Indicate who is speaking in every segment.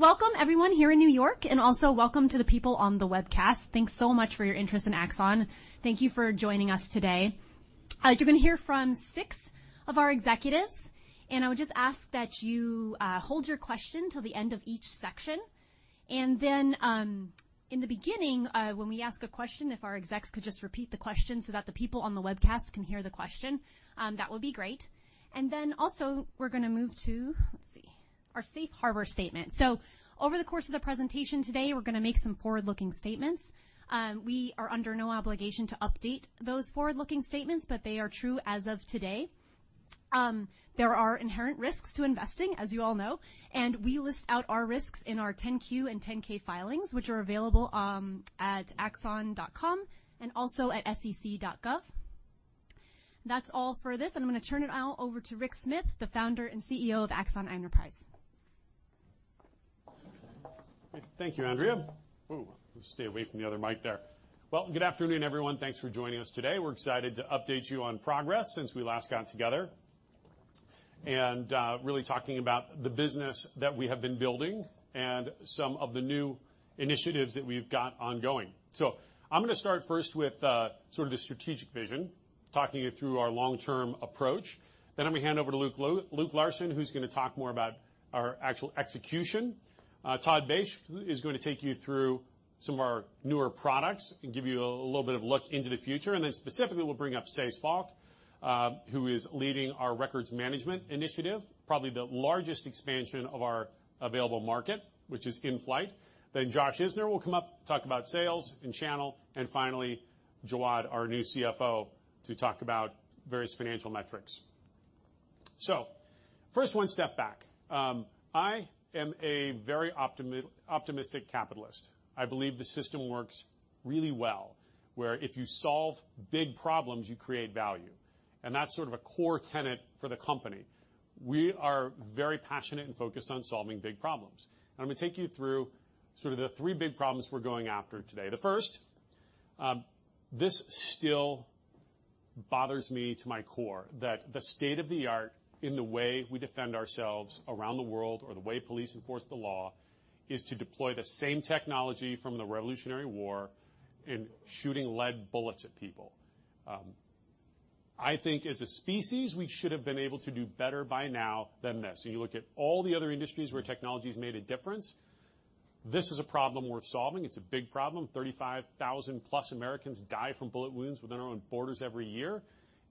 Speaker 1: Welcome everyone here in New York, also welcome to the people on the webcast. Thanks so much for your interest in Axon. Thank you for joining us today. You're going to hear from six of our executives, I would just ask that you hold your question till the end of each section. Then, in the beginning, when we ask a question, if our execs could just repeat the question so that the people on the webcast can hear the question, that would be great. Then also, we're going to move to, let's see, our safe harbor statement. Over the course of the presentation today, we're going to make some forward-looking statements. We are under no obligation to update those forward-looking statements, but they are true as of today. There are inherent risks to investing, as you all know, we list out our risks in our 10-Q and 10-K filings, which are available at axon.com and also at sec.gov. That's all for this. I'm going to turn it now over to Rick Smith, the founder and CEO of Axon Enterprise.
Speaker 2: Thank you, Andrea. Stay away from the other mic there. Good afternoon, everyone. Thanks for joining us today. We're excited to update you on progress since we last got together really talking about the business that we have been building and some of the new initiatives that we've got ongoing. I'm going to start first with sort of the strategic vision, talking you through our long-term approach. Then I'm going to hand over to Luke Larson, who's going to talk more about our actual execution. Todd Basche is going to take you through some of our newer products and give you a little bit of a look into the future. Then specifically, we'll bring up Saysa Falk, who is leading our records management initiative, probably the largest expansion of our available market, which is in flight. Josh Isner will come up, talk about sales and channel, finally, Jawad, our new CFO, to talk about various financial metrics. First, one step back. I am a very optimistic capitalist. I believe the system works really well, where if you solve big problems, you create value. That's sort of a core tenet for the company. We are very passionate and focused on solving big problems. I'm going to take you through sort of the three big problems we're going after today. The first, this still bothers me to my core, that the state-of-the-art in the way we defend ourselves around the world or the way police enforce the law is to deploy the same technology from the Revolutionary War in shooting lead bullets at people. I think as a species, we should have been able to do better by now than this. You look at all the other industries where technology's made a difference. This is a problem worth solving. It's a big problem. 35,000 plus Americans die from bullet wounds within our own borders every year,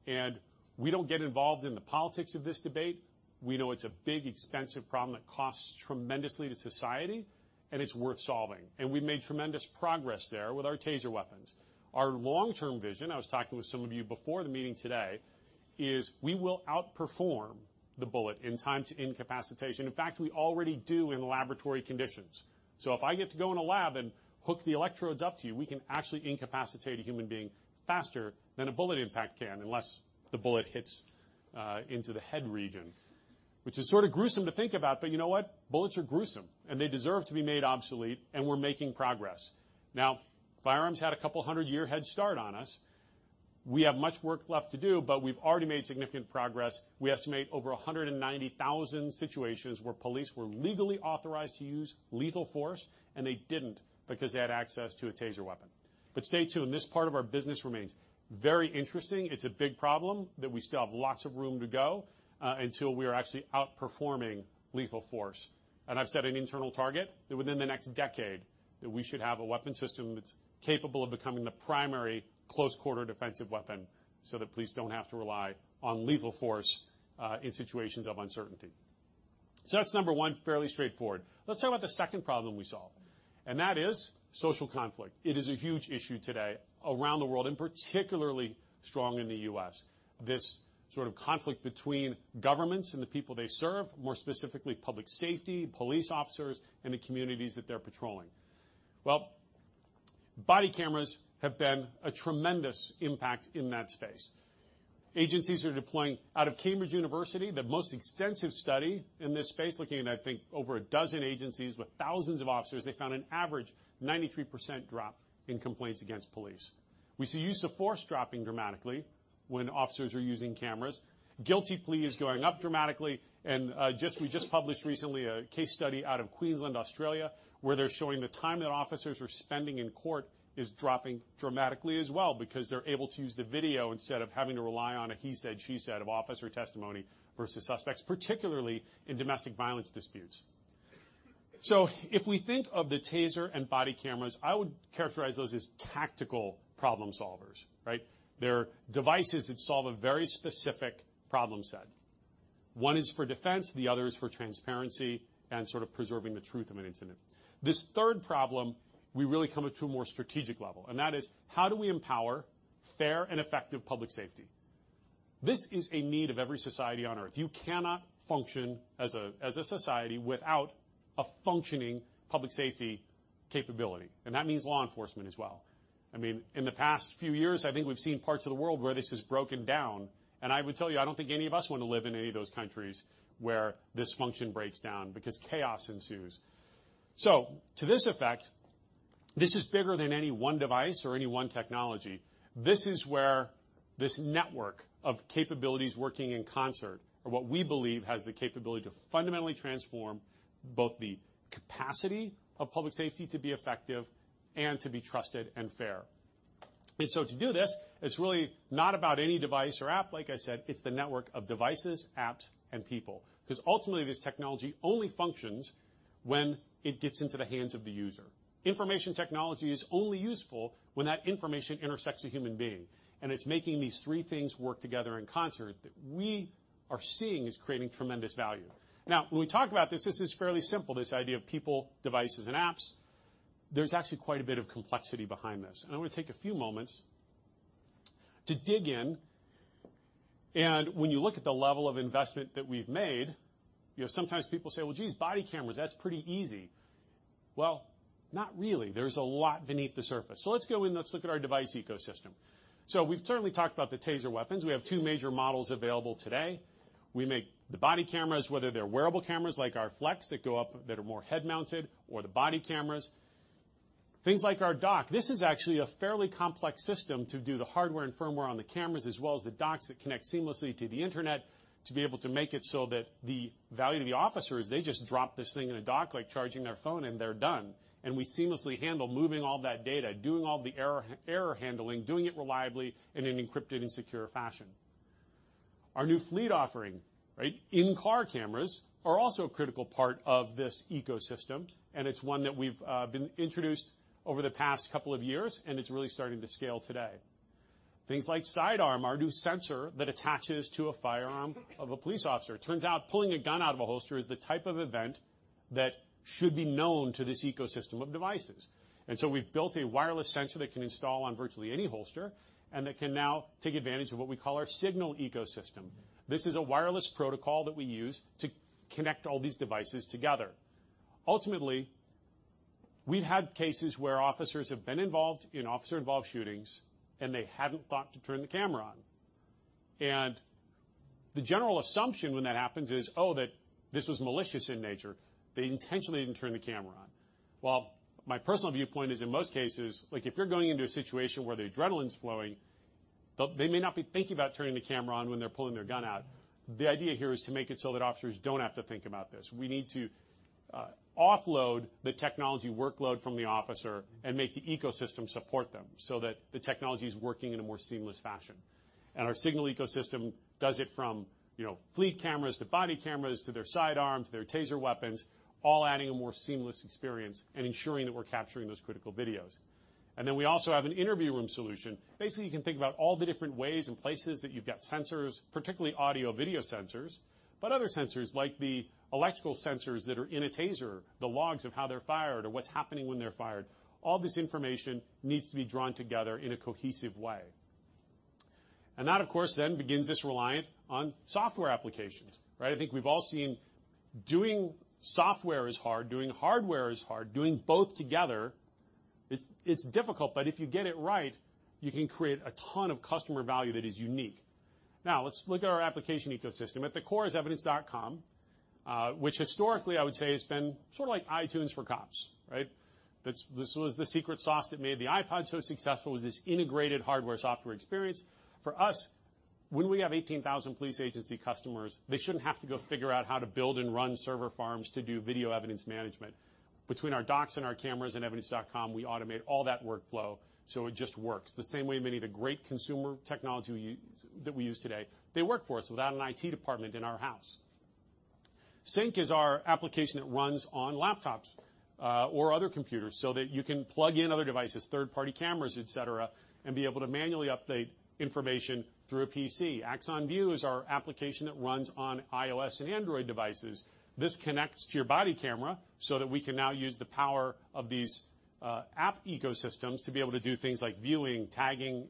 Speaker 2: and we don't get involved in the politics of this debate. We know it's a big, expensive problem that costs tremendously to society, and it's worth solving. We've made tremendous progress there with our TASER weapons. Our long-term vision, I was talking with some of you before the meeting today, is we will outperform the bullet in time to incapacitation. In fact, we already do in laboratory conditions. If I get to go in a lab and hook the electrodes up to you, we can actually incapacitate a human being faster than a bullet impact can, unless the bullet hits into the head region, which is sort of gruesome to think about, but you know what? Bullets are gruesome, and they deserve to be made obsolete, and we're making progress. Firearms had a couple of hundred year head start on us. We have much work left to do, but we've already made significant progress. We estimate over 190,000 situations where police were legally authorized to use lethal force, and they didn't because they had access to a TASER weapon. Stay tuned. This part of our business remains very interesting. It's a big problem that we still have lots of room to go until we are actually outperforming lethal force. I've set an internal target that within the next decade, that we should have a weapon system that's capable of becoming the primary close-quarter defensive weapon so that police don't have to rely on lethal force in situations of uncertainty. That's number 1, fairly straightforward. Let's talk about the second problem we solve, and that is social conflict. It is a huge issue today around the world, and particularly strong in the U.S., this sort of conflict between governments and the people they serve, more specifically, public safety, police officers, and the communities that they're patrolling. Well, body cameras have been a tremendous impact in that space. Agencies are deploying out of University of Cambridge, the most extensive study in this space, looking at, I think, over a dozen agencies with thousands of officers. They found an average 93% drop in complaints against police. We see use of force dropping dramatically when officers are using cameras, guilty pleas going up dramatically, we just published recently a case study out of Queensland, Australia, where they're showing the time that officers are spending in court is dropping dramatically as well because they're able to use the video instead of having to rely on a he said, she said of officer testimony versus suspects, particularly in domestic violence disputes. If we think of the TASER and body cameras, I would characterize those as tactical problem solvers, right? They're devices that solve a very specific problem set. One is for defense, the other is for transparency and sort of preserving the truth of an incident. This third problem, we really come to a more strategic level, that is, how do we empower fair and effective public safety? This is a need of every society on Earth. You cannot function as a society without a functioning public safety capability, and that means law enforcement as well. I mean, in the past few years, I think we've seen parts of the world where this has broken down, and I would tell you, I don't think any of us want to live in any of those countries where this function breaks down because chaos ensues. To this effect, this is bigger than any one device or any one technology. This is where this network of capabilities working in concert are what we believe has the capability to fundamentally transform both the capacity of public safety to be effective and to be trusted and fair. To do this, it's really not about any device or app, like I said, it's the network of devices, apps, and people, because ultimately, this technology only functions when it gets into the hands of the user. Information technology is only useful when that information intersects a human being, and it's making these three things work together in concert that we are seeing is creating tremendous value. Now, when we talk about this is fairly simple, this idea of people, devices, and apps. There's actually quite a bit of complexity behind this, and I want to take a few moments to dig in. When you look at the level of investment that we've made, sometimes people say, "Well, geez, body cameras, that's pretty easy." Well, not really. There's a lot beneath the surface. Let's go in. Let's look at our device ecosystem. We've certainly talked about the TASER weapons. We have two major models available today. We make the body cameras, whether they're wearable cameras like our Axon Flex that go up, that are more head-mounted, or the body cameras, things like our dock. This is actually a fairly complex system to do the hardware and firmware on the cameras, as well as the docks that connect seamlessly to the internet to be able to make it so that the value to the officers, they just drop this thing in a dock, like charging their phone, and they're done. We seamlessly handle moving all that data, doing all the error handling, doing it reliably in an encrypted and secure fashion. Our new Fleet offering, in-car cameras, are also a critical part of this ecosystem, and it's one that we've introduced over the past couple of years, and it's really starting to scale today. Things like Sidearm, our new sensor that attaches to a firearm of a police officer. It turns out pulling a gun out of a holster is the type of event that should be known to this ecosystem of devices. We've built a wireless sensor that can install on virtually any holster, and that can now take advantage of what we call our Signal ecosystem. This is a wireless protocol that we use to connect all these devices together. Ultimately, we've had cases where officers have been involved in officer-involved shootings, and they haven't thought to turn the camera on. The general assumption when that happens is, oh, that this was malicious in nature. They intentionally didn't turn the camera on. Well, my personal viewpoint is, in most cases, if you're going into a situation where the adrenaline's flowing, they may not be thinking about turning the camera on when they're pulling their gun out. The idea here is to make it so that officers don't have to think about this. We need to offload the technology workload from the officer and make the ecosystem support them so that the technology is working in a more seamless fashion. Our Signal ecosystem does it from Fleet cameras to body cameras to their sidearms, their TASER weapons, all adding a more seamless experience and ensuring that we're capturing those critical videos. We also have an interview room solution. Basically, you can think about all the different ways and places that you've got sensors, particularly audio and video sensors, but other sensors, like the electrical sensors that are in a TASER, the logs of how they're fired or what's happening when they're fired. All this information needs to be drawn together in a cohesive way. That, of course, then begins this reliance on software applications. I think we've all seen doing software is hard, doing hardware is hard. Doing both together, it's difficult, but if you get it right, you can create a ton of customer value that is unique. Now, let's look at our application ecosystem. At the core is Evidence.com, which historically, I would say, has been sort of like iTunes for cops, right? This was the secret sauce that made the iPod so successful, was this integrated hardware-software experience. For us, when we have 18,000 police agency customers, they shouldn't have to go figure out how to build and run server farms to do video evidence management. Between our docks and our cameras and Evidence.com, we automate all that workflow, so it just works. The same way many of the great consumer technology that we use today, they work for us without an IT department in our house. Evidence Sync is our application that runs on laptops or other computers so that you can plug in other devices, third-party cameras, et cetera, and be able to manually update information through a PC. Axon View is our application that runs on iOS and Android devices. This connects to your body camera so that we can now use the power of these app ecosystems to be able to do things like viewing, tagging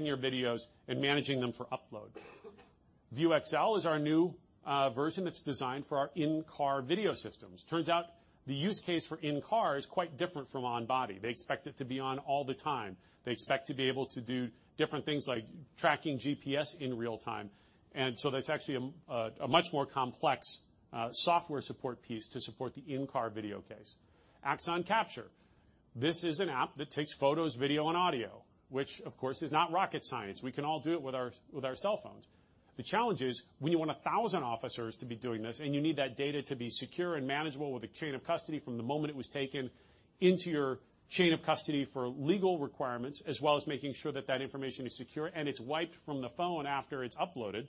Speaker 2: your videos, and managing them for upload. Axon View XL is our new version that's designed for our in-car video systems. Turns out the use case for in-car is quite different from on-body. They expect it to be on all the time. They expect to be able to do different things like tracking GPS in real time. That's actually a much more complex software support piece to support the in-car video case. Axon Capture. This is an app that takes photos, video, and audio, which, of course, is not rocket science. We can all do it with our cell phones. The challenge is, when you want 1,000 officers to be doing this, and you need that data to be secure and manageable with a chain of custody from the moment it was taken into your chain of custody for legal requirements, as well as making sure that that information is secure and it's wiped from the phone after it's uploaded.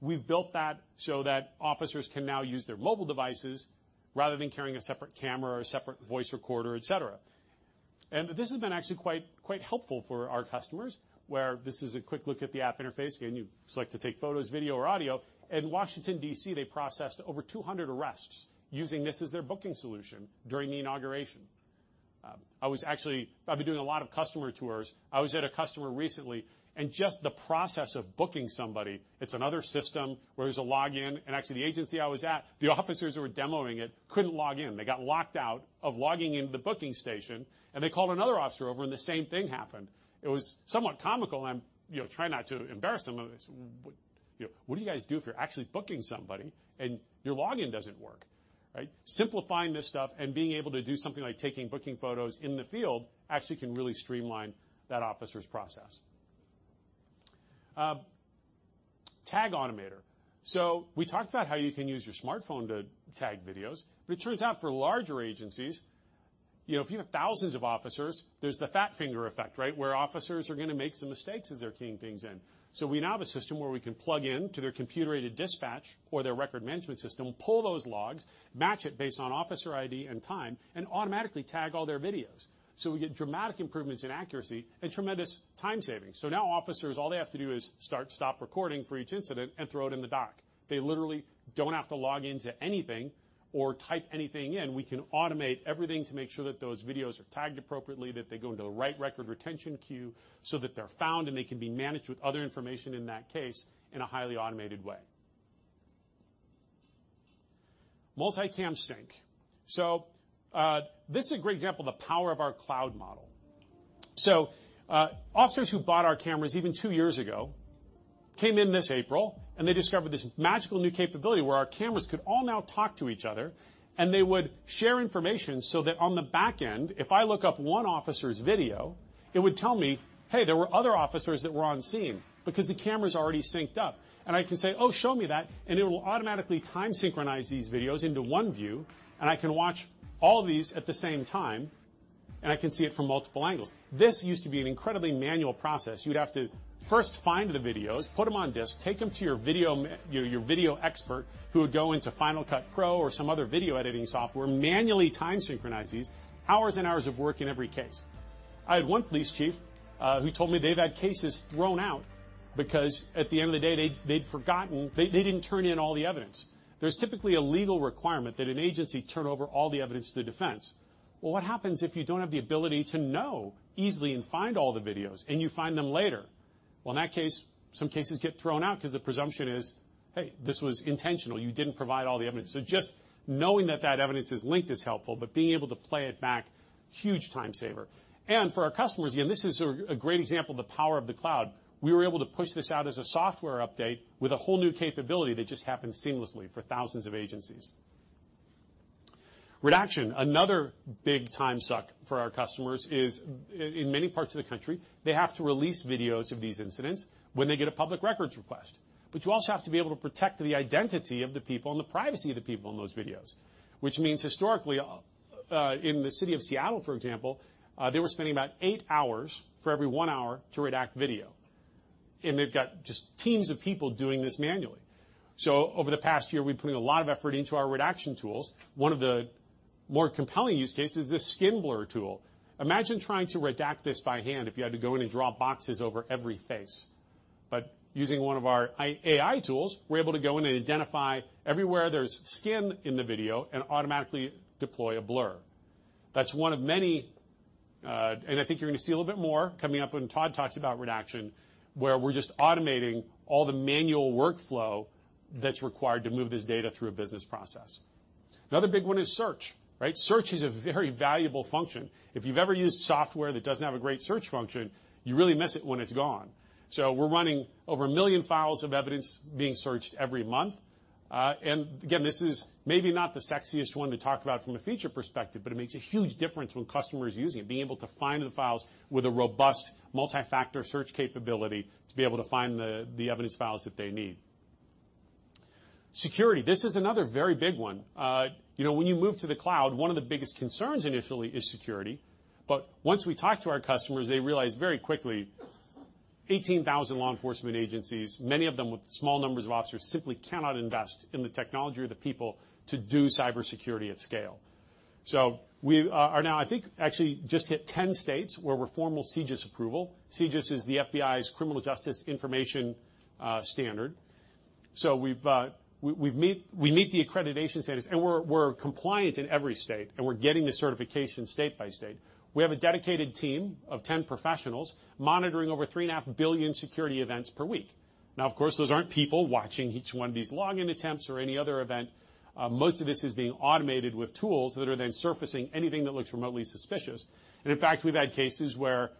Speaker 2: We've built that so that officers can now use their mobile devices rather than carrying a separate camera or a separate voice recorder, et cetera. This has been actually quite helpful for our customers. This is a quick look at the app interface. Again, you select to take photos, video, or audio. In Washington, D.C., they processed over 200 arrests using this as their booking solution during the inauguration. I've been doing a lot of customer tours. I was at a customer recently, and just the process of booking somebody, it's another system where there's a login. Actually, the agency I was at, the officers who were demoing it couldn't log in. They got locked out of logging into the booking station, and they called another officer over, and the same thing happened. It was somewhat comical. I'm trying not to embarrass them with this. What do you guys do if you're actually booking somebody and your login doesn't work? Simplifying this stuff and being able to do something like taking booking photos in the field actually can really streamline that officer's process. Tag Automator. We talked about how you can use your smartphone to tag videos, but it turns out for larger agencies, if you have thousands of officers, there's the fat finger effect, right? Where officers are going to make some mistakes as they're keying things in. We now have a system where we can plug into their computer-aided dispatch or their records management system, pull those logs, match it based on officer ID and time, and automatically tag all their videos. We get dramatic improvements in accuracy and tremendous time savings. Now officers, all they have to do is start, stop recording for each incident and throw it in the dock. They literally don't have to log into anything or type anything in. We can automate everything to make sure that those videos are tagged appropriately, that they go into the right record retention queue so that they're found, and they can be managed with other information in that case in a highly automated way. Multi-Cam Sync. This is a great example of the power of our cloud model. Officers who bought our cameras even 2 years ago came in this April, and they discovered this magical new capability where our cameras could all now talk to each other, and they would share information so that on the back end, if I look up one officer's video, it would tell me, "Hey, there were other officers that were on scene," because the cameras are already synced up. I can say, "Oh, show me that." And it will automatically time synchronize these videos into one view, and I can watch all these at the same time, and I can see it from multiple angles. This used to be an incredibly manual process. You'd have to first find the videos, put them on disk, take them to your video expert, who would go into Final Cut Pro or some other video editing software, manually time synchronize these, hours and hours of work in every case. I had one police chief who told me they've had cases thrown out because at the end of the day, they'd forgotten, they didn't turn in all the evidence. There's typically a legal requirement that an agency turn over all the evidence to the defense. What happens if you don't have the ability to know easily and find all the videos and you find them later? In that case, some cases get thrown out because the presumption is, hey, this was intentional. You didn't provide all the evidence. Just knowing that that evidence is linked is helpful, but being able to play it back, huge time saver. For our customers, again, this is a great example of the power of the cloud. We were able to push this out as a software update with a whole new capability that just happened seamlessly for thousands of agencies. Redaction. Another big time suck for our customers is in many parts of the country, they have to release videos of these incidents when they get a public records request. But you also have to be able to protect the identity of the people and the privacy of the people in those videos, which means historically, in the city of Seattle, for example, they were spending about eight hours for every one hour to redact video. They've got just teams of people doing this manually. Over the past year, we've put a lot of effort into our redaction tools. One of the more compelling use cases, this skin blur tool. Imagine trying to redact this by hand if you had to go in and draw boxes over every face. But using one of our AI tools, we're able to go in and identify everywhere there's skin in the video and automatically deploy a blur. That's one of many, and I think you're going to see a little bit more coming up when Todd talks about redaction, where we're just automating all the manual workflow that's required to move this data through a business process. Another big one is search. Search is a very valuable function. If you've ever used software that doesn't have a great search function, you really miss it when it's gone. We're running over 1 million files of evidence being searched every month. Again, this is maybe not the sexiest one to talk about from a feature perspective, but it makes a huge difference when customers use it, being able to find the files with a robust multi-factor search capability to be able to find the evidence files that they need. Security, this is another very big one. When you move to the cloud, one of the biggest concerns initially is security. Once we talk to our customers, they realize very quickly, 18,000 law enforcement agencies, many of them with small numbers of officers, simply cannot invest in the technology or the people to do cybersecurity at scale. We are now, I think, actually just hit 10 states where we're formal CJIS approval. CJIS is the FBI's Criminal Justice Information Standard. We meet the accreditation standards, we're compliant in every state, we're getting the certification state by state. We have a dedicated team of 10 professionals monitoring over 3.5 billion security events per week. Of course, those aren't people watching each one of these login attempts or any other event. Most of this is being automated with tools that are then surfacing anything that looks remotely suspicious. In fact, we've had cases where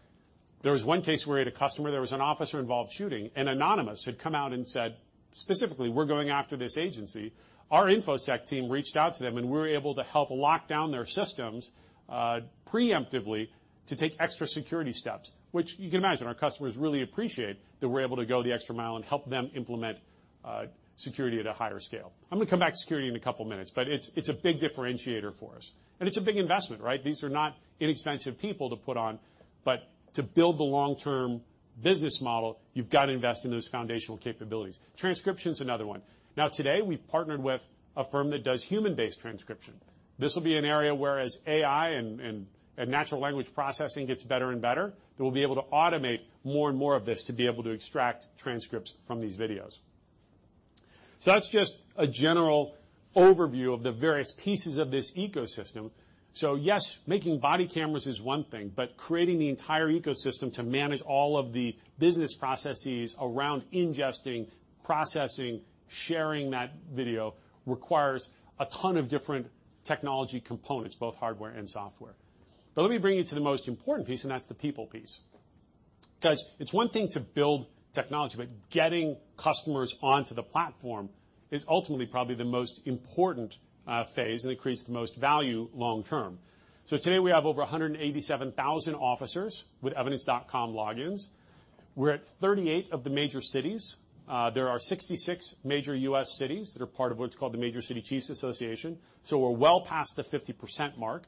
Speaker 2: there was one case where we had a customer, there was an officer-involved shooting, Anonymous had come out and said, specifically, "We're going after this agency." Our InfoSec team reached out to them, we were able to help lock down their systems preemptively to take extra security steps, which you can imagine our customers really appreciate that we're able to go the extra mile and help them implement security at a higher scale. I'm going to come back to security in a couple of minutes, it's a big differentiator for us, it's a big investment, right? These are not inexpensive people to put on, to build the long-term business model, you've got to invest in those foundational capabilities. Transcription's another one. Today, we've partnered with a firm that does human-based transcription. This will be an area where as AI and natural language processing gets better and better, that we'll be able to automate more and more of this to be able to extract transcripts from these videos. That's just a general overview of the various pieces of this ecosystem. Yes, making body cameras is one thing, creating the entire ecosystem to manage all of the business processes around ingesting, processing, sharing that video requires a ton of different technology components, both hardware and software. Let me bring you to the most important piece, that's the people piece. Guys, it's one thing to build technology, getting customers onto the platform is ultimately probably the most important phase and creates the most value long term. Today we have over 187,000 officers with Evidence.com logins. We're at 38 of the major cities. There are 66 major U.S. cities that are part of what's called the Major Cities Chiefs Association, we're well past the 50% mark.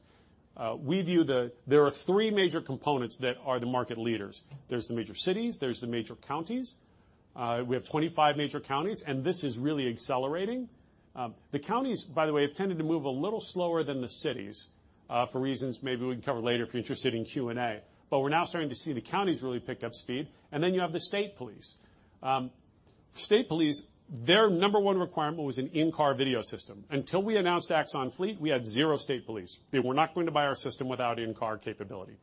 Speaker 2: There are three major components that are the market leaders. There's the major cities, there's the major counties. We have 25 major counties, this is really accelerating. The counties, by the way, have tended to move a little slower than the cities, for reasons maybe we can cover later if you're interested in Q&A. We're now starting to see the counties really pick up speed, then you have the state police. State police, their number 1 requirement was an in-car video system. Until we announced Axon Fleet, we had zero state police. They were not going to buy our system without in-car capability,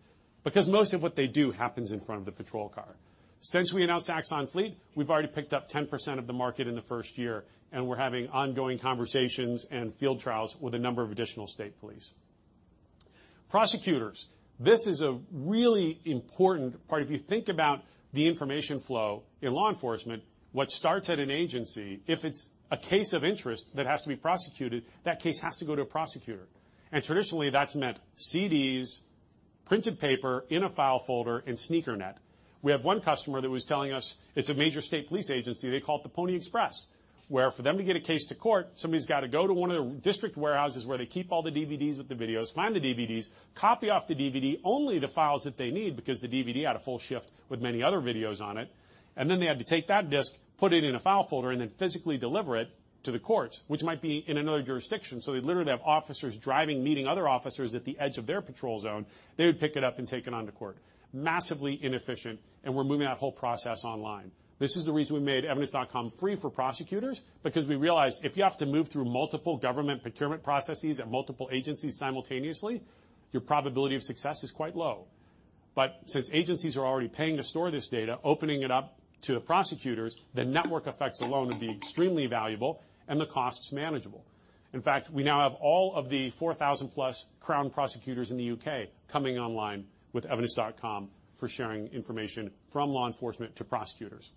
Speaker 2: because most of what they do happens in front of the patrol car. Since we announced Axon Fleet, we've already picked up 10% of the market in the first year, and we're having ongoing conversations and field trials with a number of additional state police. Prosecutors. This is a really important part. If you think about the information flow in law enforcement, what starts at an agency, if it's a case of interest that has to be prosecuted, that case has to go to a prosecutor. Traditionally that's meant CDs, printed paper in a file folder, and sneakernet. We have one customer that was telling us, it's a major state police agency, they call it the Pony Express, where for them to get a case to court, somebody's got to go to one of their district warehouses where they keep all the DVDs with the videos, find the DVDs, copy off the DVD, only the files that they need, because the DVD had a full shift with many other videos on it. They had to take that disc, put it in a file folder, and then physically deliver it to the courts, which might be in another jurisdiction. They literally have officers driving, meeting other officers at the edge of their patrol zone. They would pick it up and take it on to court. Massively inefficient. We're moving that whole process online. This is the reason we made Evidence.com free for prosecutors, because we realized if you have to move through multiple government procurement processes at multiple agencies simultaneously, your probability of success is quite low. Since agencies are already paying to store this data, opening it up to the prosecutors, the network effects alone would be extremely valuable and the costs manageable. In fact, we now have all of the 4,000-plus crown prosecutors in the U.K. coming online with Evidence.com for sharing information from law enforcement to prosecutors.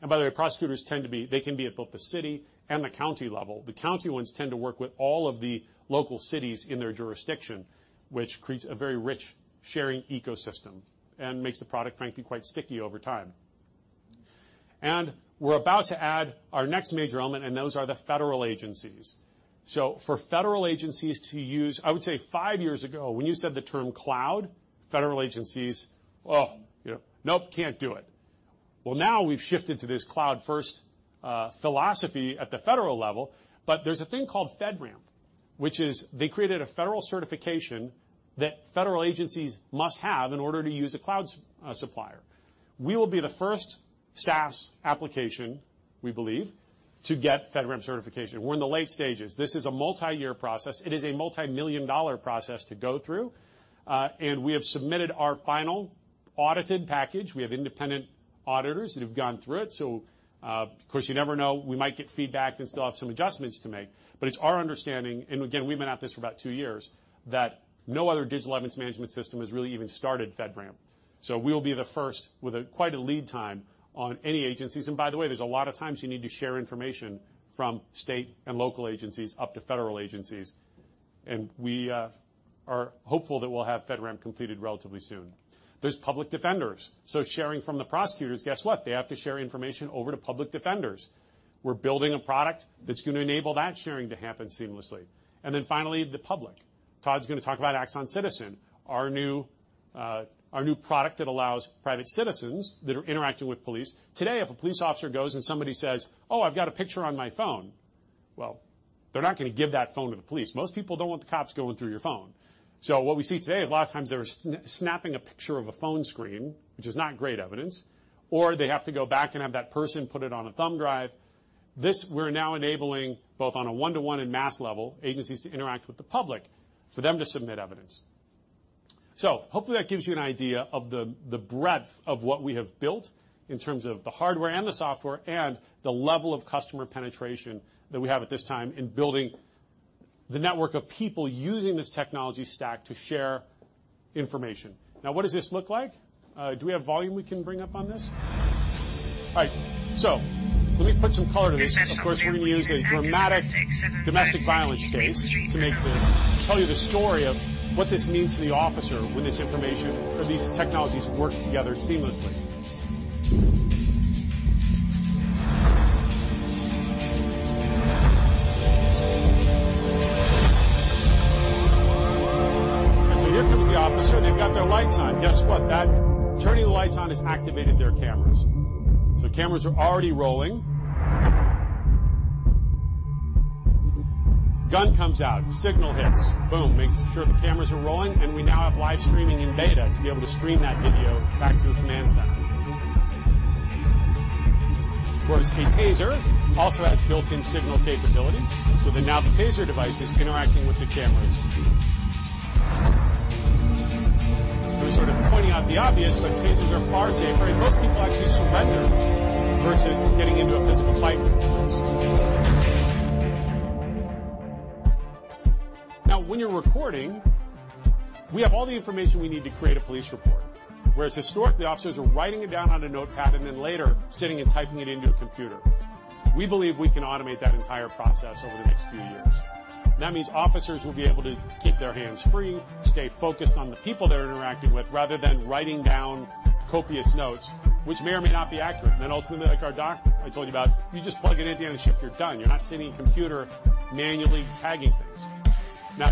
Speaker 2: By the way, prosecutors tend to be, they can be at both the city and the county level. The county ones tend to work with all of the local cities in their jurisdiction, which creates a very rich sharing ecosystem and makes the product frankly quite sticky over time. We're about to add our next major element, and those are the federal agencies. For federal agencies to use, I would say five years ago, when you said the term cloud, federal agencies, "Oh, nope, can't do it." Well, now we've shifted to this cloud-first philosophy at the federal level. There's a thing called FedRAMP, which is they created a federal certification that federal agencies must have in order to use a cloud supplier. We will be the first SaaS application, we believe, to get FedRAMP certification. We're in the late stages. This is a multi-year process. It is a multimillion-dollar process to go through. We have submitted our final audited package. We have independent auditors that have gone through it. Of course you never know, we might get feedback and still have some adjustments to make. It's our understanding, and again, we've been at this for about two years, that no other digital evidence management system has really even started FedRAMP. We'll be the first with quite a lead time on any agencies. By the way, there's a lot of times you need to share information from state and local agencies up to federal agencies, and we are hopeful that we'll have FedRAMP completed relatively soon. There's public defenders. Sharing from the prosecutors, guess what? They have to share information over to public defenders. We're building a product that's going to enable that sharing to happen seamlessly. Then finally, the public. Todd's going to talk about Axon Citizen, our new product that allows private citizens that are interacting with police. Today if a police officer goes and somebody says, "Oh, I've got a picture on my phone," well, they're not going to give that phone to the police. Most people don't want the cops going through your phone. What we see today is a lot of times they're snapping a picture of a phone screen, which is not great evidence, or they have to go back and have that person put it on a thumb drive. This, we're now enabling, both on a one-to-one and mass level, agencies to interact with the public for them to submit evidence. Hopefully that gives you an idea of the breadth of what we have built in terms of the hardware and the software and the level of customer penetration that we have at this time in building the network of people using this technology stack to share information. What does this look like? Do we have volume we can bring up on this? All right. Let me put some color to this. Of course, we're going to use a dramatic domestic violence case to tell you the story of what this means to the officer when this information or these technologies work together seamlessly. Here comes the officer, and they've got their lights on. Guess what? Turning the lights on has activated their cameras. Cameras are already rolling. Gun comes out, Signal hits, boom, makes sure the cameras are rolling, and we now have live streaming in beta to be able to stream that video back to a command center. Of course, the TASER also has built-in Signal capability, so that now the TASER device is interacting with the cameras. We're sort of pointing out the obvious, TASERs are far safer, and most people actually surrender versus getting into a physical fight with the police. When you're recording, we have all the information we need to create a police report. Whereas historically, officers are writing it down on a notepad and then later sitting and typing it into a computer. We believe we can automate that entire process over the next few years. That means officers will be able to keep their hands free, stay focused on the people they're interacting with, rather than writing down copious notes, which may or may not be accurate. Then ultimately, like our dock I told you about, you just plug it in at the end of the shift, you're done. You're not sitting at a computer manually tagging things.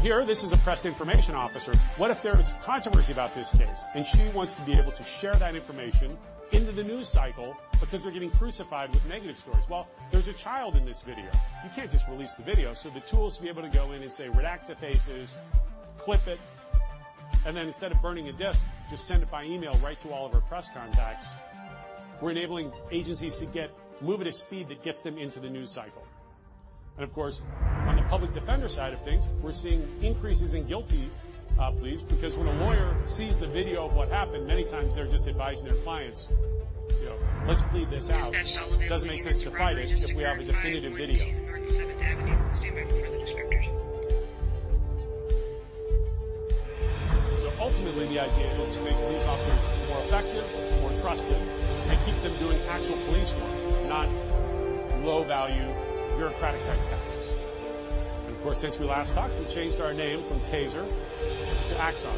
Speaker 2: Here, this is a press information officer. What if there's controversy about this case, and she wants to be able to share that information into the news cycle because they're getting crucified with negative stories? Well, there's a child in this video. You can't just release the video. The tools to be able to go in and, say, redact the faces, clip it, and then instead of burning a disk, just send it by email right to all of our press contacts. We're enabling agencies to move at a speed that gets them into the news cycle. Of course, on the public defender side of things, we're seeing increases in guilty pleas because when a lawyer sees the video of what happened, many times they're just advising their clients, "Let's plead this out. It doesn't make sense to fight it if we have a definitive video.
Speaker 3: Dispatch, Charlotte available. Can you have two primary just to grab 522 North Seventh Avenue? Standby for the description.
Speaker 2: Ultimately, the idea is to make police officers more effective, more trusted, and keep them doing actual police work, not low-value bureaucratic-type tasks. Of course, since we last talked, we changed our name from TASER to Axon.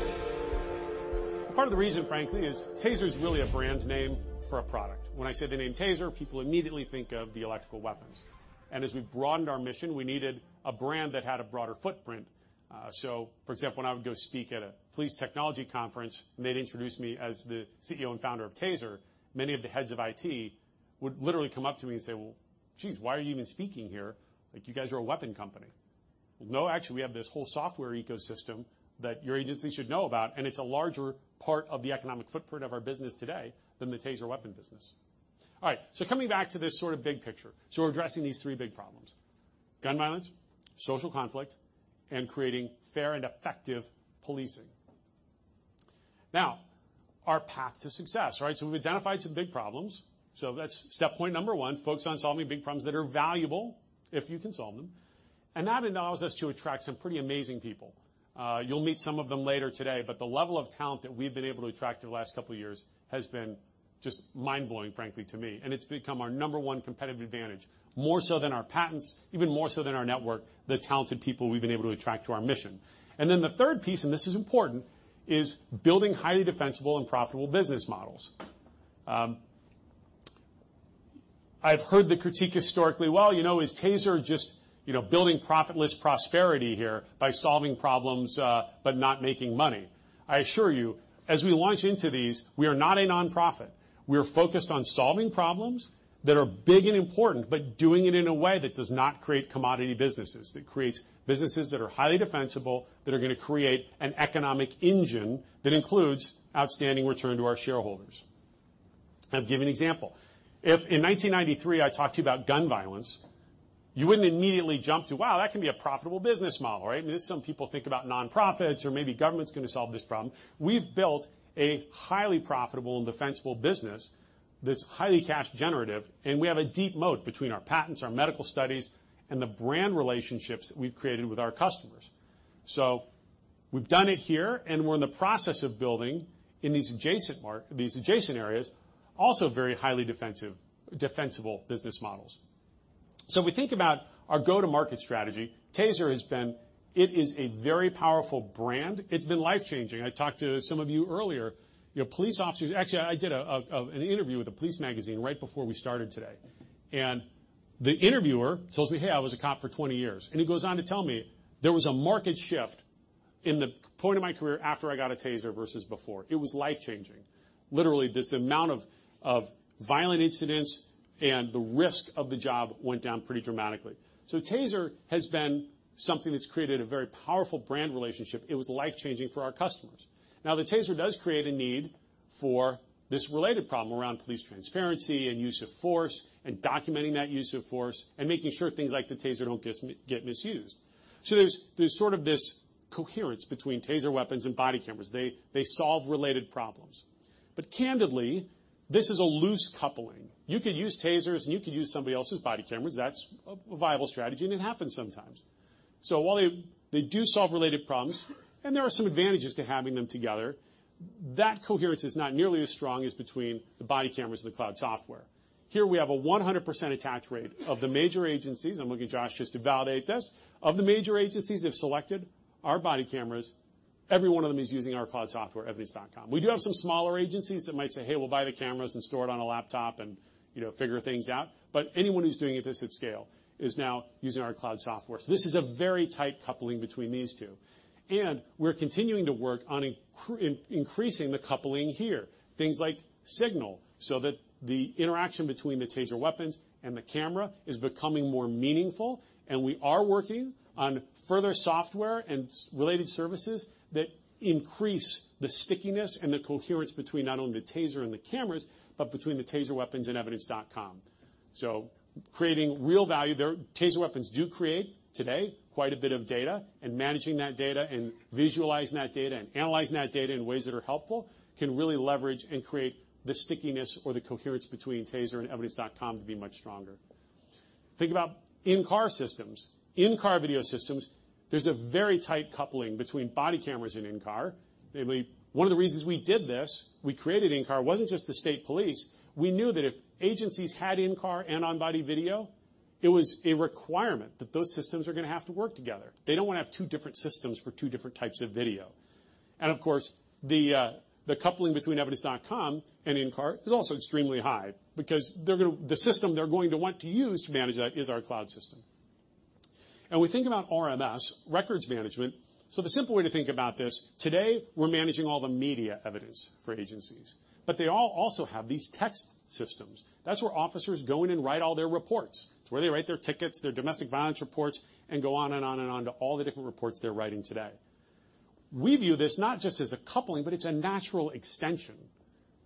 Speaker 2: Part of the reason, frankly, is TASER is really a brand name for a product. When I say the name TASER, people immediately think of the electrical weapons. As we broadened our mission, we needed a brand that had a broader footprint. For example, when I would go speak at a police technology conference and they'd introduce me as the CEO and founder of TASER, many of the heads of IT would literally come up to me and say, "Well, jeez, why are you even speaking here? You guys are a weapon company." No, actually, we have this whole software ecosystem that your agency should know about, and it's a larger part of the economic footprint of our business today than the TASER weapon business. All right, coming back to this sort of big picture. We're addressing these three big problems, gun violence, social conflict, and creating fair and effective policing. Now, our path to success, right? We've identified some big problems. That's step point number one, focus on solving big problems that are valuable if you can solve them. That allows us to attract some pretty amazing people. You'll meet some of them later today, the level of talent that we've been able to attract over the last couple of years has been just mind-blowing, frankly, to me. It's become our number 1 competitive advantage, more so than our patents, even more so than our network, the talented people we've been able to attract to our mission. The third piece, and this is important, is building highly defensible and profitable business models. I've heard the critique historically, "Well, is TASER just building profitless prosperity here by solving problems, but not making money?" I assure you, as we launch into these, we are not a nonprofit. We are focused on solving problems that are big and important, but doing it in a way that does not create commodity businesses, that creates businesses that are highly defensible, that are going to create an economic engine that includes outstanding return to our shareholders. I'll give you an example. If in 1993, I talked to you about gun violence, you wouldn't immediately jump to, "Wow, that can be a profitable business model," right? Some people think about nonprofits or maybe government's going to solve this problem. We've built a highly profitable and defensible business that's highly cash generative, and we have a deep moat between our patents, our medical studies, and the brand relationships that we've created with our customers. We've done it here, and we're in the process of building in these adjacent areas, also very highly defensible business models. If we think about our go-to-market strategy, it is a very powerful brand. It's been life-changing. I talked to some of you earlier. Actually, I did an interview with a police magazine right before we started today, and the interviewer tells me, "Hey, I was a cop for 20 years." He goes on to tell me, "There was a market shift in the point of my career after I got a TASER versus before. It was life-changing. Literally, just the amount of violent incidents and the risk of the job went down pretty dramatically." TASER has been something that's created a very powerful brand relationship. It was life-changing for our customers. Now, the TASER does create a need for this related problem around police transparency and use of force, and documenting that use of force, and making sure things like the TASER don't get misused. There's sort of this coherence between TASER weapons and body cameras. They solve related problems. Candidly, this is a loose coupling. You could use TASERs and you could use somebody else's body cameras. That's a viable strategy, and it happens sometimes. While they do solve related problems, and there are some advantages to having them together, that coherence is not nearly as strong as between the body cameras and the cloud software. Here we have a 100% attach rate of the major agencies, I'm looking at Josh just to validate this, of the major agencies that have selected our body cameras, every one of them is using our cloud software, Evidence.com. We do have some smaller agencies that might say, "Hey, we'll buy the cameras and store it on a laptop and figure things out." Anyone who's doing this at scale is now using our cloud software. This is a very tight coupling between these two. We're continuing to work on increasing the coupling here, things like Signal, so that the interaction between the TASER weapons and the camera is becoming more meaningful, and we are working on further software and related services that increase the stickiness and the coherence between not only the TASER and the cameras, but between the TASER weapons and Evidence.com. Creating real value there. TASER weapons do create today quite a bit of data, and managing that data, and visualizing that data, and analyzing that data in ways that are helpful can really leverage and create the stickiness or the coherence between TASER and Evidence.com to be much stronger. Think about in-car systems. In-car video systems, there's a very tight coupling between body cameras and In-car. One of the reasons we did this, we created In-car, wasn't just the state police. We knew that if agencies had In-car and on-body video, it was a requirement that those systems are going to have to work together. They don't want to have two different systems for two different types of video. Of course, the coupling between Evidence.com and In-car is also extremely high because the system they're going to want to use to manage that is our cloud system. We think about RMS, records management. The simple way to think about this, today, we're managing all the media evidence for agencies, but they all also have these text systems. That's where officers go in and write all their reports. It's where they write their tickets, their domestic violence reports, and go on and on and on to all the different reports they're writing today. We view this not just as a coupling, but it's a natural extension.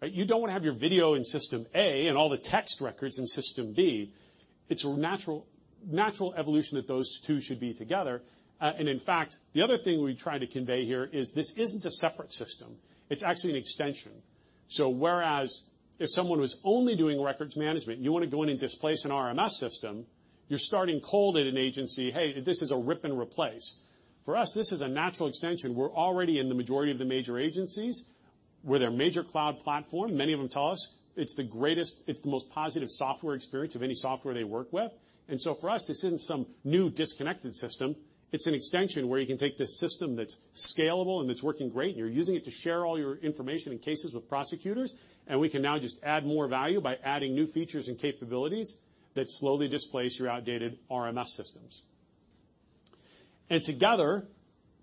Speaker 2: You don't want to have your video in system A and all the text records in system B. It's a natural evolution that those two should be together. In fact, the other thing we try to convey here is this isn't a separate system. It's actually an extension. Whereas if someone was only doing records management, you want to go in and displace an RMS system, you're starting cold at an agency, "Hey, this is a rip and replace." For us, this is a natural extension. We're already in the majority of the major agencies. We're their major cloud platform. Many of them tell us it's the most positive software experience of any software they work with. For us, this isn't some new disconnected system. It's an extension where you can take this system that's scalable and it's working great, and you're using it to share all your information and cases with prosecutors. We can now just add more value by adding new features and capabilities that slowly displace your outdated RMS systems. Together,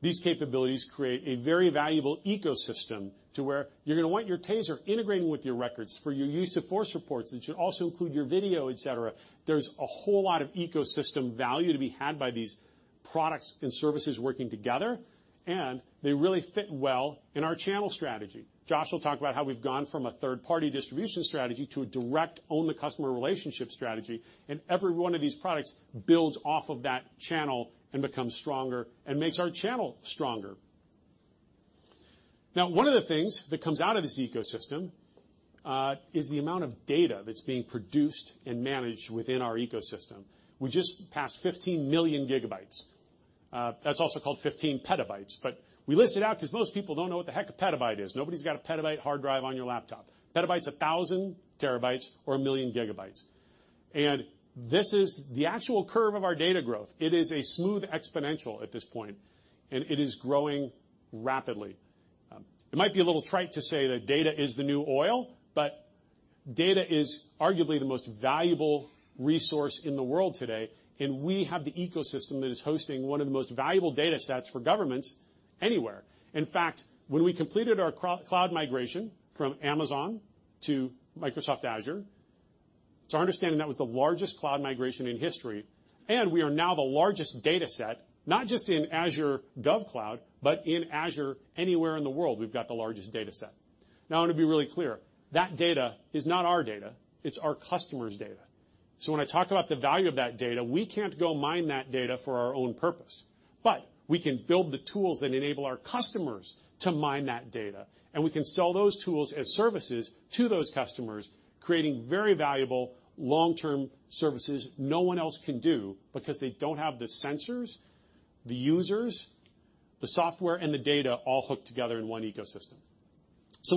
Speaker 2: these capabilities create a very valuable ecosystem to where you're going to want your TASER integrating with your records for your use of force reports. It should also include your video, et cetera. There's a whole lot of ecosystem value to be had by these products and services working together, and they really fit well in our channel strategy. Josh will talk about how we've gone from a third-party distribution strategy to a direct own-the-customer relationship strategy, every one of these products builds off of that channel and becomes stronger and makes our channel stronger. One of the things that comes out of this ecosystem is the amount of data that's being produced and managed within our ecosystem. We just passed 15 million gigabytes. That's also called 15 petabytes, but we list it out because most people don't know what the heck a petabyte is. Nobody's got a petabyte hard drive on your laptop. Petabyte's a 1,000 terabytes or 1 million gigabytes. This is the actual curve of our data growth. It is a smooth exponential at this point, and it is growing rapidly. It might be a little trite to say that data is the new oil, but data is arguably the most valuable resource in the world today, and we have the ecosystem that is hosting one of the most valuable data sets for governments anywhere. In fact, when we completed our cloud migration from Amazon to Microsoft Azure, it's our understanding that was the largest cloud migration in history, and we are now the largest data set, not just in Azure Gov Cloud, but in Azure anywhere in the world, we've got the largest data set. I want to be really clear. That data is not our data. It's our customers' data. When I talk about the value of that data, we can't go mine that data for our own purpose. We can build the tools that enable our customers to mine that data, and we can sell those tools as services to those customers, creating very valuable long-term services no one else can do because they don't have the sensors, the users, the software, and the data all hooked together in one ecosystem.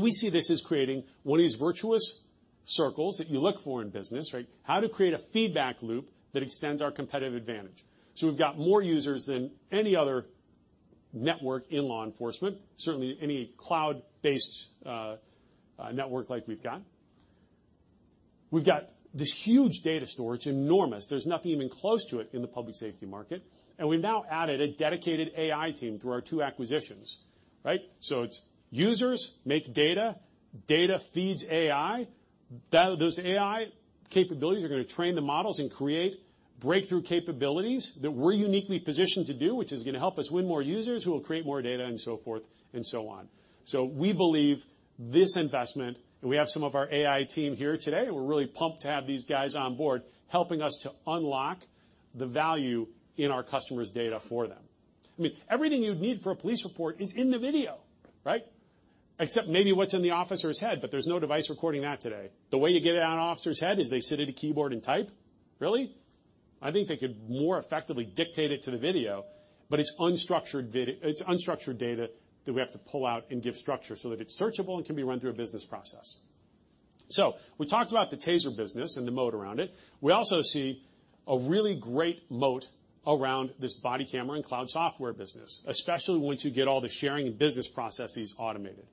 Speaker 2: We see this as creating one of these virtuous circles that you look for in business, right? How to create a feedback loop that extends our competitive advantage. We've got more users than any other network in law enforcement, certainly any cloud-based network like we've got. We've got this huge data storage, enormous. There's nothing even close to it in the public safety market. And we've now added a dedicated AI team through our 2 acquisitions. It's users make data feeds AI. Those AI capabilities are going to train the models and create breakthrough capabilities that we're uniquely positioned to do, which is going to help us win more users who will create more data and so forth and so on. We believe this investment, and we have some of our AI team here today. We're really pumped to have these guys on board helping us to unlock the value in our customers' data for them. I mean, everything you'd need for a police report is in the video. Except maybe what's in the officer's head, but there's no device recording that today. The way you get in an officer's head is they sit at a keyboard and type. Really? I think they could more effectively dictate it to the video, but it's unstructured data that we have to pull out and give structure so that it's searchable and can be run through a business process. We talked about the TASER business and the moat around it. We also see a really great moat around this body camera and cloud software business, especially once you get all the sharing and business processes automated.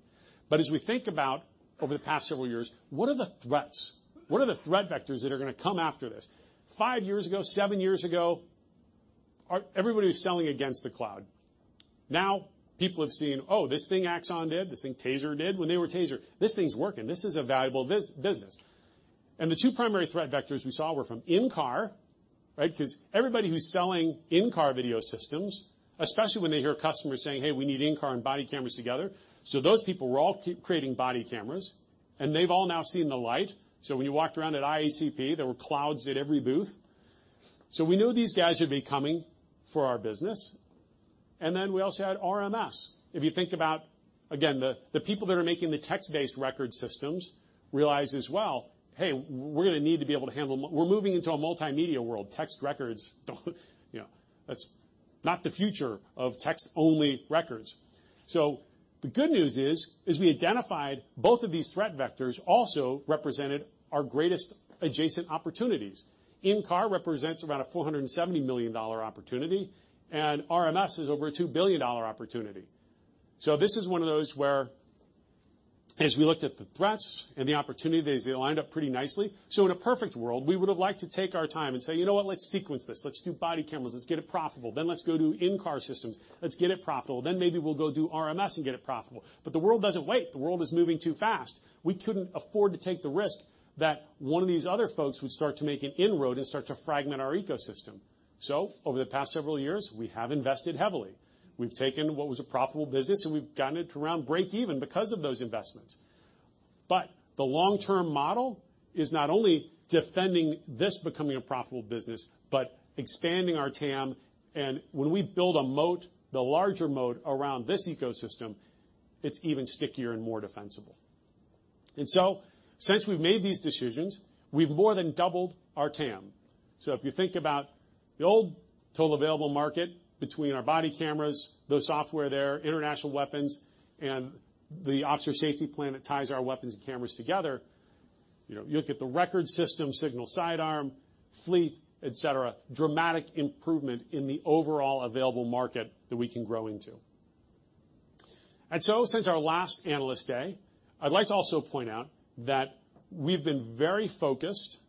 Speaker 2: As we think about over the past several years, what are the threats? What are the threat vectors that are going to come after this? 5 years ago, 7 years ago, everybody was selling against the cloud. Now, people have seen, oh, this thing Axon did, this thing TASER did, when they were TASER. This thing's working. This is a valuable business. The two primary threat vectors we saw were from in-car because everybody who's selling in-car video systems, especially when they hear customers saying, "Hey, we need in-car and body cameras together." Those people were all creating body cameras, and they've all now seen the light. When you walked around at IACP, there were clouds at every booth. We knew these guys would be coming for our business. We also had RMS. If you think about, again, the people that are making the text-based record systems realize as well, "Hey, we're going to need to be able to handle. We're moving into a multimedia world. Text records don't. That's not the future of text-only records." The good news is we identified both of these threat vectors also represented our greatest adjacent opportunities. In-car represents about a $470 million opportunity, and RMS is over a $2 billion opportunity. This is one of those where as we looked at the threats and the opportunities, they lined up pretty nicely. In a perfect world, we would've liked to take our time and say, "You know what? Let's sequence this. Let's do body cameras. Let's get it profitable. Let's go do in-car systems. Let's get it profitable. Maybe we'll go do RMS and get it profitable." The world doesn't wait. The world is moving too fast. We couldn't afford to take the risk that one of these other folks would start to make an inroad and start to fragment our ecosystem. Over the past several years, we have invested heavily. We've taken what was a profitable business, and we've gotten it to around breakeven because of those investments. The long-term model is not only defending this becoming a profitable business, but expanding our TAM. When we build a moat, the larger moat around this ecosystem, it's even stickier and more defensible. Since we've made these decisions, we've more than doubled our TAM. If you think about the old total available market between our body cameras, the software there, international weapons, and the Officer Safety Plan that ties our weapons and cameras together. You look at the Records system, Signal Sidearm, Fleet, et cetera, dramatic improvement in the overall available market that we can grow into. Since our last Analyst Day, I'd like to also point out that we've been very focused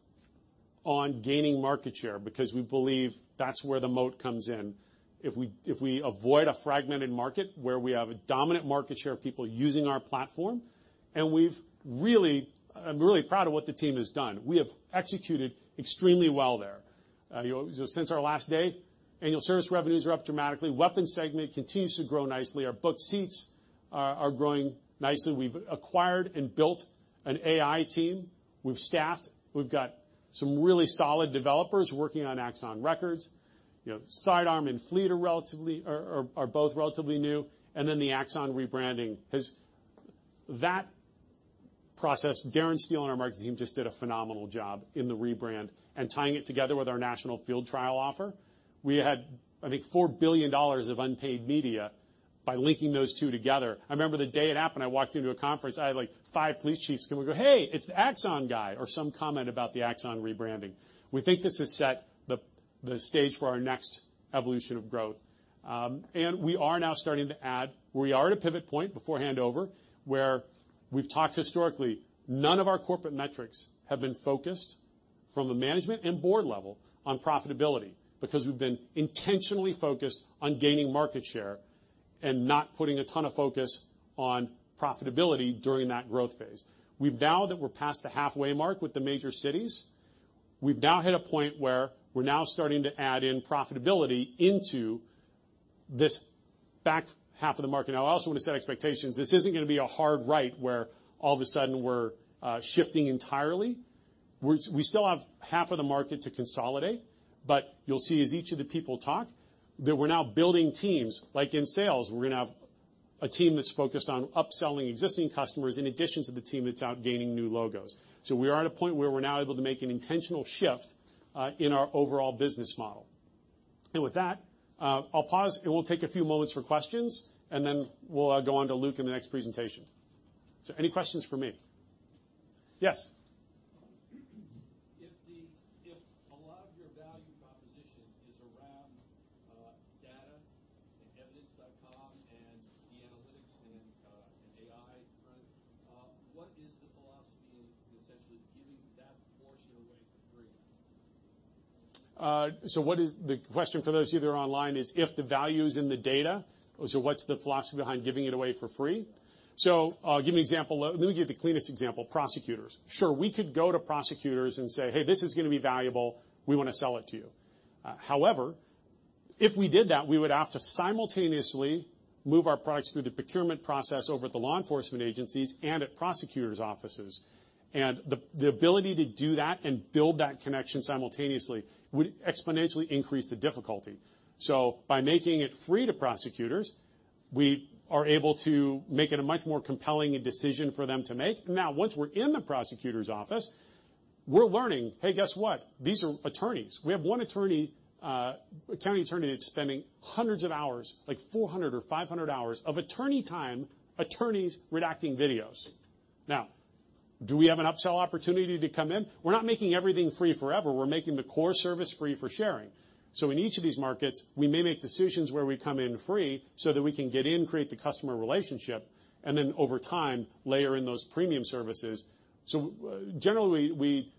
Speaker 2: on gaining market share because we believe that's where the moat comes in. If we avoid a fragmented market where we have a dominant market share of people using our platform and I'm really proud of what the team has done. We have executed extremely well there. Since our last day, annual service revenues are up dramatically. Weapons segment continues to grow nicely. Our booked seats are growing nicely. We've acquired and built an AI team. We've staffed. We've got some really solid developers working on Axon Records. Sidearm and Fleet are both relatively new. That process, Darren Steele and our marketing team just did a phenomenal job in the rebrand and tying it together with our national field trial offer. We had, I think, $4 billion of unpaid media by linking those two together. I remember the day it happened, I walked into a conference, I had like five police chiefs come and go, "Hey, it's the Axon guy." Some comment about the Axon rebranding. We think this has set the stage for our next evolution of growth. We are now starting to add. We are at a pivot point where we've talked historically, none of our corporate metrics have been focused from the management and board level on profitability because we've been intentionally focused on gaining market share and not putting a ton of focus on profitability during that growth phase. Now that we're past the halfway mark with the major cities, we've now hit a point where we're now starting to add in profitability into this back half of the market. I also want to set expectations. This isn't going to be a hard right where all of a sudden we're shifting entirely. We still have half of the market to consolidate, you'll see as each of the people talk that we're now building teams, like in sales, we're going to have a team that's focused on upselling existing customers in addition to the team that's out gaining new logos. We are at a point where we're now able to make an intentional shift in our overall business model. With that, I'll pause, and we'll take a few moments for questions, and then we'll go on to Luke in the next presentation. Any questions for me? Yes.
Speaker 4: If a lot of your value proposition is around data and Evidence.com and the analytics and AI product, what is the philosophy in essentially giving that portion away for free?
Speaker 2: What is the question for those of you that are online is, if the value is in the data, what's the philosophy behind giving it away for free? I'll give you an example. Let me give you the cleanest example, prosecutors. Sure, we could go to prosecutors and say, "Hey, this is going to be valuable. We want to sell it to you." However, if we did that, we would have to simultaneously move our products through the procurement process over at the law enforcement agencies and at prosecutor's offices. The ability to do that and build that connection simultaneously would exponentially increase the difficulty. By making it free to prosecutors, we are able to make it a much more compelling decision for them to make. Now, once we're in the prosecutor's office, we're learning, hey, guess what? These are attorneys. We have one county attorney that's spending hundreds of hours, like 400 or 500 hours of attorney time, attorneys redacting videos. Now, do we have an upsell opportunity to come in? We're not making everything free forever. We're making the core service free for sharing. In each of these markets, we may make decisions where we come in free so that we can get in, create the customer relationship, and then over time, layer in those premium services. Generally, we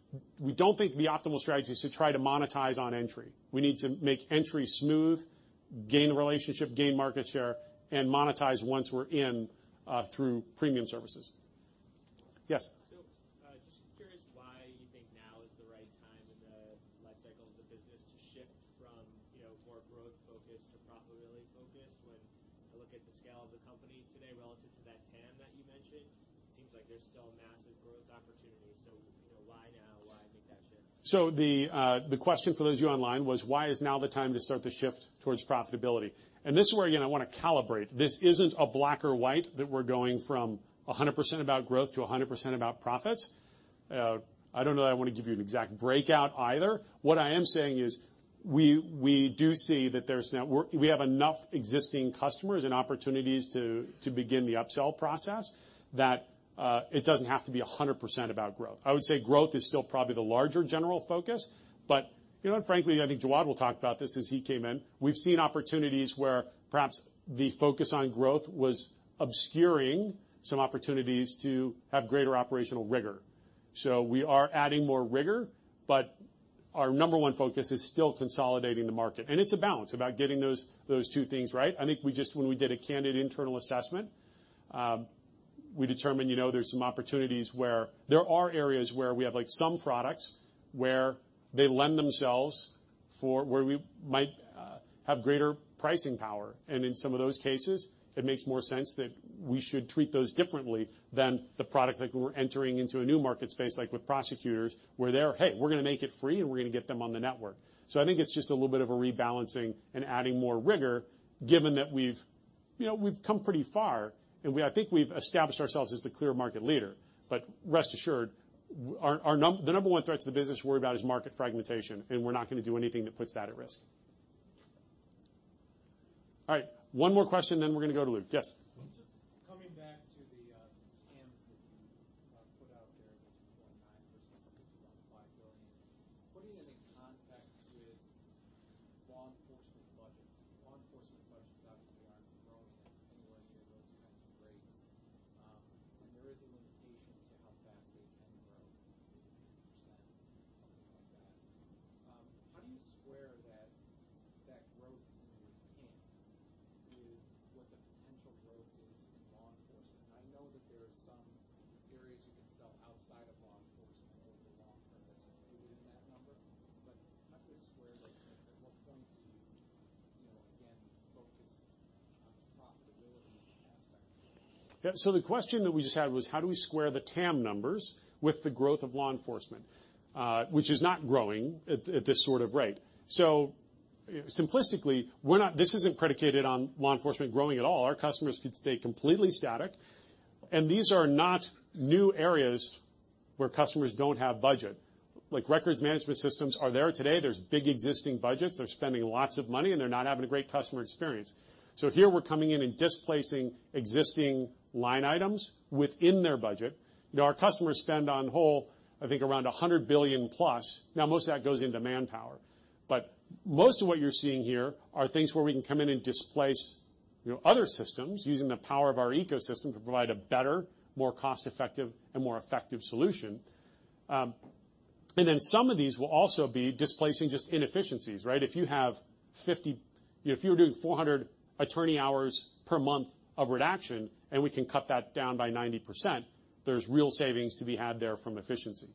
Speaker 2: don't think the optimal strategy is to try to monetize on entry. We need to make entry smooth, gain the relationship, gain market share, and monetize once we're in through premium services. Yes.
Speaker 5: Just curious why you think now is the right time in the life cycle of the business to shift from more growth-focused to profitability-focused when- Look at the scale of the company today relative to that TAM that you mentioned, it seems like there's still massive growth opportunities. Why now? Why make that shift?
Speaker 2: The question for those of you online was, why is now the time to start the shift towards profitability? This is where, again, I want to calibrate. This isn't a black or white, that we're going from 100% about growth to 100% about profits. I don't know that I want to give you an exact breakout either. What I am saying is we do see that we have enough existing customers and opportunities to begin the upsell process that it doesn't have to be 100% about growth. I would say growth is still probably the larger general focus, but frankly, I think Jawad will talk about this as he came in. We've seen opportunities where perhaps the focus on growth was obscuring some opportunities to have greater operational rigor. We are adding more rigor, our number one focus is still consolidating the market, it's a balance about getting those two things right. I think when we did a candid internal assessment, we determined there's some opportunities where there are areas where we have some products where they lend themselves for where we might have greater pricing power. In some of those cases, it makes more sense that we should treat those differently than the products like when we're entering into a new market space, like with prosecutors, where they're, hey, we're going to make it free and we're going to get them on the network. I think it's just a little bit of a rebalancing and adding more rigor given that we've come pretty far, and I think we've established ourselves as the clear market leader. Rest assured, the number one threat to the business we worry about is market fragmentation, we're not going to do anything that puts that at risk. All right. One more question, then we're going to go to Luke. Yes. line items within their budget. Our customers spend on whole, I think around $100 billion plus. Most of that goes into manpower. Most of what you're seeing here are things where we can come in and displace other systems using the power of our ecosystem to provide a better, more cost-effective, and more effective solution. Some of these will also be displacing just inefficiencies, right? If you were doing 400 attorney hours per month of redaction and we can cut that down by 90%, there's real savings to be had there from efficiency.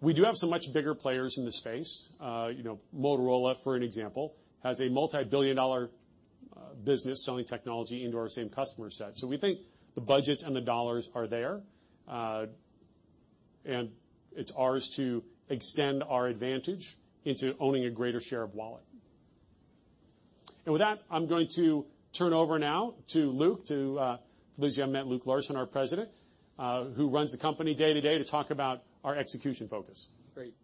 Speaker 2: We do have some much bigger players in the space. Motorola, for an example, has a multi-billion-dollar business selling technology into our same customer set. We think the budget and the dollars are there, and it's ours to extend our advantage into owning a greater share of wallet. With that, I'm going to turn over now to Luke, for those of you who haven't met Luke Larson, our President, who runs the company day-to-day, to talk about our execution focus.
Speaker 6: Great.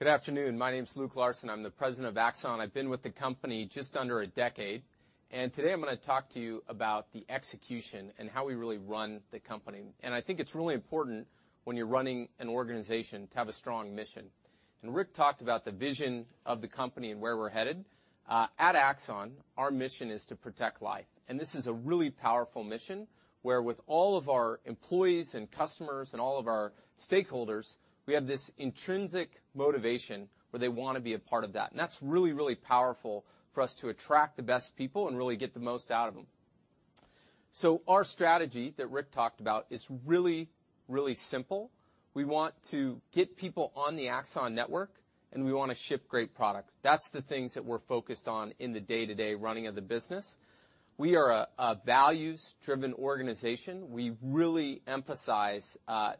Speaker 6: Good afternoon. My name's Luke Larson. I'm the President of Axon. I've been with the company just under a decade. Today I'm going to talk to you about the execution and how we really run the company. I think it's really important when you're running an organization to have a strong mission. Rick talked about the vision of the company and where we're headed. At Axon, our mission is to protect life, this is a really powerful mission, where with all of our employees and customers and all of our stakeholders, we have this intrinsic motivation where they want to be a part of that. That's really, really powerful for us to attract the best people and really get the most out of them. Our strategy that Rick talked about is really, really simple. We want to get people on the Axon network, we want to ship great product. That's the things that we're focused on in the day-to-day running of the business. We are a values-driven organization. We really emphasize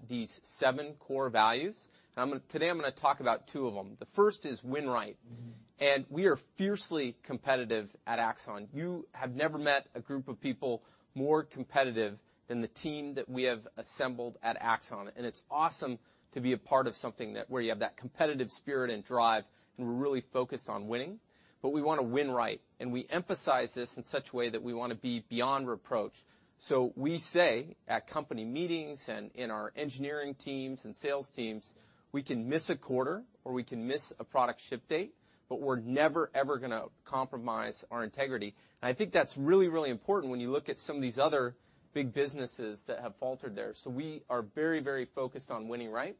Speaker 6: these seven core values. Today, I'm going to talk about two of them. The first is Win Right, we are fiercely competitive at Axon. You have never met a group of people more competitive than the team that we have assembled at Axon. It's awesome to be a part of something where you have that competitive spirit and drive, we're really focused on winning, we want to Win Right. We emphasize this in such a way that we want to be beyond reproach. We say at company meetings and in our engineering teams and sales teams, we can miss a quarter or we can miss a product ship date, but we're never, ever going to compromise our integrity. I think that's really, really important when you look at some of these other big businesses that have faltered there. We are very, very focused on winning right.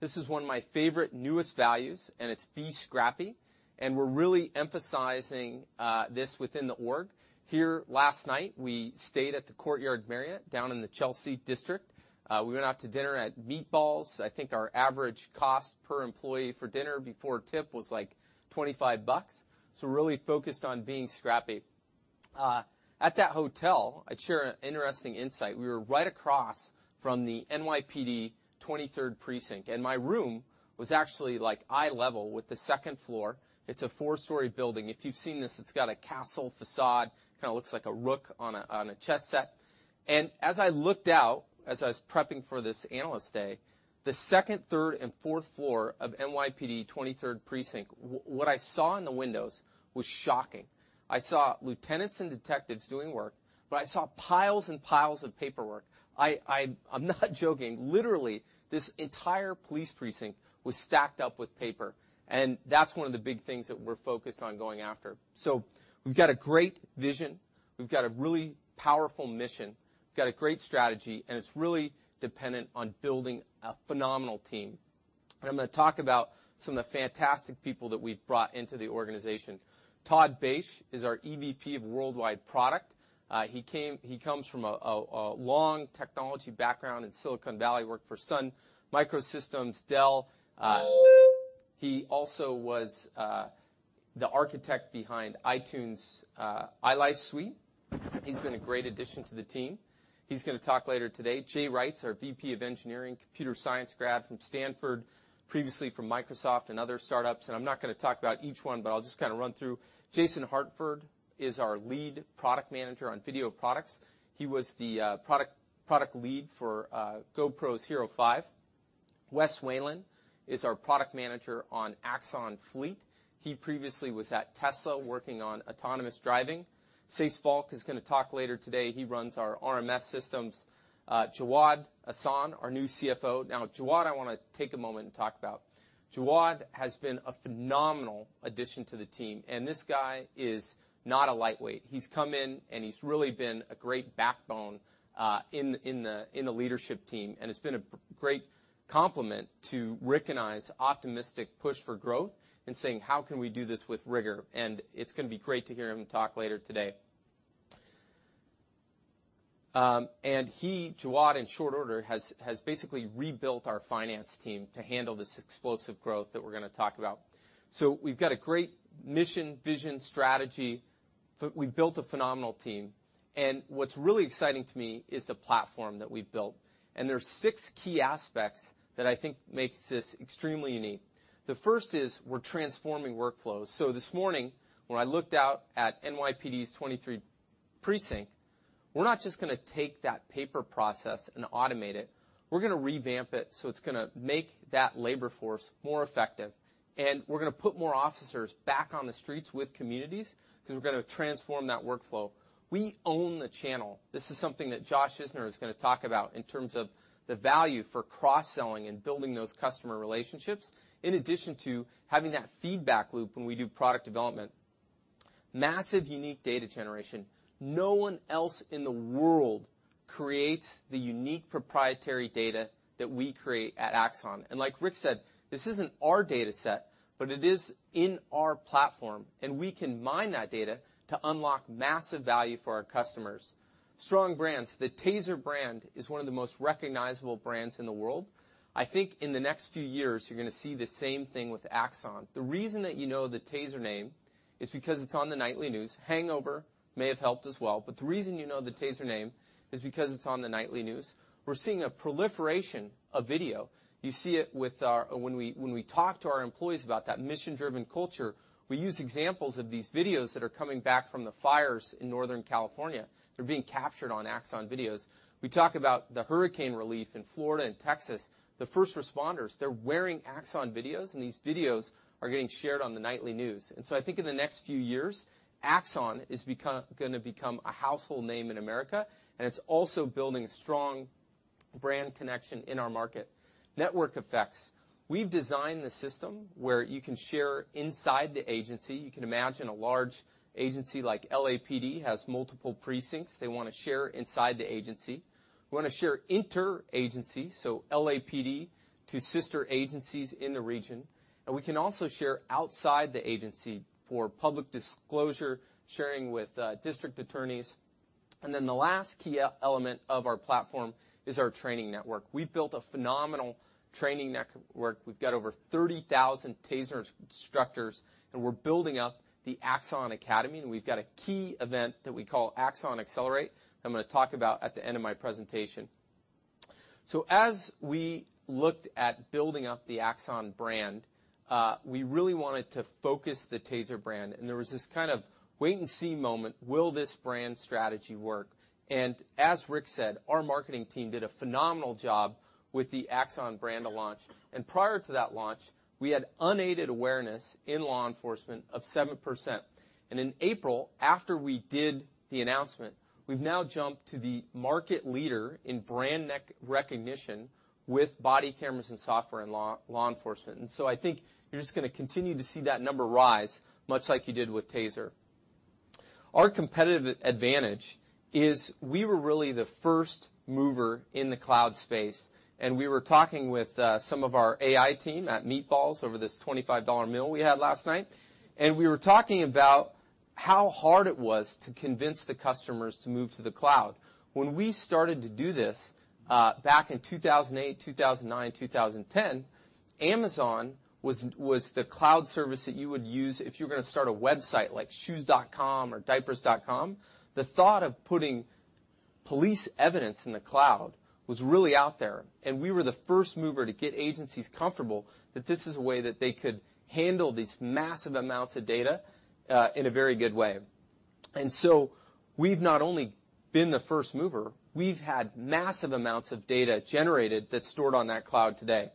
Speaker 6: This is one of my favorite newest values, and it's Be Scrappy, and we're really emphasizing this within the org. Here, last night, we stayed at the Courtyard Marriott down in the Chelsea district. We went out to dinner at Meatballs. I think our average cost per employee for dinner before tip was like $25. We're really focused on being scrappy. At that hotel, I'd share an interesting insight. We were right across from the NYPD 23rd Precinct, and my room was actually eye level with the second floor. It's a four-story building. If you've seen this, it's got a castle facade, kind of looks like a rook on a chess set. As I looked out, as I was prepping for this Analyst Day, the second, third, and fourth floor of NYPD 23rd Precinct, what I saw in the windows was shocking. I saw lieutenants and detectives doing work, but I saw piles and piles of paperwork. I'm not joking. Literally, this entire police precinct was stacked up with paper, and that's one of the big things that we're focused on going after. We've got a great vision. We've got a really powerful mission. We've got a great strategy, and it's really dependent on building a phenomenal team. I'm going to talk about some of the fantastic people that we've brought into the organization. Todd Basche is our EVP of Worldwide Product. He comes from a long technology background in Silicon Valley, worked for Sun Microsystems, Dell. He also was the architect behind iTunes' iLife suite. He's been a great addition to the team. He's going to talk later today. Jay Reitz's our VP of Engineering, computer science grad from Stanford, previously from Microsoft and other startups. I'm not going to talk about each one, but I'll just kind of run through. Jason Hartford is our lead product manager on video products. He was the product lead for GoPro's HERO5. Wes Whalen is our product manager on Axon Fleet. He previously was at Tesla working on autonomous driving. Saysa Falk is going to talk later today. He runs our RMS systems. Jawad Ahsan, our new CFO. Now, Jawad, I want to take a moment and talk about. Jawad has been a phenomenal addition to the team, and this guy is not a lightweight. He's come in and he's really been a great backbone in the leadership team, and it's been a great complement to recognize optimistic push for growth and saying, "How can we do this with rigor?" It's going to be great to hear him talk later today. He, Jawad, in short order, has basically rebuilt our finance team to handle this explosive growth that we're going to talk about. We've got a great mission, vision, strategy. We've built a phenomenal team. What's really exciting to me is the platform that we've built. There's six key aspects that I think makes this extremely unique. The first is we're transforming workflows. This morning when I looked out at NYPD's 23 Precinct, we're not just going to take that paper process and automate it. We're going to revamp it so it's going to make that labor force more effective, and we're going to put more officers back on the streets with communities because we're going to transform that workflow. We own the channel. This is something that Josh Isner is going to talk about in terms of the value for cross-selling and building those customer relationships, in addition to having that feedback loop when we do product development. Massive unique data generation. No one else in the world creates the unique proprietary data that we create at Axon. Like Rick said, this isn't our data set, but it is in our platform, and we can mine that data to unlock massive value for our customers. Strong brands. The TASER brand is one of the most recognizable brands in the world. I think in the next few years, you're going to see the same thing with Axon. The reason that you know the TASER name is because it's on the nightly news. The Hangover may have helped as well, but the reason you know the TASER name is because it's on the nightly news. We're seeing a proliferation of video. You see it when we talk to our employees about that mission-driven culture, we use examples of these videos that are coming back from the fires in Northern California. They're being captured on Axon videos. We talk about the hurricane relief in Florida and Texas. The first responders, they're wearing Axon videos, these videos are getting shared on the nightly news. I think in the next few years, Axon is going to become a household name in America, and it's also building a strong brand connection in our market. Network effects. We've designed the system where you can share inside the agency. You can imagine a large agency like LAPD has multiple precincts. They want to share inside the agency. We want to share inter-agency, so LAPD to sister agencies in the region. We can also share outside the agency for public disclosure, sharing with district attorneys. The last key element of our platform is our training network. We've built a phenomenal training network. We've got over 30,000 TASER instructors, and we're building up the Axon Academy, and we've got a key event that we call Axon Accelerate that I'm going to talk about at the end of my presentation. As we looked at building up the Axon brand, we really wanted to focus the TASER brand, and there was this kind of wait-and-see moment. Will this brand strategy work? As Rick said, our marketing team did a phenomenal job with the Axon brand launch. Prior to that launch, we had unaided awareness in law enforcement of 7%. In April, after we did the announcement, we've now jumped to the market leader in brand recognition with body cameras and software in law enforcement. I think you're just going to continue to see that number rise, much like you did with TASER. Our competitive advantage is we were really the first mover in the cloud space. We were talking with some of our AI team at Meatballs over this $25 meal we had last night. We were talking about how hard it was to convince the customers to move to the cloud. When we started to do this back in 2008, 2009, 2010, Amazon was the cloud service that you would use if you were going to start a website like shoes.com or diapers.com. The thought of putting police evidence in the cloud was really out there. We were the first mover to get agencies comfortable that this is a way that they could handle these massive amounts of data in a very good way. We've not only been the first mover, we've had massive amounts of data generated that's stored on that cloud today.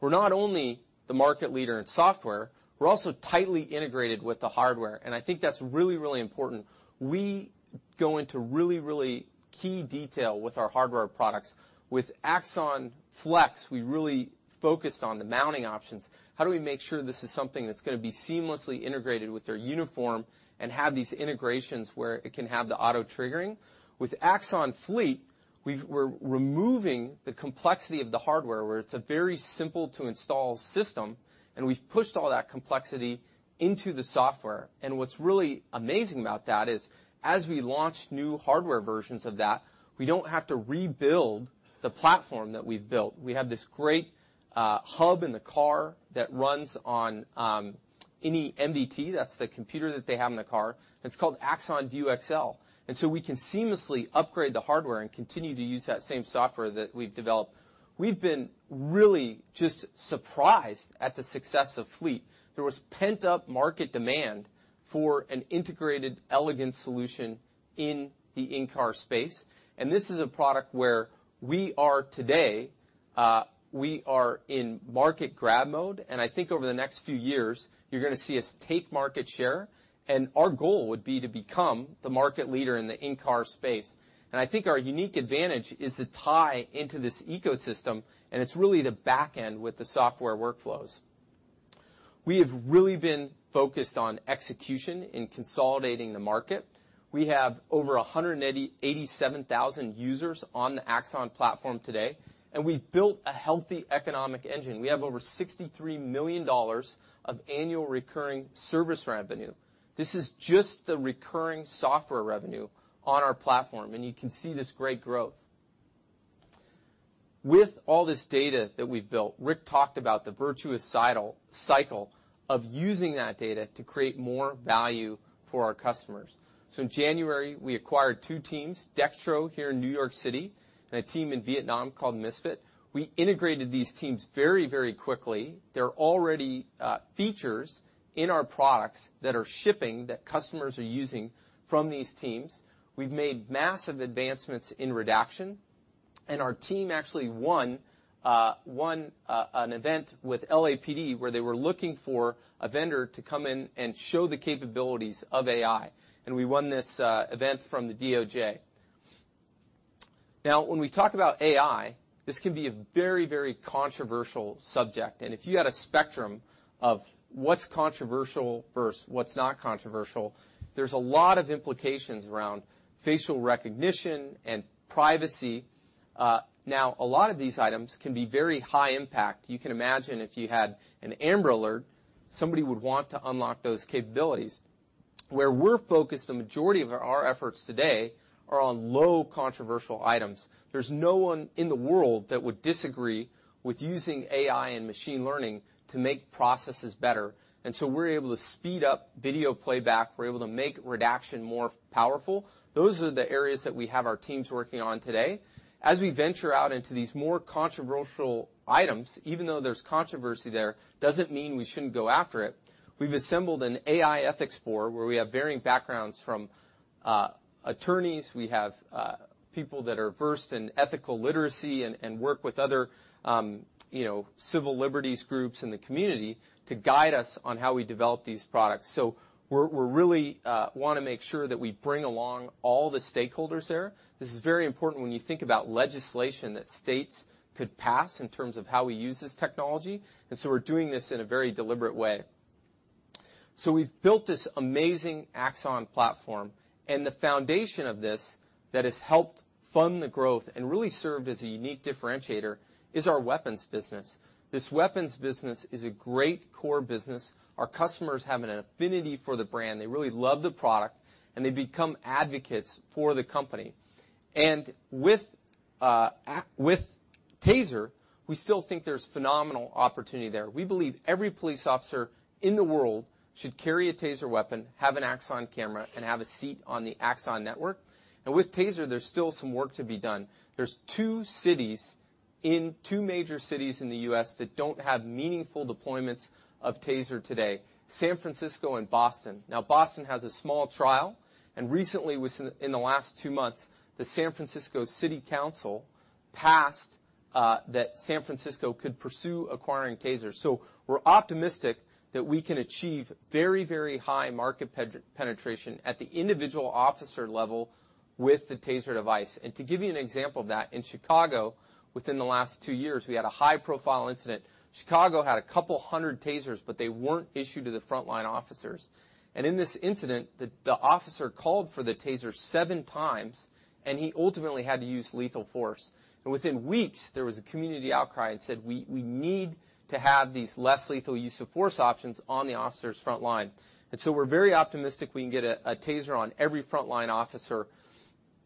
Speaker 6: We're not only the market leader in software, we're also tightly integrated with the hardware. I think that's really, really important. We go into really, really key detail with our hardware products. With Axon Flex, we really focused on the mounting options. How do we make sure this is something that's going to be seamlessly integrated with their uniform and have these integrations where it can have the auto triggering? With Axon Fleet, we're removing the complexity of the hardware where it's a very simple-to-install system. We've pushed all that complexity into the software. What's really amazing about that is as we launch new hardware versions of that, we don't have to rebuild the platform that we've built. We have this great hub in the car that runs on any MDT. That's the computer that they have in the car. It's called Axon View XL. We can seamlessly upgrade the hardware and continue to use that same software that we've developed. We've been really just surprised at the success of Fleet. There was pent-up market demand for an integrated, elegant solution in the in-car space. This is a product where we are today, we are in market grab mode. I think over the next few years, you're going to see us take market share. Our goal would be to become the market leader in the in-car space. I think our unique advantage is the tie into this ecosystem. It's really the back end with the software workflows. We have really been focused on execution in consolidating the market. We have over 187,000 users on the Axon platform today. We've built a healthy economic engine. We have over $63 million of annual recurring service revenue. This is just the recurring software revenue on our platform. You can see this great growth. With all this data that we've built, Rick talked about the virtuous cycle of using that data to create more value for our customers. In January, we acquired two teams, Dextro here in New York City, a team in Vietnam called Misfit. We integrated these teams very, very quickly. There are already features in our products that are shipping that customers are using from these teams. We've made massive advancements in redaction. Our team actually won an event with LAPD where they were looking for a vendor to come in and show the capabilities of AI. We won this event from the DOJ. When we talk about AI, this can be a very, very controversial subject. If you had a spectrum of what's controversial versus what's not controversial, there's a lot of implications around facial recognition and privacy. A lot of these items can be very high impact. You can imagine if you had an Amber Alert, somebody would want to unlock those capabilities. Where we're focused, the majority of our efforts today are on low controversial items. There's no one in the world that would disagree with using AI and machine learning to make processes better. We're able to speed up video playback. We're able to make redaction more powerful. Those are the areas that we have our teams working on today. As we venture out into these more controversial items, even though there's controversy there, doesn't mean we shouldn't go after it. We've assembled an AI ethics board, where we have varying backgrounds from attorneys, we have people that are versed in ethical literacy and work with other civil liberties groups in the community to guide us on how we develop these products. We really want to make sure that we bring along all the stakeholders there. This is very important when you think about legislation that states could pass in terms of how we use this technology. We're doing this in a very deliberate way. We've built this amazing Axon platform, and the foundation of this that has helped fund the growth and really served as a unique differentiator is our weapons business. This weapons business is a great core business. Our customers have an affinity for the brand. They really love the product, and they become advocates for the company. With TASER, we still think there's phenomenal opportunity there. We believe every police officer in the world should carry a TASER weapon, have an Axon camera, and have a seat on the Axon network. With TASER, there's still some work to be done. There's two major cities in the U.S. that don't have meaningful deployments of TASER today, San Francisco and Boston. Boston has a small trial, and recently, within the last two months, the San Francisco City Council passed that San Francisco could pursue acquiring TASER. We're optimistic that we can achieve very, very high market penetration at the individual officer level with the TASER device. To give you an example of that, in Chicago, within the last two years, we had a high-profile incident. Chicago had a couple hundred TASERs, but they weren't issued to the frontline officers. In this incident, the officer called for the TASER seven times, and he ultimately had to use lethal force. Within weeks, there was a community outcry that said, "We need to have these less lethal use of force options on the officers frontline." We're very optimistic we can get a TASER on every frontline officer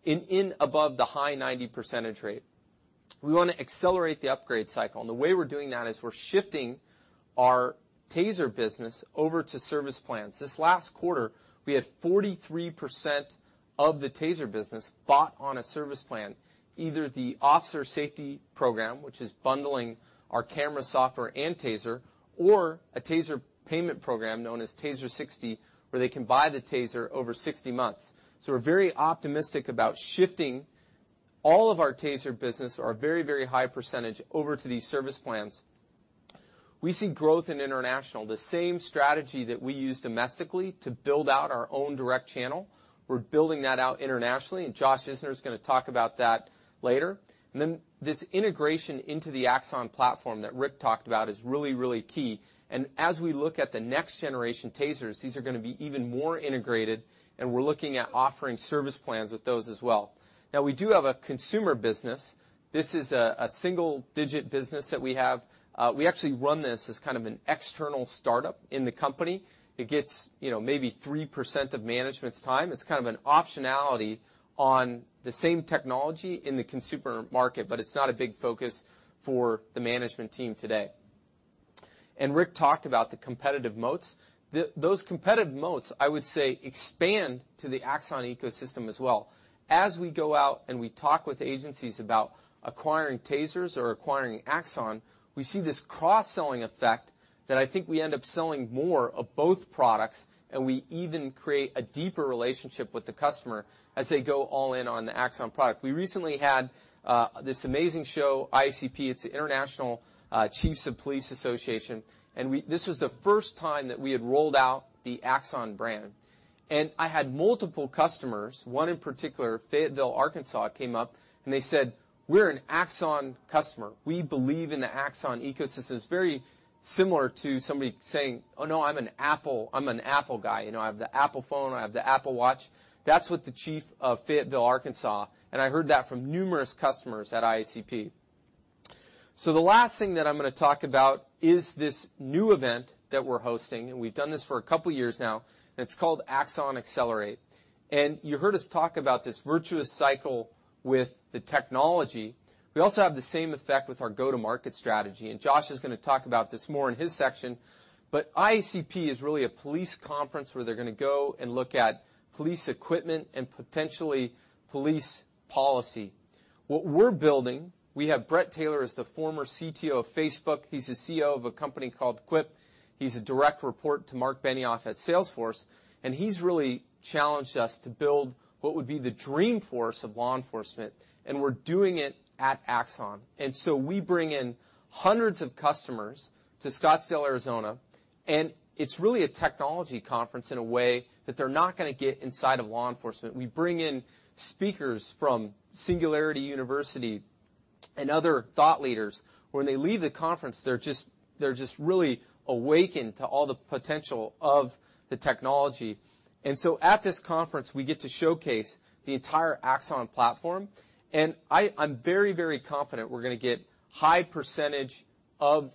Speaker 6: in above the high 90% rate. We want to accelerate the upgrade cycle, and the way we're doing that is we're shifting our TASER business over to service plans. This last quarter, we had 43% of the TASER business bought on a service plan, either the Officer Safety Program, which is bundling our camera software and TASER, or a TASER payment program known as TASER 60, where they can buy the TASER over 60 months. We're very optimistic about shifting all of our TASER business, or a very high percentage, over to these service plans. We see growth in international. The same strategy that we use domestically to build out our own direct channel, we're building that out internationally, and Josh Isner's going to talk about that later. This integration into the Axon platform that Rick talked about is really key. As we look at the next generation TASERs, these are going to be even more integrated, and we're looking at offering service plans with those as well. Now we do have a consumer business. This is a single-digit business that we have. We actually run this as kind of an external startup in the company. It gets maybe 3% of management's time. It's kind of an optionality on the same technology in the consumer market, but it's not a big focus for the management team today. Rick talked about the competitive moats. Those competitive moats, I would say, expand to the Axon ecosystem as well. As we go out and we talk with agencies about acquiring TASERs or acquiring Axon, we see this cross-selling effect that I think we end up selling more of both products, and we even create a deeper relationship with the customer as they go all in on the Axon product. We recently had this amazing show, IACP. It's the International Association of Chiefs of Police. This was the first time that we had rolled out the Axon brand. I had multiple customers, one in particular, Fayetteville, Arkansas, came up and they said, "We're an Axon customer. We believe in the Axon ecosystem." It's very similar to somebody saying, "Oh, no, I'm an Apple guy. I have the Apple Watch." That's what the chief of Fayetteville, Arkansas, and I heard that from numerous customers at IACP. The last thing that I'm going to talk about is this new event that we're hosting, and we've done this for a couple of years now, and it's called Axon Accelerate. You heard us talk about this virtuous cycle with the technology. We also have the same effect with our go-to-market strategy, and Josh is going to talk about this more in his section. IACP is really a police conference where they're going to go and look at police equipment and potentially police policy. What we're building, we have Bret Taylor as the former CTO of Facebook. He's the CEO of a company called Quip. He's a direct report to Marc Benioff at Salesforce, and he's really challenged us to build what would be the Dreamforce of law enforcement, and we're doing it at Axon. We bring in hundreds of customers to Scottsdale, Arizona, and it's really a technology conference in a way that they're not going to get inside of law enforcement. We bring in speakers from Singularity University and other thought leaders. When they leave the conference, they're just really awakened to all the potential of the technology. At this conference, we get to showcase the entire Axon platform. I'm very confident we're going to get high percentage of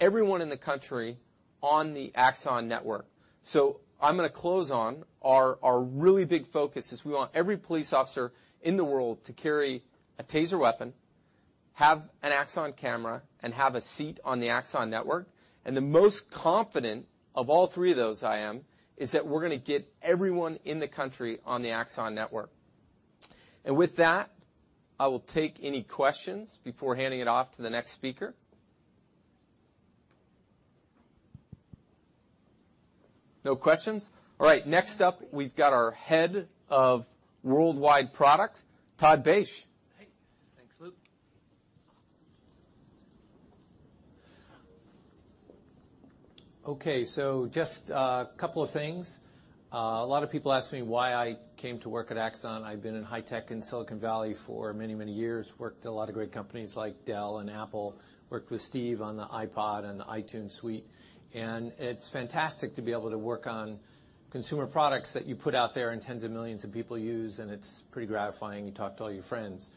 Speaker 6: everyone in the country on the Axon network. I'm going to close on our really big focus is we want every police officer in the world to carry a TASER weapon, have an Axon camera, and have a seat on the Axon network. The most confident of all three of those I am is that we're going to get everyone in the country on the Axon network. With that, I will take any questions before handing it off to the next speaker. No questions? All right. Next up, we've got our head of worldwide product, Todd Basche.
Speaker 7: Hey. Thanks, Luke. Just a couple of things. A lot of people ask me why I came to work at Axon. I've been in high tech in Silicon Valley for many years, worked at a lot of great companies like Dell and Apple, worked with Steve on the iPod and the iTunes suite. It's fantastic to be able to work on consumer products that you put out there and tens of millions of people use, and it's pretty gratifying. You talk to all your friends.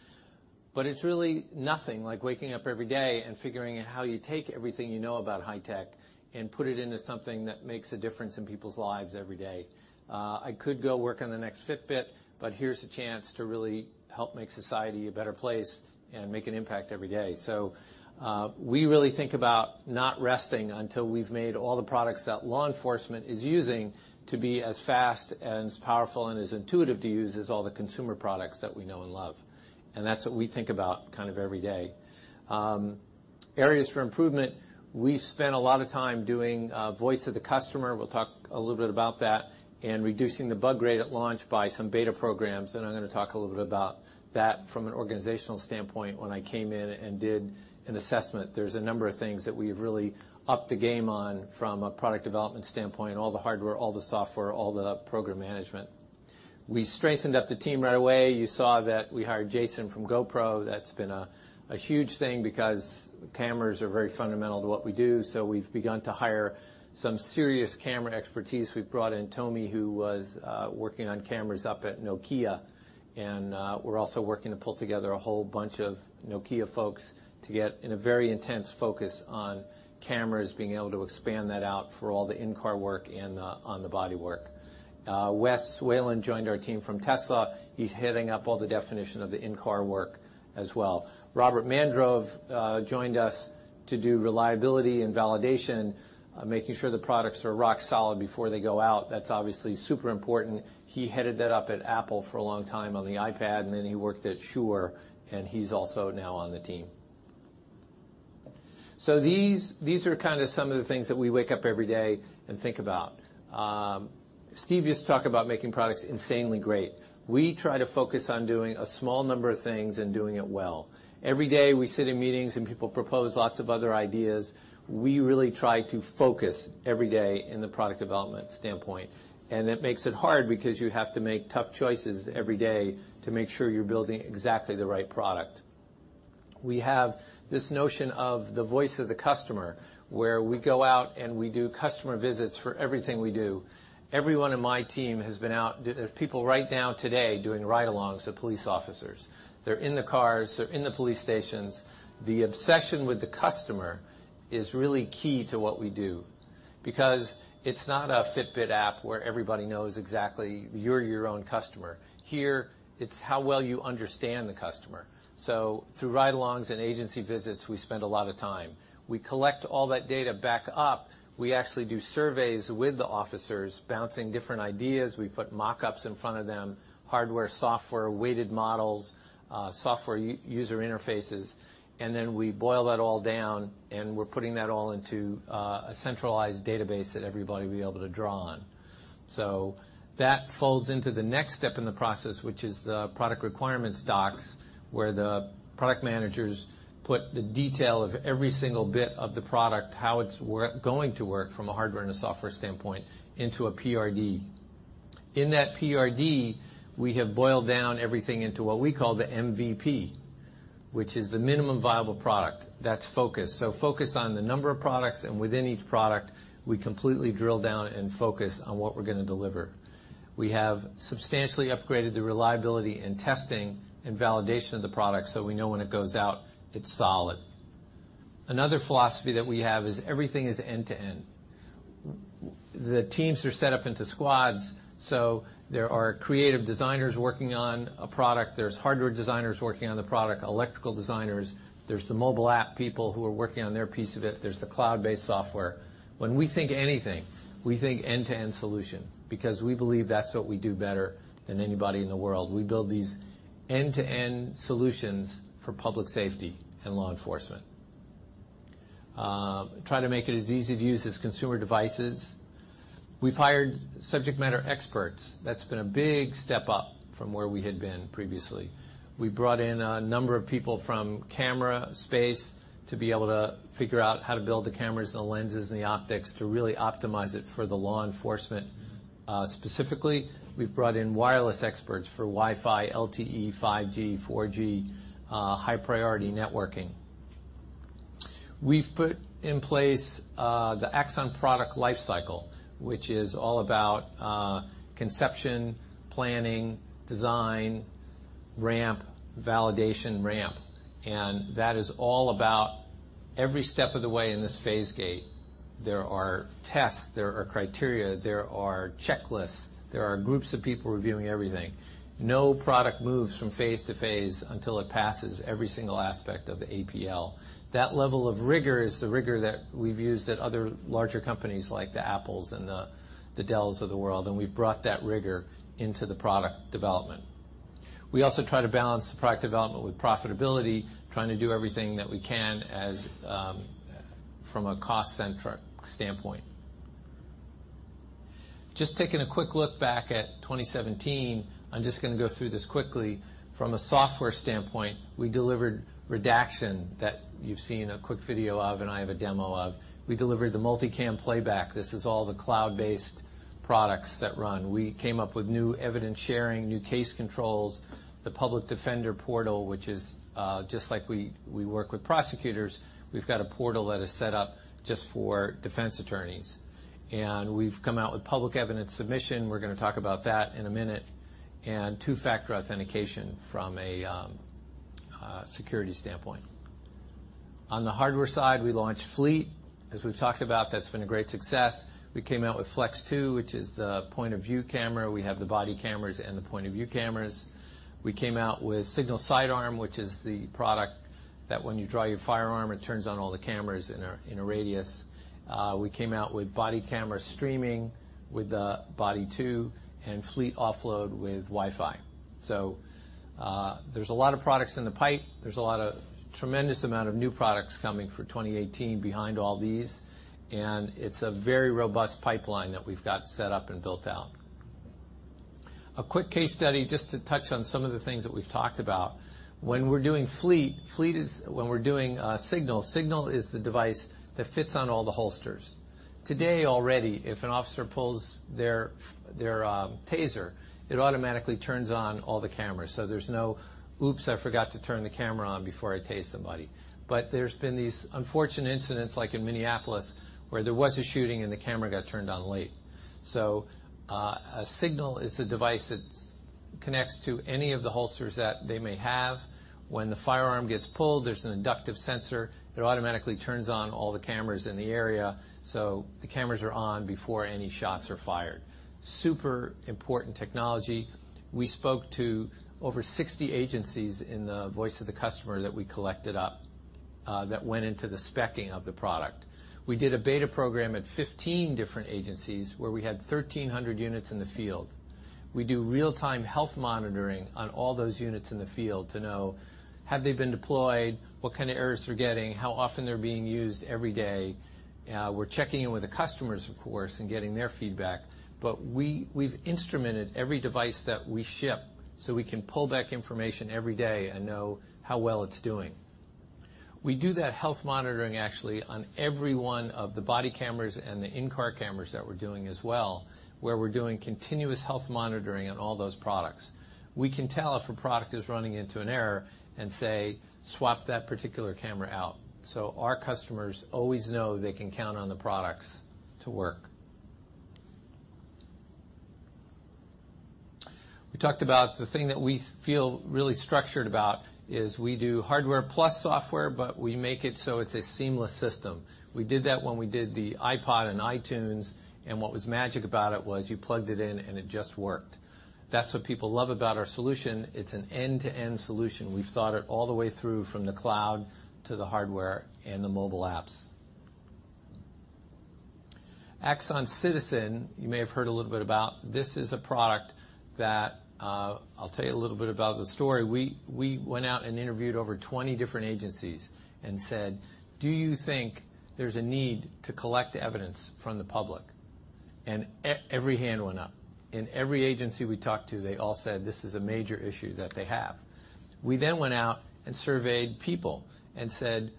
Speaker 7: It's really nothing like waking up every day and figuring out how you take everything you know about high tech and put it into something that makes a difference in people's lives every day. I could go work on the next Fitbit, but here's a chance to really help make society a better place and make an impact every day. We really think about not resting until we've made all the products that law enforcement is using to be as fast and as powerful and as intuitive to use as all the consumer products that we know and love. That's what we think about every day. Areas for improvement. We've spent a lot of time doing voice of the customer, we'll talk a little bit about that, and reducing the bug rate at launch by some beta programs, and I'm going to talk a little bit about that from an organizational standpoint when I came in and did an assessment. There's a number of things that we've really upped the game on from a product development standpoint, all the hardware, all the software, all the program management. We strengthened up the team right away. You saw that we hired Jason from GoPro. That's been a huge thing because cameras are very fundamental to what we do, so we've begun to hire some serious camera expertise. We've brought in Tomi, who was working on cameras up at Nokia, and we're also working to pull together a whole bunch of Nokia folks to get in a very intense focus on cameras, being able to expand that out for all the in-car work and on the body work. Wes Whalen joined our team from Tesla. He's heading up all the definition of the in-car work as well. Robert Mandrou joined us to do reliability and validation, making sure the products are rock solid before they go out. That's obviously super important. He headed that up at Apple for a long time on the iPad, and then he worked at Shure, and he's also now on the team. These are kind of some of the things that we wake up every day and think about. Steve used to talk about making products insanely great. We try to focus on doing a small number of things and doing it well. Every day, we sit in meetings, and people propose lots of other ideas. We really try to focus every day in the product development standpoint. It makes it hard because you have to make tough choices every day to make sure you're building exactly the right product. We have this notion of the voice of the customer, where we go out and we do customer visits for everything we do. Everyone in my team has been out. There's people right now today doing ride-alongs with police officers. They're in the cars. They're in the police stations. The obsession with the customer is really key to what we do because it's not a Fitbit app where everybody knows exactly you're your own customer. Here, it's how well you understand the customer. Through ride-alongs and agency visits, we spend a lot of time. We collect all that data back up. We actually do surveys with the officers, bouncing different ideas. We put mock-ups in front of them, hardware, software, weighted models, software user interfaces, and then we boil that all down, and we're putting that all into a centralized database that everybody will be able to draw on. That folds into the next step in the process, which is the product requirements docs, where the product managers put the detail of every single bit of the product, how it's going to work from a hardware and a software standpoint into a PRD. In that PRD, we have boiled down everything into what we call the MVP, which is the minimum viable product. That's focus. Focus on the number of products, and within each product, we completely drill down and focus on what we're going to deliver. We have substantially upgraded the reliability and testing and validation of the product, so we know when it goes out, it's solid. Another philosophy that we have is everything is end-to-end. The teams are set up into squads, so there are creative designers working on a product. There's hardware designers working on the product, electrical designers. There's the mobile app people who are working on their piece of it. There's the cloud-based software. When we think anything, we think end-to-end solution because we believe that's what we do better than anybody in the world. We build these end-to-end solutions for public safety and law enforcement. Try to make it as easy to use as consumer devices. We've hired subject matter experts. That's been a big step up from where we had been previously. We brought in a number of people from camera space to be able to figure out how to build the cameras, the lenses, and the optics to really optimize it for the law enforcement. Specifically, we've brought in wireless experts for Wi-Fi, LTE, 5G, 4G, high-priority networking. We've put in place the Axon product lifecycle, which is all about conception, planning, design, ramp, validation, ramp, and that is all about every step of the way in this phase gate, there are tests, there are criteria, there are checklists, there are groups of people reviewing everything. No product moves from phase to phase until it passes every single aspect of APL. That level of rigor is the rigor that we've used at other larger companies like the Apples and the Dells of the world, and we've brought that rigor into the product development. We also try to balance the product development with profitability, trying to do everything that we can from a cost standpoint. Just taking a quick look back at 2017, I'm just going to go through this quickly. From a software standpoint, we delivered redaction that you've seen a quick video of and I have a demo of. We delivered the Multi-Cam Playback. This is all the cloud-based products that run. We came up with new evidence sharing, new case controls, the public defender portal, which is just like we work with prosecutors. We've got a portal that is set up just for defense attorneys, and we've come out with public evidence submission. We're going to talk about that in a minute, and two-factor authentication from a security standpoint. On the hardware side, we launched Fleet. As we've talked about, that's been a great success. We came out with Flex 2, which is the point-of-view camera. We have the body cameras and the point-of-view cameras. We came out with Signal Sidearm, which is the product that when you draw your firearm, it turns on all the cameras in a radius. We came out with body camera streaming with the Body 2 and Fleet Offload with Wi-Fi. There's a lot of products in the pipe. There's a tremendous amount of new products coming for 2018 behind all these, and it's a very robust pipeline that we've got set up and built out. A quick case study just to touch on some of the things that we've talked about. When we're doing Fleet, when we're doing Signal is the device that fits on all the holsters. Today already, if an officer pulls their TASER, it automatically turns on all the cameras. There's no, "Oops, I forgot to turn the camera on before I TASER somebody." But there's been these unfortunate incidents like in Minneapolis, where there was a shooting, and the camera got turned on late. Signal is a device that connects to any of the holsters that they may have. When the firearm gets pulled, there's an inductive sensor that automatically turns on all the cameras in the area, so the cameras are on before any shots are fired. Super important technology. We spoke to over 60 agencies in the voice of the customer that we collected up that went into the speccing of the product. We did a beta program at 15 different agencies, where we had 1,300 units in the field. We do real-time health monitoring on all those units in the field to know have they been deployed, what kind of errors they're getting, how often they're being used every day. We're checking in with the customers, of course, and getting their feedback. But we've instrumented every device that we ship so we can pull back information every day and know how well it's doing. We do that health monitoring actually on every one of the body cameras and the in-car cameras that we're doing as well, where we're doing continuous health monitoring on all those products. We can tell if a product is running into an error and say, "Swap that particular camera out." So our customers always know they can count on the products to work. We talked about the thing that we feel really structured about is we do hardware plus software, but we make it so it's a seamless system. We did that when we did the iPod and iTunes, what was magic about it was you plugged it in and it just worked. That's what people love about our solution. It's an end-to-end solution. We've thought it all the way through, from the cloud to the hardware and the mobile apps. Axon Citizen, you may have heard a little bit about. This is a product that I'll tell you a little bit about the story. We went out and interviewed over 20 different agencies and said, "Do you think there's a need to collect evidence from the public?" Every hand went up. In every agency we talked to, they all said this is a major issue that they have. We then went out and surveyed people and said,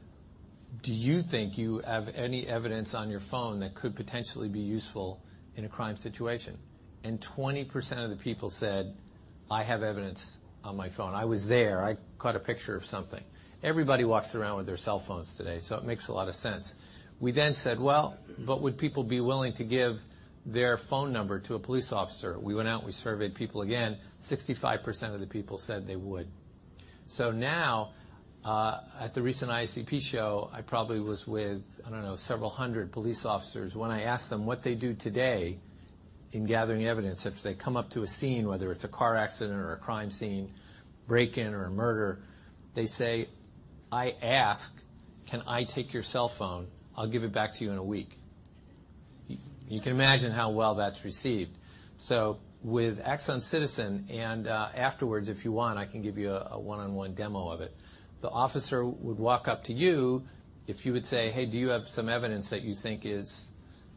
Speaker 7: "Do you think you have any evidence on your phone that could potentially be useful in a crime situation?" 20% of the people said, "I have evidence on my phone. I was there. I caught a picture of something." Everybody walks around with their cell phones today, it makes a lot of sense. We then said, "Well, would people be willing to give their phone number to a police officer?" We went out and we surveyed people again. 65% of the people said they would. Now, at the recent IACP show, I probably was with, I don't know, several hundred police officers. When I asked them what they do today in gathering evidence, if they come up to a scene, whether it's a car accident or a crime scene, break-in or a murder, they say, "I ask, 'Can I take your cell phone? I'll give it back to you in a week.'" You can imagine how well that's received. With Axon Citizen, afterwards, if you want, I can give you a one-on-one demo of it, the officer would walk up to you if he would say, "Hey, do you have some evidence that you think is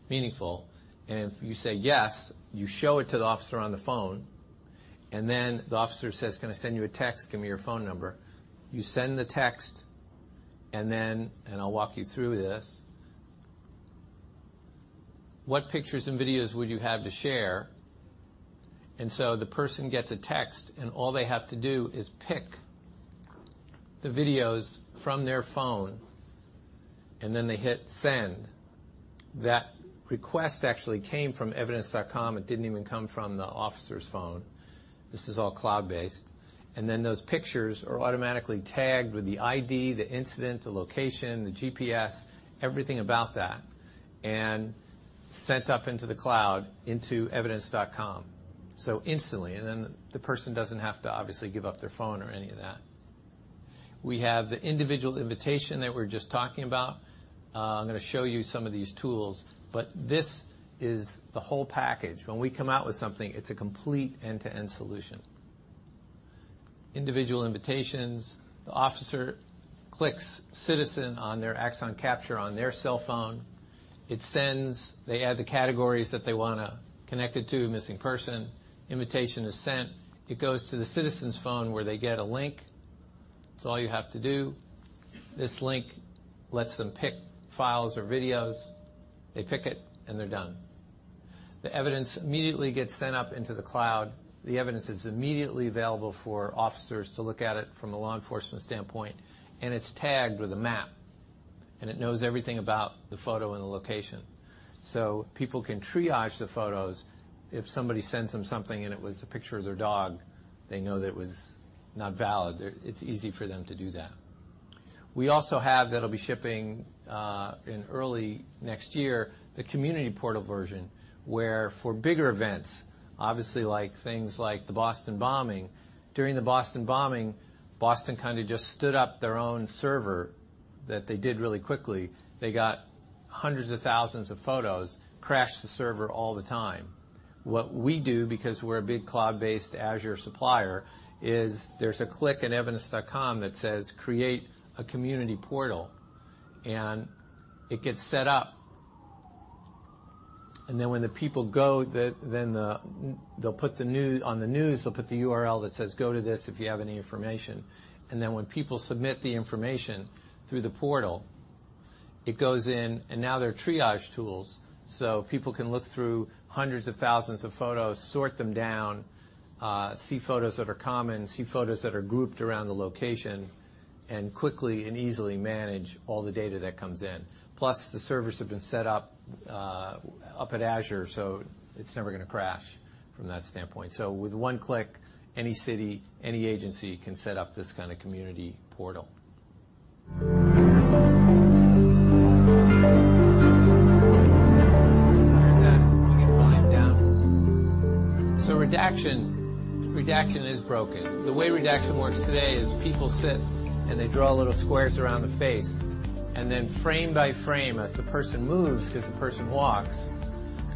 Speaker 7: meaningful?" If you say yes, you show it to the officer on the phone, the officer says, "Can I send you a text? Give me your phone number." You send the text, I'll walk you through this, what pictures and videos would you have to share? The person gets a text, all they have to do is pick the videos from their phone, they hit send. That request actually came from Evidence.com. It didn't even come from the officer's phone. This is all cloud-based. Those pictures are automatically tagged with the ID, the incident, the location, the GPS, everything about that, sent up into the cloud into Evidence.com. Instantly, the person doesn't have to obviously give up their phone or any of that. We have the individual invitation that we're just talking about. I'm going to show you some of these tools, this is the whole package. When we come out with something, it's a complete end-to-end solution. Individual invitations. The officer clicks Citizen on their Axon Capture on their cell phone. It sends. They add the categories that they want to connect it to, missing person. Invitation is sent. It goes to the citizen's phone, where they get a link. It's all you have to do. This link lets them pick files or videos. They pick it, and they're done. The evidence immediately gets sent up into the cloud. The evidence is immediately available for officers to look at it from a law enforcement standpoint, and it's tagged with a map, and it knows everything about the photo and the location. People can triage the photos. If somebody sends them something and it was a picture of their dog, they know that it was not valid. It's easy for them to do that. We also have, that'll be shipping in early next year, the community portal version, where for bigger events, obviously things like the Boston Bombing. During the Boston Bombing, Boston kind of just stood up their own server that they did really quickly. They got hundreds of thousands of photos, crashed the server all the time. What we do, because we're a big cloud-based Azure supplier, is there's a click in Evidence.com that says, "Create a community portal," and it gets set up. Then when the people go, on the news, they'll put the URL that says, "Go to this if you have any information." Then when people submit the information through the portal, it goes in, and now there are triage tools so people can look through hundreds of thousands of photos, sort them down, see photos that are common, see photos that are grouped around the location. Quickly and easily manage all the data that comes in. The servers have been set up at Azure, so it's never going to crash from that standpoint. With one click, any city, any agency can set up this kind of community portal. Every time we hit five down. Redaction is broken. The way redaction works today is people sit and they draw little squares around the face, and then frame by frame as the person moves, as the person walks,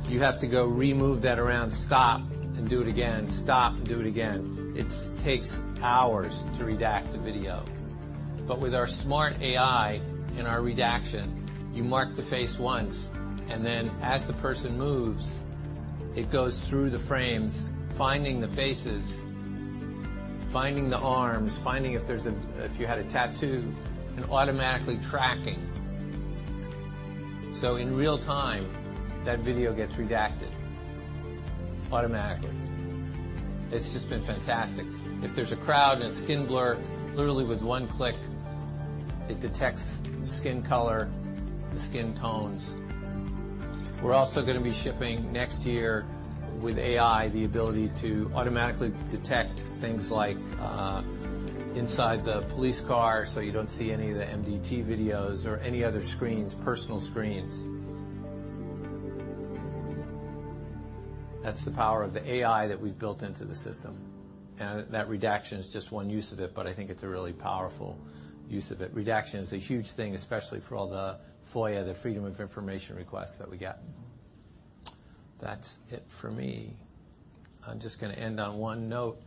Speaker 7: you have to go remove that around, stop and do it again. Stop and do it again. It takes hours to redact a video. With our smart AI and our redaction, you mark the face once, and then as the person moves, it goes through the frames, finding the faces, finding the arms, finding if you had a tattoo, and automatically tracking. In real-time, that video gets redacted automatically. It's just been fantastic. If there's a crowd and it's skin blur, literally with one click, it detects skin color, the skin tones. We're also going to be shipping next year with AI, the ability to automatically detect things like, inside the police car, so you don't see any of the MDT videos or any other screens, personal screens. That's the power of the AI that we've built into the system. That redaction is just one use of it, but I think it's a really powerful use of it. Redaction is a huge thing, especially for all the FOIA, the freedom of information requests that we get. That's it for me. I'm just going to end on one note.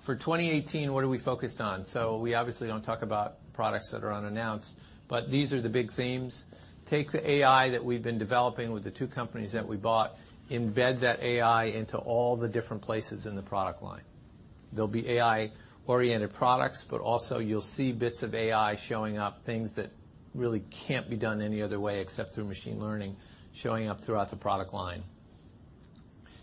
Speaker 7: For 2018, what are we focused on? We obviously don't talk about products that are unannounced, but these are the big themes. Take the AI that we've been developing with the two companies that we bought, embed that AI into all the different places in the product line. There'll be AI-oriented products, but also you'll see bits of AI showing up, things that really can't be done any other way except through machine learning, showing up throughout the product line.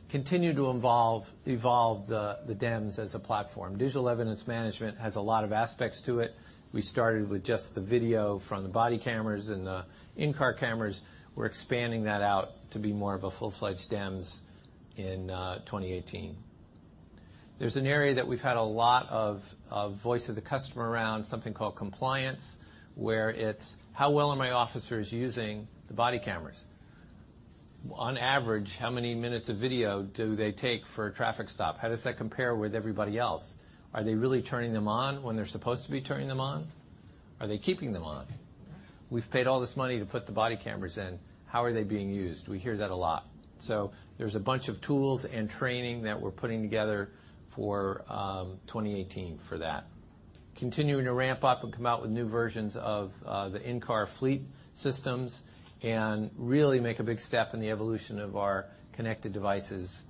Speaker 7: Continue to evolve the DEMS as a platform. Digital evidence management has a lot of aspects to it. We started with just the video from the body cameras and the in-car cameras. We're expanding that out to be more of a full-fledged DEMS in 2018. There's an area that we've had a lot of voice of the customer around, something called compliance, where it's how well are my officers using the body cameras? On average, how many minutes of video do they take for a traffic stop? How does that compare with everybody else? Are they really turning them on when they're supposed to be turning them on? Are they keeping them on? We've paid all this money to put the body cameras in. How are they being used? There's a bunch of tools and training that we're putting together for 2018 for that. Continuing to ramp up and come out with new versions of the in-car Fleet systems and really make a big step in the evolution of our connected devices,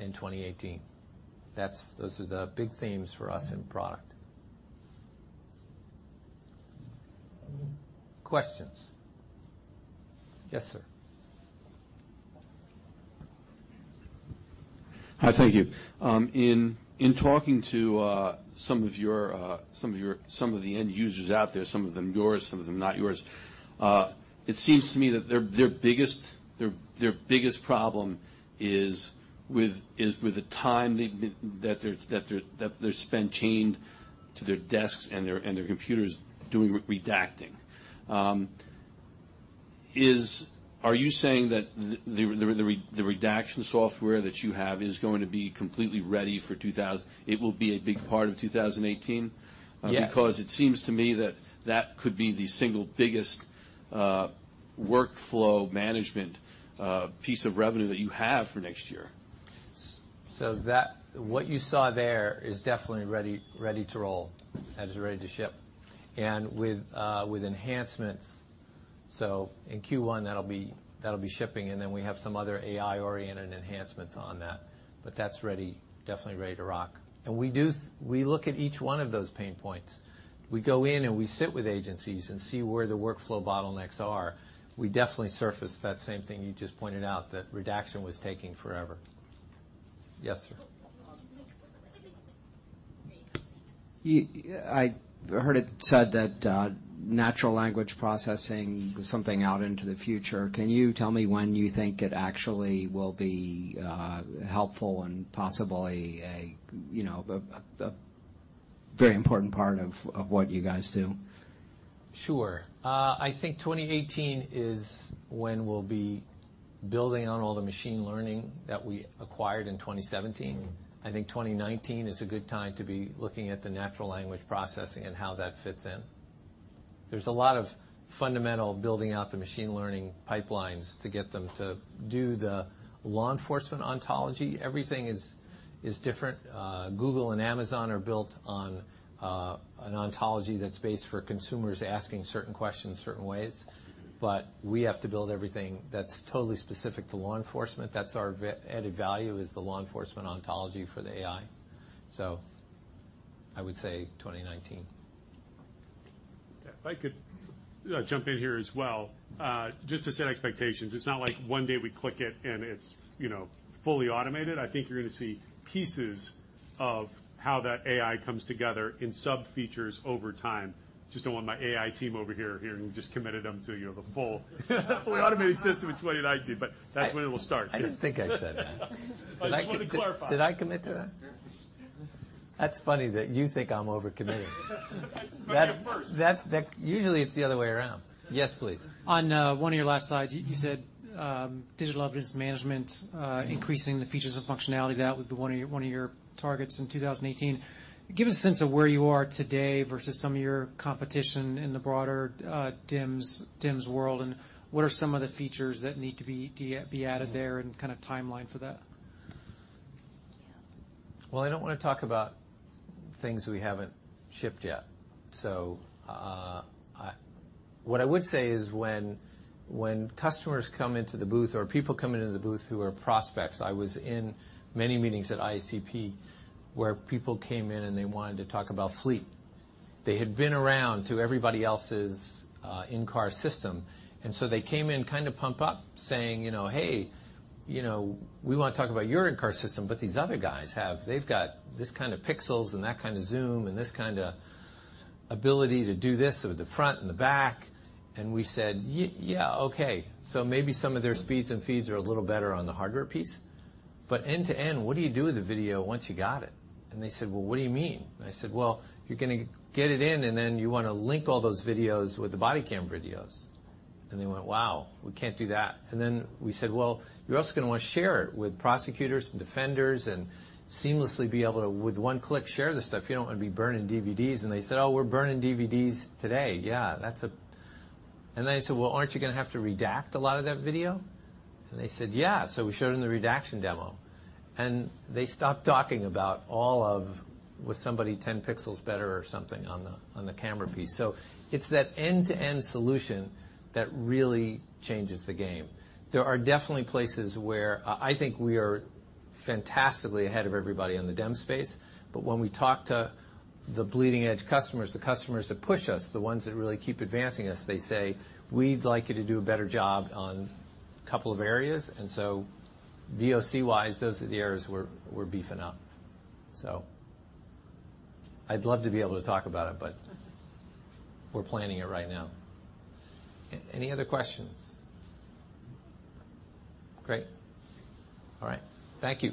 Speaker 7: in 2018. Those are the big themes for us in product. Questions? Yes, sir.
Speaker 8: Hi. Thank you. In talking to some of the end users out there, some of them yours, some of them not yours, it seems to me that their biggest problem is with the time that they're spent chained to their desks and their computers doing redacting. Are you saying that the redaction software that you have is going to be completely ready for it will be a big part of 2018?
Speaker 7: Yeah.
Speaker 8: It seems to me that that could be the single biggest workflow management piece of revenue that you have for next year.
Speaker 7: What you saw there is definitely ready to roll, is ready to ship. With enhancements, in Q1 that'll be shipping, then we have some other AI-oriented enhancements on that. That's definitely ready to rock. We look at each one of those pain points. We go in and we sit with agencies and see where the workflow bottlenecks are. We definitely surfaced that same thing you just pointed out, that redaction was taking forever. Yes, sir.
Speaker 9: I heard it said that natural language processing was something out into the future. Can you tell me when you think it actually will be helpful and possibly a very important part of what you guys do?
Speaker 7: Sure. I think 2018 is when we'll be building on all the machine learning that we acquired in 2017. I think 2019 is a good time to be looking at the natural language processing and how that fits in. There's a lot of fundamental building out the machine learning pipelines to get them to do the law enforcement ontology. Everything is different. Google and Amazon are built on an ontology that's based for consumers asking certain questions certain ways, but we have to build everything that's totally specific to law enforcement. That's our added value is the law enforcement ontology for the AI. I would say 2019.
Speaker 2: If I could jump in here as well. Just to set expectations, it's not like one day we click it and it's fully automated. I think you're going to see pieces of how that AI comes together in sub-features over time. Just don't want my AI team over here hearing, we just committed them to the full automated system in 2019, that's when it will start.
Speaker 7: I didn't think I said that.
Speaker 2: I just wanted to clarify.
Speaker 7: Did I commit to that? That's funny that you think I'm over-committing.
Speaker 2: You heard it first.
Speaker 7: Usually it's the other way around. Yes, please.
Speaker 10: On one of your last slides, you said Digital Evidence Management, increasing the features and functionality, that would be one of your targets in 2018. Give us a sense of where you are today versus some of your competition in the broader DEMS world, what are some of the features that need to be added there and kind of timeline for that?
Speaker 7: Well, I don't want to talk about things we haven't shipped yet. What I would say is when customers come into the booth, or people come into the booth who are prospects, I was in many meetings at IACP where people came in and they wanted to talk about Fleet. They had been around to everybody else's in-car system, they came in kind of pumped up saying, "Hey, we want to talk about your in-car system, but these other guys, they've got this kind of pixels and that kind of zoom and this kind of ability to do this with the front and the back." We said, "Yeah, okay. Maybe some of their speeds and feeds are a little better on the hardware piece. End to end, what do you do with the video once you got it?" They said, "Well, what do you mean?" I said, "Well, you're going to get it in, then you want to link all those videos with the body cam videos." They went, "Wow, we can't do that." We said, "Well, you're also going to want to share it with prosecutors and defenders seamlessly be able to, with one click, share this stuff. You don't want to be burning DVDs." They said, "Oh, we're burning DVDs today. Yeah." I said, "Well, aren't you going to have to redact a lot of that video?" They said, "Yeah." We showed them the redaction demo, they stopped talking about all of, was somebody 10 pixels better or something on the camera piece. It's that end-to-end solution that really changes the game. There are definitely places where I think we are fantastically ahead of everybody in the DEM space, but when we talk to the bleeding edge customers, the customers that push us, the ones that really keep advancing us, they say, "We'd like you to do a better job on a couple of areas." VOC-wise, those are the areas we're beefing up. I'd love to be able to talk about it, but we're planning it right now. Any other questions? Great. All right. Thank you.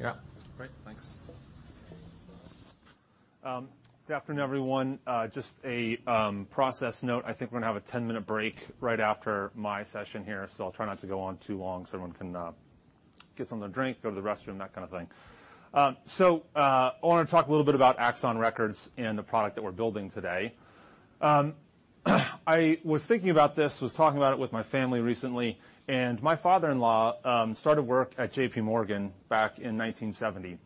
Speaker 7: Yeah.
Speaker 2: Great. Thanks.
Speaker 11: Good afternoon, everyone. Just a process note. I think we're going to have a 10-minute break right after my session here, so I'll try not to go on too long so everyone can get something to drink, go to the restroom, that kind of thing. I want to talk a little bit about Axon Records and the product that we're building today. I was thinking about this, was talking about it with my family recently, and my father-in-law started work at J.P. Morgan back in 1970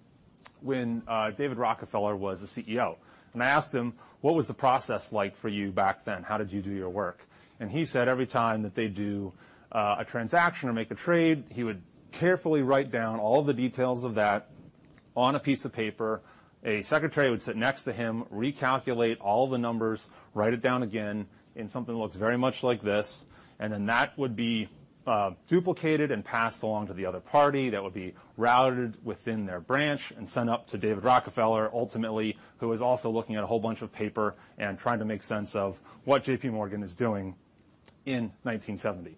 Speaker 11: when David Rockefeller was the CEO. I asked him, "What was the process like for you back then? How did you do your work?" He said every time that they'd do a transaction or make a trade, he would carefully write down all the details of that on a piece of paper. A secretary would sit next to him, recalculate all the numbers, write it down again in something that looks very much like this, that would be duplicated and passed along to the other party. That would be routed within their branch and sent up to David Rockefeller, ultimately, who was also looking at a whole bunch of paper and trying to make sense of what J.P. Morgan is doing in 1970.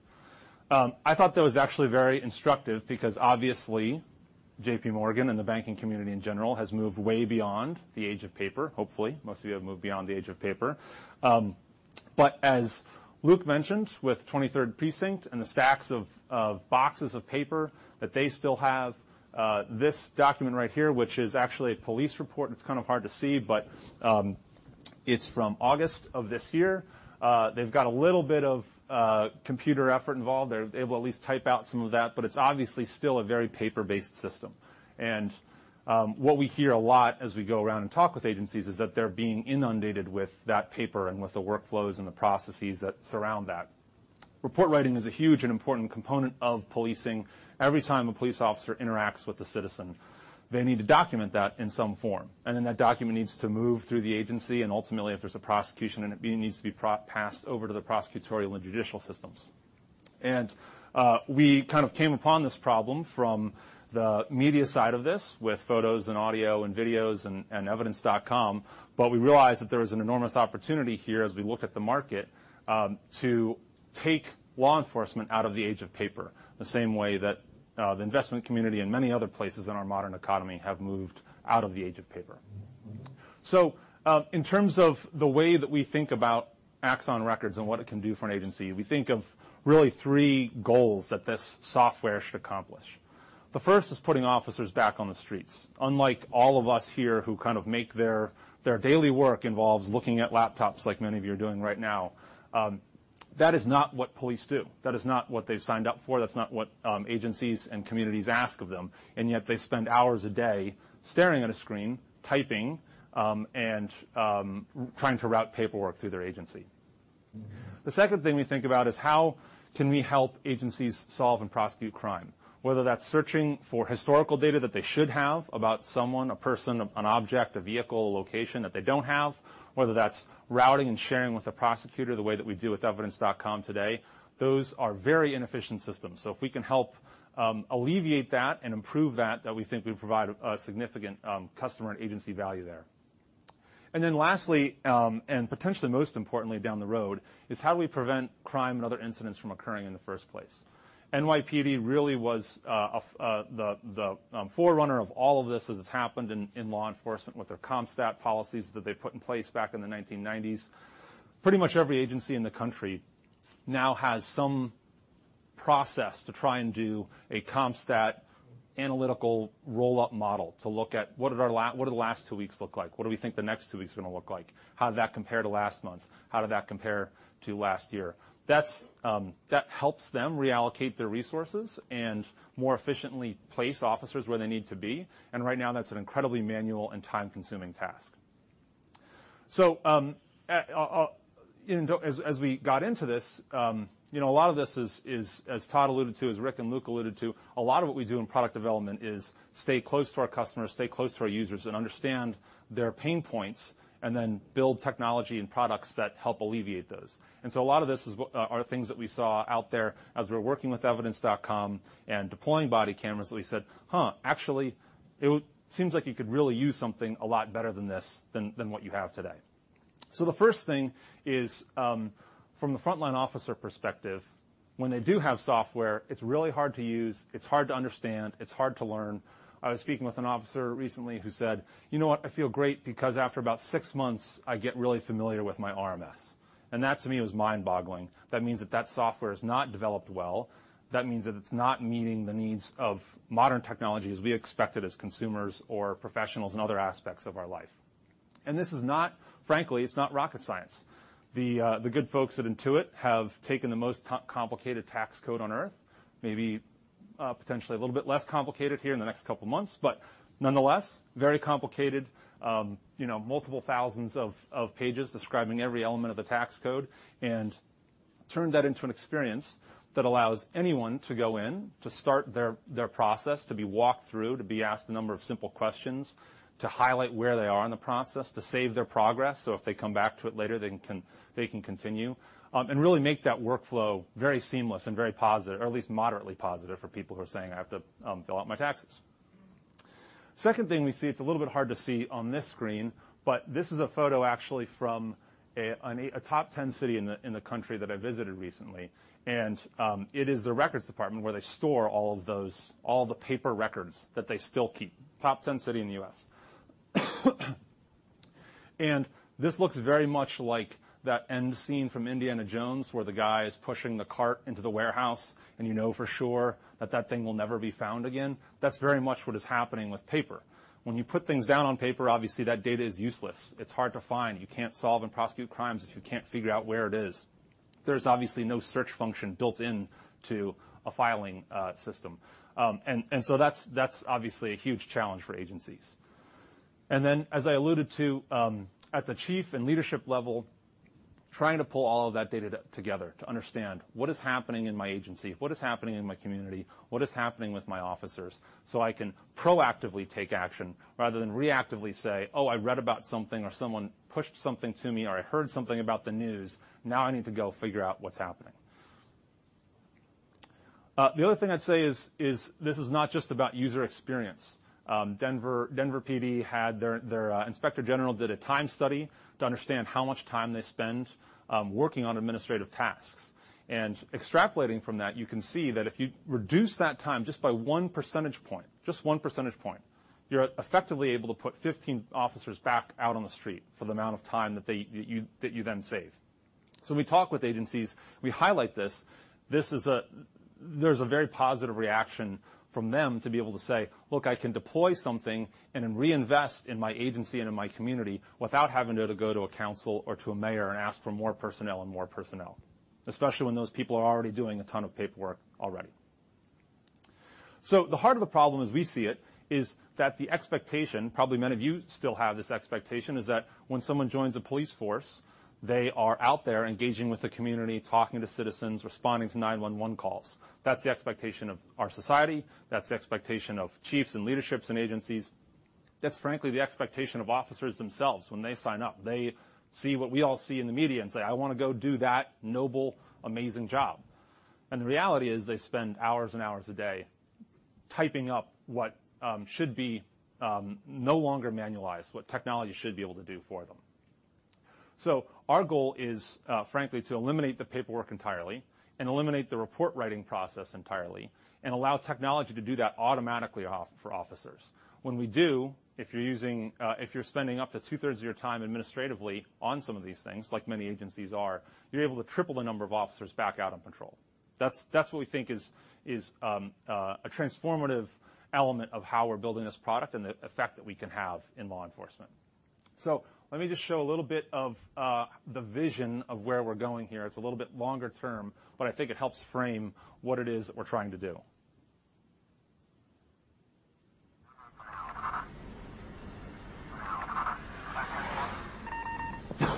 Speaker 11: I thought that was actually very instructive because obviously J.P. Morgan and the banking community in general has moved way beyond the age of paper. Hopefully, most of you have moved beyond the age of paper. As Luke mentioned, with 23rd Precinct and the stacks of boxes of paper that they still have, this document right here, which is actually a police report, and it's kind of hard to see, but it's from August of this year. They've got a little bit of computer effort involved. They're able to at least type out some of that, but it's obviously still a very paper-based system. What we hear a lot as we go around and talk with agencies is that they're being inundated with that paper and with the workflows and the processes that surround that. Report writing is a huge and important component of policing. Every time a police officer interacts with a citizen, they need to document that in some form, and then that document needs to move through the agency, and ultimately, if there's a prosecution, it needs to be passed over to the prosecutorial and judicial systems. We kind of came upon this problem from the media side of this with photos and audio and videos and Evidence.com, but we realized that there was an enormous opportunity here as we look at the market to take law enforcement out of the age of paper, the same way that the investment community and many other places in our modern economy have moved out of the age of paper. In terms of the way that we think about Axon Records and what it can do for an agency, we think of really three goals that this software should accomplish. The first is putting officers back on the streets. Unlike all of us here who kind of make their daily work involves looking at laptops like many of you are doing right now, that is not what police do. That is not what they've signed up for. That's not what agencies and communities ask of them, and yet they spend hours a day staring at a screen, typing, and trying to route paperwork through their agency. The second thing we think about is how can we help agencies solve and prosecute crime, whether that's searching for historical data that they should have about someone, a person, an object, a vehicle, a location that they don't have, whether that's routing and sharing with a prosecutor the way that we do with Evidence.com today. Those are very inefficient systems, if we can help alleviate that and improve that, we think we provide a significant customer and agency value there. Then lastly, and potentially most importantly down the road, is how do we prevent crime and other incidents from occurring in the first place? NYPD really was the forerunner of all of this as it's happened in law enforcement with their CompStat policies that they put in place back in the 1990s. Pretty much every agency in the country now has some process to try and do a CompStat analytical roll-up model to look at what did the last two weeks look like? What do we think the next two weeks are going to look like? How did that compare to last month? How did that compare to last year? That helps them reallocate their resources and more efficiently place officers where they need to be. Right now, that's an incredibly manual and time-consuming task. As we got into this, a lot of this is, as Todd alluded to, as Rick and Luke alluded to, a lot of what we do in product development is stay close to our customers, stay close to our users, and understand their pain points, and then build technology and products that help alleviate those. A lot of this are things that we saw out there as we were working with Evidence.com and deploying body cameras, we said, "Huh, actually, it seems like you could really use something a lot better than this, than what you have today." The first thing is, from the frontline officer perspective, when they do have software, it's really hard to use, it's hard to understand, it's hard to learn. I was speaking with an officer recently who said, "You know what? I feel great because after about six months, I get really familiar with my RMS." That to me was mind-boggling. That means that software is not developed well. That means that it's not meeting the needs of modern technology as we expect it as consumers or professionals in other aspects of our life. This is not, frankly, it's not rocket science. The good folks at Intuit have taken the most complicated tax code on Earth, maybe potentially a little bit less complicated here in the next couple of months, but nonetheless, very complicated, multiple thousands of pages describing every element of the tax code and turned that into an experience that allows anyone to go in, to start their process, to be walked through, to be asked a number of simple questions, to highlight where they are in the process, to save their progress, so if they come back to it later, they can continue, and really make that workflow very seamless and very positive or at least moderately positive for people who are saying, "I have to fill out my taxes." Second thing we see, it's a little bit hard to see on this screen, but this is a photo actually from a top 10 city in the country that I visited recently, and it is the records department where they store all the paper records that they still keep. Top 10 city in the U.S. This looks very much like that end scene from Indiana Jones where the guy is pushing the cart into the warehouse and you know for sure that thing will never be found again. That's very much what is happening with paper. When you put things down on paper, obviously that data is useless. It's hard to find. You can't solve and prosecute crimes if you can't figure out where it is. There's obviously no search function built into a filing system. That's obviously a huge challenge for agencies. As I alluded to, at the chief and leadership level, trying to pull all of that data together to understand what is happening in my agency, what is happening in my community, what is happening with my officers, so I can proactively take action rather than reactively say, "Oh, I read about something," or, "Someone pushed something to me," or, "I heard something about the news. Now I need to go figure out what's happening." The other thing I'd say is this is not just about user experience. Denver PD had their inspector general did a time study to understand how much time they spend working on administrative tasks, and extrapolating from that, you can see that if you reduce that time just by one percentage point, just one percentage point, you're effectively able to put 15 officers back out on the street for the amount of time that you then save. We talk with agencies, we highlight this. There's a very positive reaction from them to be able to say, look, I can deploy something and then reinvest in my agency and in my community without having to go to a council or to a mayor and ask for more personnel and more personnel, especially when those people are already doing a ton of paperwork already. The heart of the problem as we see it is that the expectation, probably many of you still have this expectation, is that when someone joins a police force, they are out there engaging with the community, talking to citizens, responding to 911 calls. That's the expectation of our society. That's the expectation of chiefs and leaderships and agencies. That's frankly the expectation of officers themselves when they sign up. They see what we all see in the media and say, "I want to go do that noble, amazing job." The reality is they spend hours and hours a day typing up what should be no longer manualized, what technology should be able to do for them. Our goal is, frankly, to eliminate the paperwork entirely and eliminate the report writing process entirely and allow technology to do that automatically for officers. When we do, if you're spending up to two-thirds of your time administratively on some of these things, like many agencies are, you're able to triple the number of officers back out on patrol. That's what we think is a transformative element of how we're building this product and the effect that we can have in law enforcement. Let me just show a little bit of the vision of where we're going here. It's a little bit longer term, but I think it helps frame what it is that we're trying to do.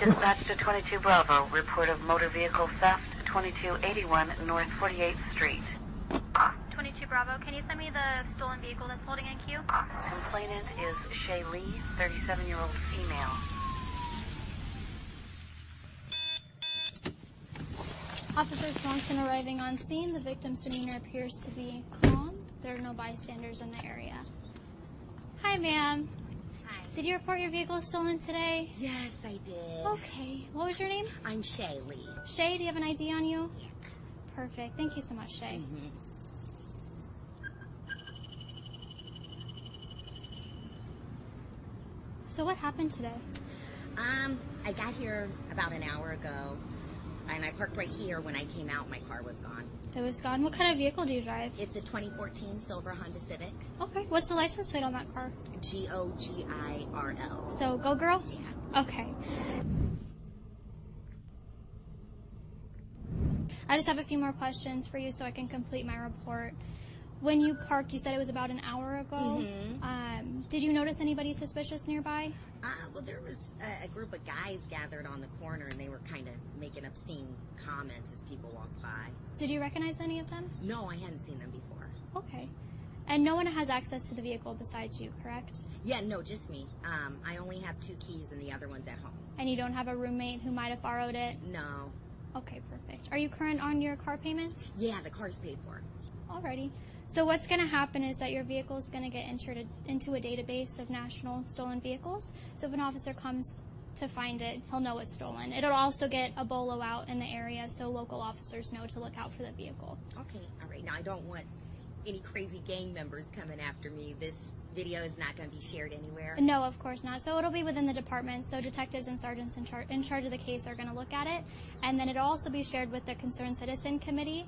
Speaker 3: Dispatch to 22 Bravo, report of motor vehicle theft, 2281 North 48th Street.
Speaker 12: 22 Bravo, can you send me the stolen vehicle that's holding in queue?
Speaker 3: Complainant is Shay Lee, 37-year-old female.
Speaker 12: Officer Swanson arriving on scene. The victim's demeanor appears to be calm. There are no bystanders in the area. Hi, ma'am.
Speaker 13: Hi.
Speaker 12: Did you report your vehicle stolen today?
Speaker 13: Yes, I did.
Speaker 12: Okay. What was your name?
Speaker 13: I'm Shay Lee.
Speaker 12: Shay, do you have an ID on you?
Speaker 13: Yeah.
Speaker 12: Perfect. Thank you so much, Shay. What happened today?
Speaker 13: I got here about an hour ago, and I parked right here. When I came out, my car was gone.
Speaker 12: It was gone. What kind of vehicle do you drive?
Speaker 13: It's a 2014 silver Honda Civic.
Speaker 12: Okay. What's the license plate on that car?
Speaker 13: G-O-G-I-R-L.
Speaker 12: Go girl?
Speaker 13: Yeah.
Speaker 12: Okay. I just have a few more questions for you so I can complete my report. When you parked, you said it was about an hour ago. Did you notice anybody suspicious nearby?
Speaker 13: Well, there was a group of guys gathered on the corner, and they were kind of making obscene comments as people walked by.
Speaker 12: Did you recognize any of them?
Speaker 13: No, I hadn't seen them before.
Speaker 12: Okay. No one has access to the vehicle besides you, correct?
Speaker 13: Yeah. No, just me. I only have two keys, and the other one's at home.
Speaker 12: You don't have a roommate who might have borrowed it?
Speaker 13: No.
Speaker 12: Okay, perfect. Are you current on your car payments?
Speaker 13: Yeah, the car's paid for.
Speaker 12: All righty. What's going to happen is that your vehicle is going to get entered into a database of national stolen vehicles. If an officer comes to find it, he'll know it's stolen. It'll also get a BOLO out in the area, so local officers know to look out for the vehicle.
Speaker 13: Okay. All right. Now, I don't want any crazy gang members coming after me. This video is not going to be shared anywhere?
Speaker 12: No, of course not. It'll be within the department, so detectives and sergeants in charge of the case are going to look at it, and then it'll also be shared with the Concerned Citizen Committee.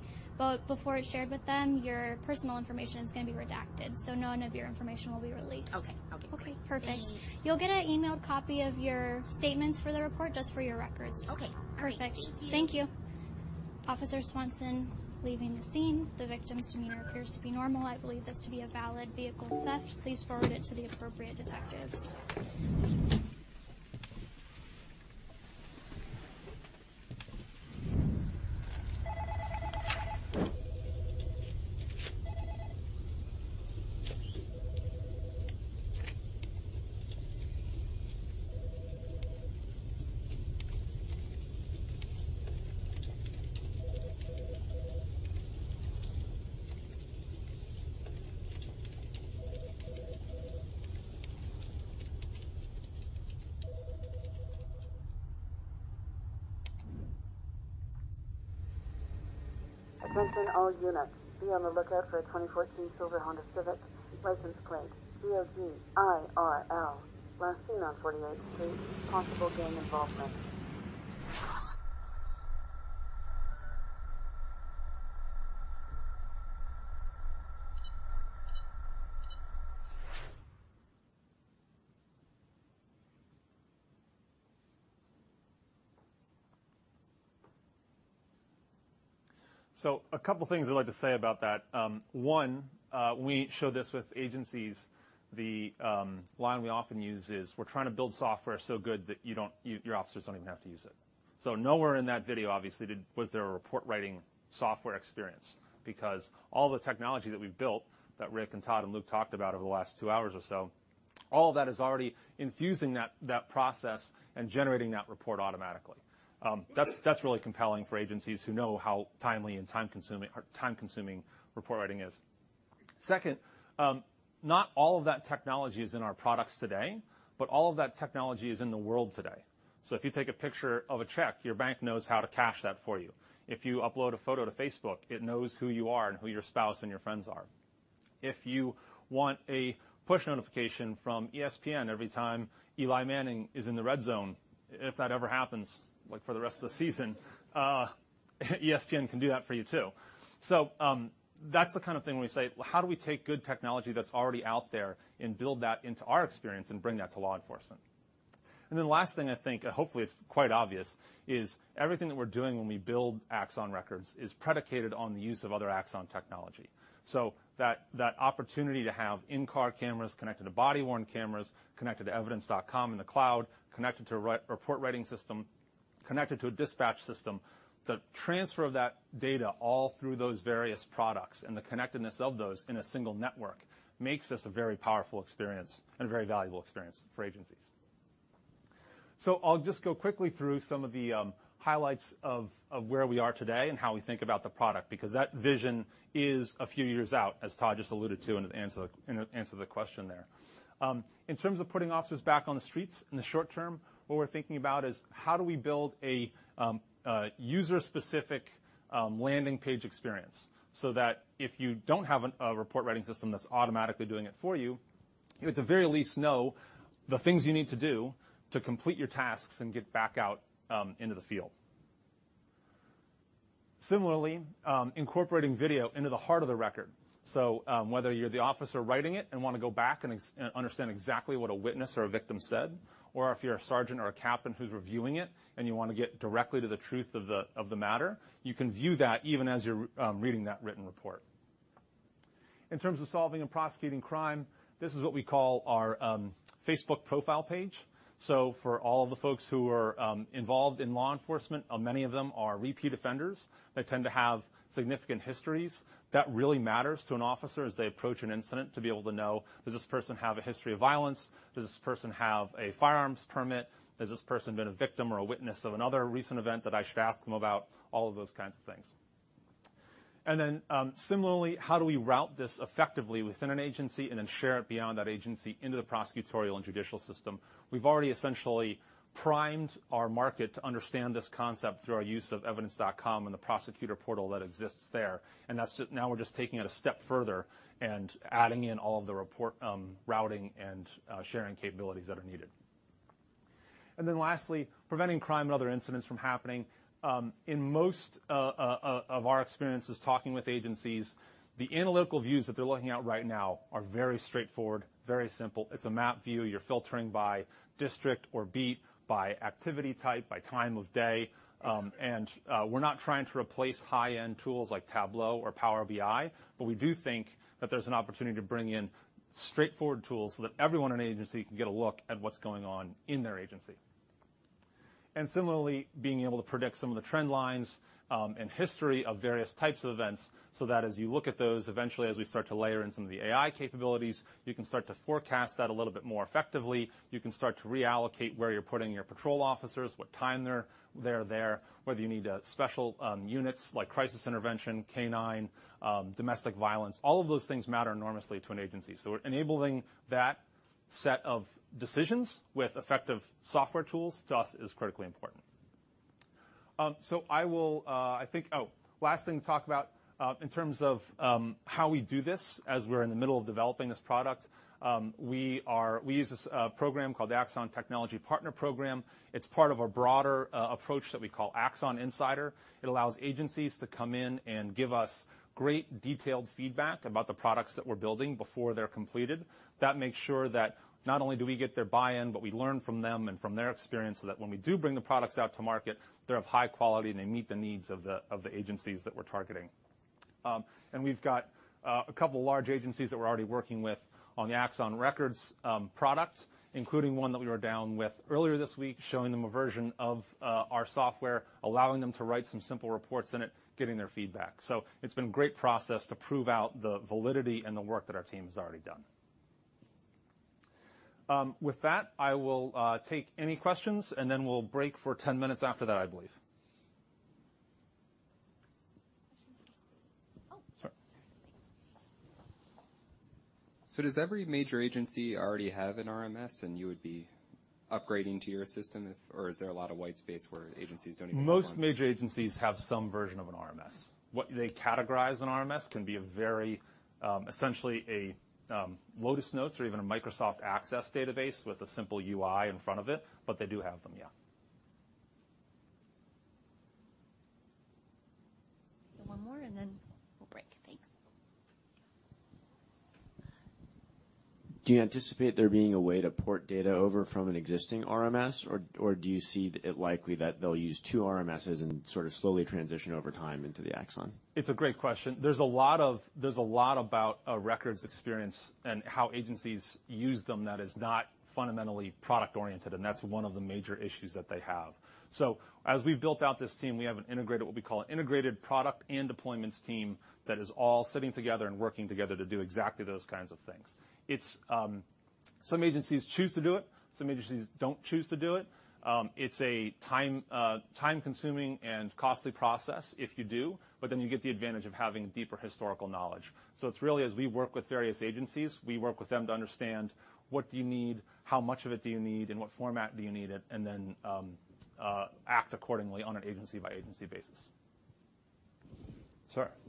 Speaker 12: Before it's shared with them, your personal information is going to be redacted, so none of your information will be released.
Speaker 13: Okay.
Speaker 12: Okay, perfect.
Speaker 13: Thanks.
Speaker 12: You'll get an emailed copy of your statements for the report just for your records.
Speaker 13: Okay, great.
Speaker 12: Perfect.
Speaker 13: Thank you.
Speaker 12: Thank you. Officer Swanson leaving the scene. The victim's demeanor appears to be normal. I believe this to be a valid vehicle theft. Please forward it to the appropriate detectives.
Speaker 3: Attention all units, be on the lookout for a 2014 silver Honda Civic, license plate G-O-G-I-R-L. Last seen on 48th Street. Possible gang involvement.
Speaker 11: A couple things I'd like to say about that. One, we show this with agencies. The line we often use is, "We're trying to build software so good that your officers don't even have to use it." Nowhere in that video, obviously, was there a report writing software experience because all the technology that we've built, that Rick and Todd and Luke talked about over the last two hours or so, all that is already infusing that process and generating that report automatically. That's really compelling for agencies who know how timely and time-consuming report writing is. Second, not all of that technology is in our products today, but all of that technology is in the world today. If you take a picture of a check, your bank knows how to cash that for you. If you upload a photo to Facebook, it knows who you are and who your spouse and your friends are. If you want a push notification from ESPN every time Eli Manning is in the red zone, if that ever happens, like for the rest of the season, ESPN can do that for you, too. That's the kind of thing when we say, "Well, how do we take good technology that's already out there and build that into our experience and bring that to law enforcement?" And then the last thing I think, hopefully it's quite obvious, is everything that we're doing when we build Axon Records is predicated on the use of other Axon technology. That opportunity to have in-car cameras connected to body-worn cameras, connected to Evidence.com in the cloud, connected to a report writing system, connected to a dispatch system, the transfer of that data all through those various products and the connectedness of those in a single network makes this a very powerful experience and a very valuable experience for agencies. I'll just go quickly through some of the highlights of where we are today and how we think about the product because that vision is a few years out, as Todd just alluded to in answer to the question there. In terms of putting officers back on the streets in the short term, what we're thinking about is how do we build a user-specific landing page experience so that if you don't have a report writing system that's automatically doing it for you at the very least know the things you need to do to complete your tasks and get back out into the field. Similarly, incorporating video into the heart of the record. Whether you're the officer writing it and want to go back and understand exactly what a witness or a victim said, or if you're a sergeant or a captain who's reviewing it and you want to get directly to the truth of the matter, you can view that even as you're reading that written report. In terms of solving and prosecuting crime, this is what we call our Facebook profile page. For all the folks who are involved in law enforcement, many of them are repeat offenders. They tend to have significant histories. That really matters to an officer as they approach an incident to be able to know, does this person have a history of violence? Does this person have a firearms permit? Has this person been a victim or a witness of another recent event that I should ask them about? All of those kinds of things. Similarly, how do we route this effectively within an agency and then share it beyond that agency into the prosecutorial and judicial system? We've already essentially primed our market to understand this concept through our use of Evidence.com and the prosecutor portal that exists there. We're just taking it a step further and adding in all of the report routing and sharing capabilities that are needed. Lastly, preventing crime and other incidents from happening. In most of our experiences talking with agencies, the analytical views that they're looking at right now are very straightforward, very simple. It's a map view. You're filtering by district or beat, by activity type, by time of day. We're not trying to replace high-end tools like Tableau or Power BI, but we do think that there's an opportunity to bring in straightforward tools so that everyone in an agency can get a look at what's going on in their agency. Similarly, being able to predict some of the trend lines and history of various types of events, so that as you look at those, eventually as we start to layer in some of the AI capabilities, you can start to forecast that a little bit more effectively. You can start to reallocate where you're putting your patrol officers, what time they're there, whether you need special units like crisis intervention, canine, domestic violence. All of those things matter enormously to an agency. Enabling that set of decisions with effective software tools, to us, is critically important. Last thing to talk about in terms of how we do this, as we're in the middle of developing this product, we use this program called the Axon Technology Partner Program. It's part of a broader approach that we call Axon Insider. It allows agencies to come in and give us great detailed feedback about the products that we're building before they're completed. That makes sure that not only do we get their buy-in, but we learn from them and from their experience, so that when we do bring the products out to market, they're of high quality, and they meet the needs of the agencies that we're targeting. We've got a couple large agencies that we're already working with on the Axon Records product, including one that we were down with earlier this week, showing them a version of our software, allowing them to write some simple reports in it, getting their feedback. It's been great process to prove out the validity and the work that our team has already done. With that, I will take any questions, we'll break for 10 minutes after that, I believe.
Speaker 1: Questions? Oh.
Speaker 11: Sorry.
Speaker 1: Sorry. Thanks.
Speaker 14: Does every major agency already have an RMS, and you would be upgrading to your system? Or is there a lot of white space where agencies don't even have one?
Speaker 11: Most major agencies have some version of an RMS. What they categorize an RMS can be essentially a Lotus Notes or even a Microsoft Access database with a simple UI in front of it, but they do have them, yeah.
Speaker 1: One more, and then we'll break. Thanks.
Speaker 15: Do you anticipate there being a way to port data over from an existing RMS, or do you see it likely that they'll use two RMSs and sort of slowly transition over time into the Axon?
Speaker 11: It's a great question. There's a lot about a records experience and how agencies use them that is not fundamentally product-oriented, and that's one of the major issues that they have. As we've built out this team, we have what we call an integrated product and deployments team that is all sitting together and working together to do exactly those kinds of things. Some agencies choose to do it. Some agencies don't choose to do it. It's a time-consuming and costly process if you do, then you get the advantage of having deeper historical knowledge. It's really as we work with various agencies, we work with them to understand what do you need, how much of it do you need, and what format do you need it, and then act accordingly on an agency-by-agency basis. Sir.
Speaker 1: Oh.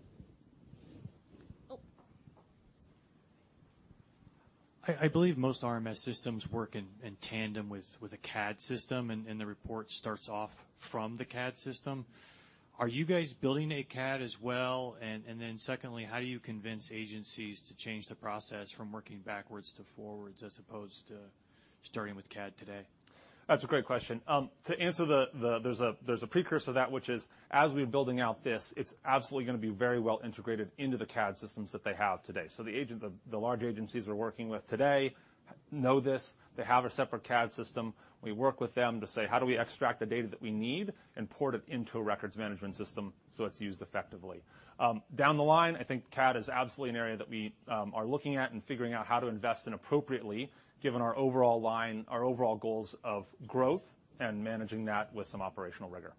Speaker 16: I believe most RMS systems work in tandem with a CAD system, the report starts off from the CAD system. Are you guys building a CAD as well? Secondly, how do you convince agencies to change the process from working backwards to forwards as opposed to starting with CAD today?
Speaker 11: That's a great question. To answer, there's a precursor to that, which is as we're building out this, it's absolutely going to be very well integrated into the CAD systems that they have today. The large agencies we're working with today know this. They have a separate CAD system. We work with them to say, how do we extract the data that we need and port it into a records management system so it's used effectively? Down the line, I think CAD is absolutely an area that we are looking at and figuring out how to invest in appropriately given our overall goals of growth and managing that with some operational rigor.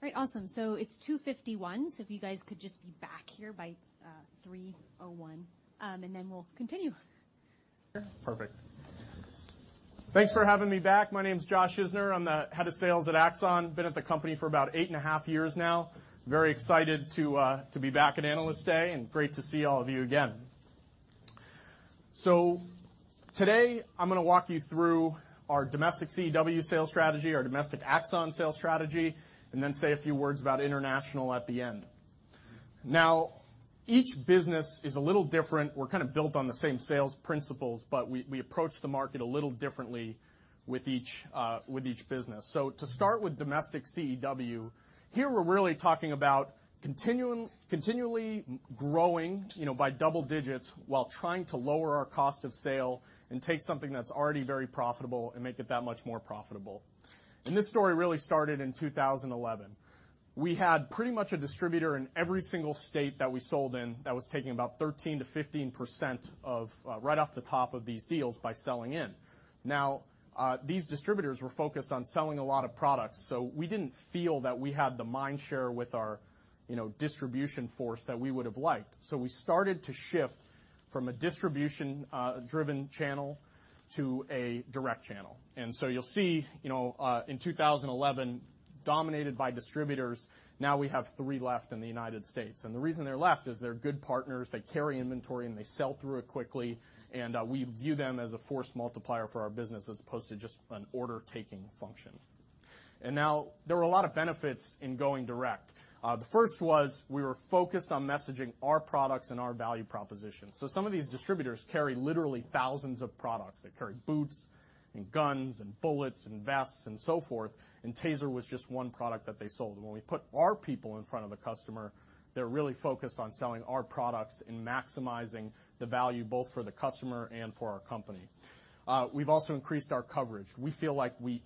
Speaker 1: Great. Awesome. It's 2:51. If you guys could just be back here by 3:01, we'll continue.
Speaker 17: Sure. Perfect. Thanks for having me back. My name's Josh Isner. I'm the Head of Sales at Axon. Been at the company for about eight and a half years now. Very excited to be back at Analyst Day, and great to see all of you again. Today, I'm going to walk you through our domestic CEW sales strategy, our domestic Axon sales strategy, say a few words about international at the end. Each business is a little different. We're built on the same sales principles, but we approach the market a little differently with each business. To start with domestic CEW, here we're really talking about continually growing by double digits while trying to lower our cost of sale and take something that's already very profitable and make it that much more profitable. This story really started in 2011. We had pretty much a distributor in every single state that we sold in that was taking about 13%-15% right off the top of these deals by selling in. These distributors were focused on selling a lot of products, we didn't feel that we had the mind share with our distribution force that we would have liked. We started to shift from a distribution-driven channel to a direct channel. You'll see, in 2011, dominated by distributors, now we have three left in the United States. The reason they're left is they're good partners, they carry inventory, and they sell through it quickly. We view them as a force multiplier for our business as opposed to just an order-taking function. Now, there were a lot of benefits in going direct. The first was we were focused on messaging our products and our value proposition. Some of these distributors carry literally thousands of products. They carry boots and guns and bullets and vests and so forth, and TASER was just one product that they sold. When we put our people in front of the customer, they're really focused on selling our products and maximizing the value both for the customer and for our company. We've also increased our coverage. We feel like we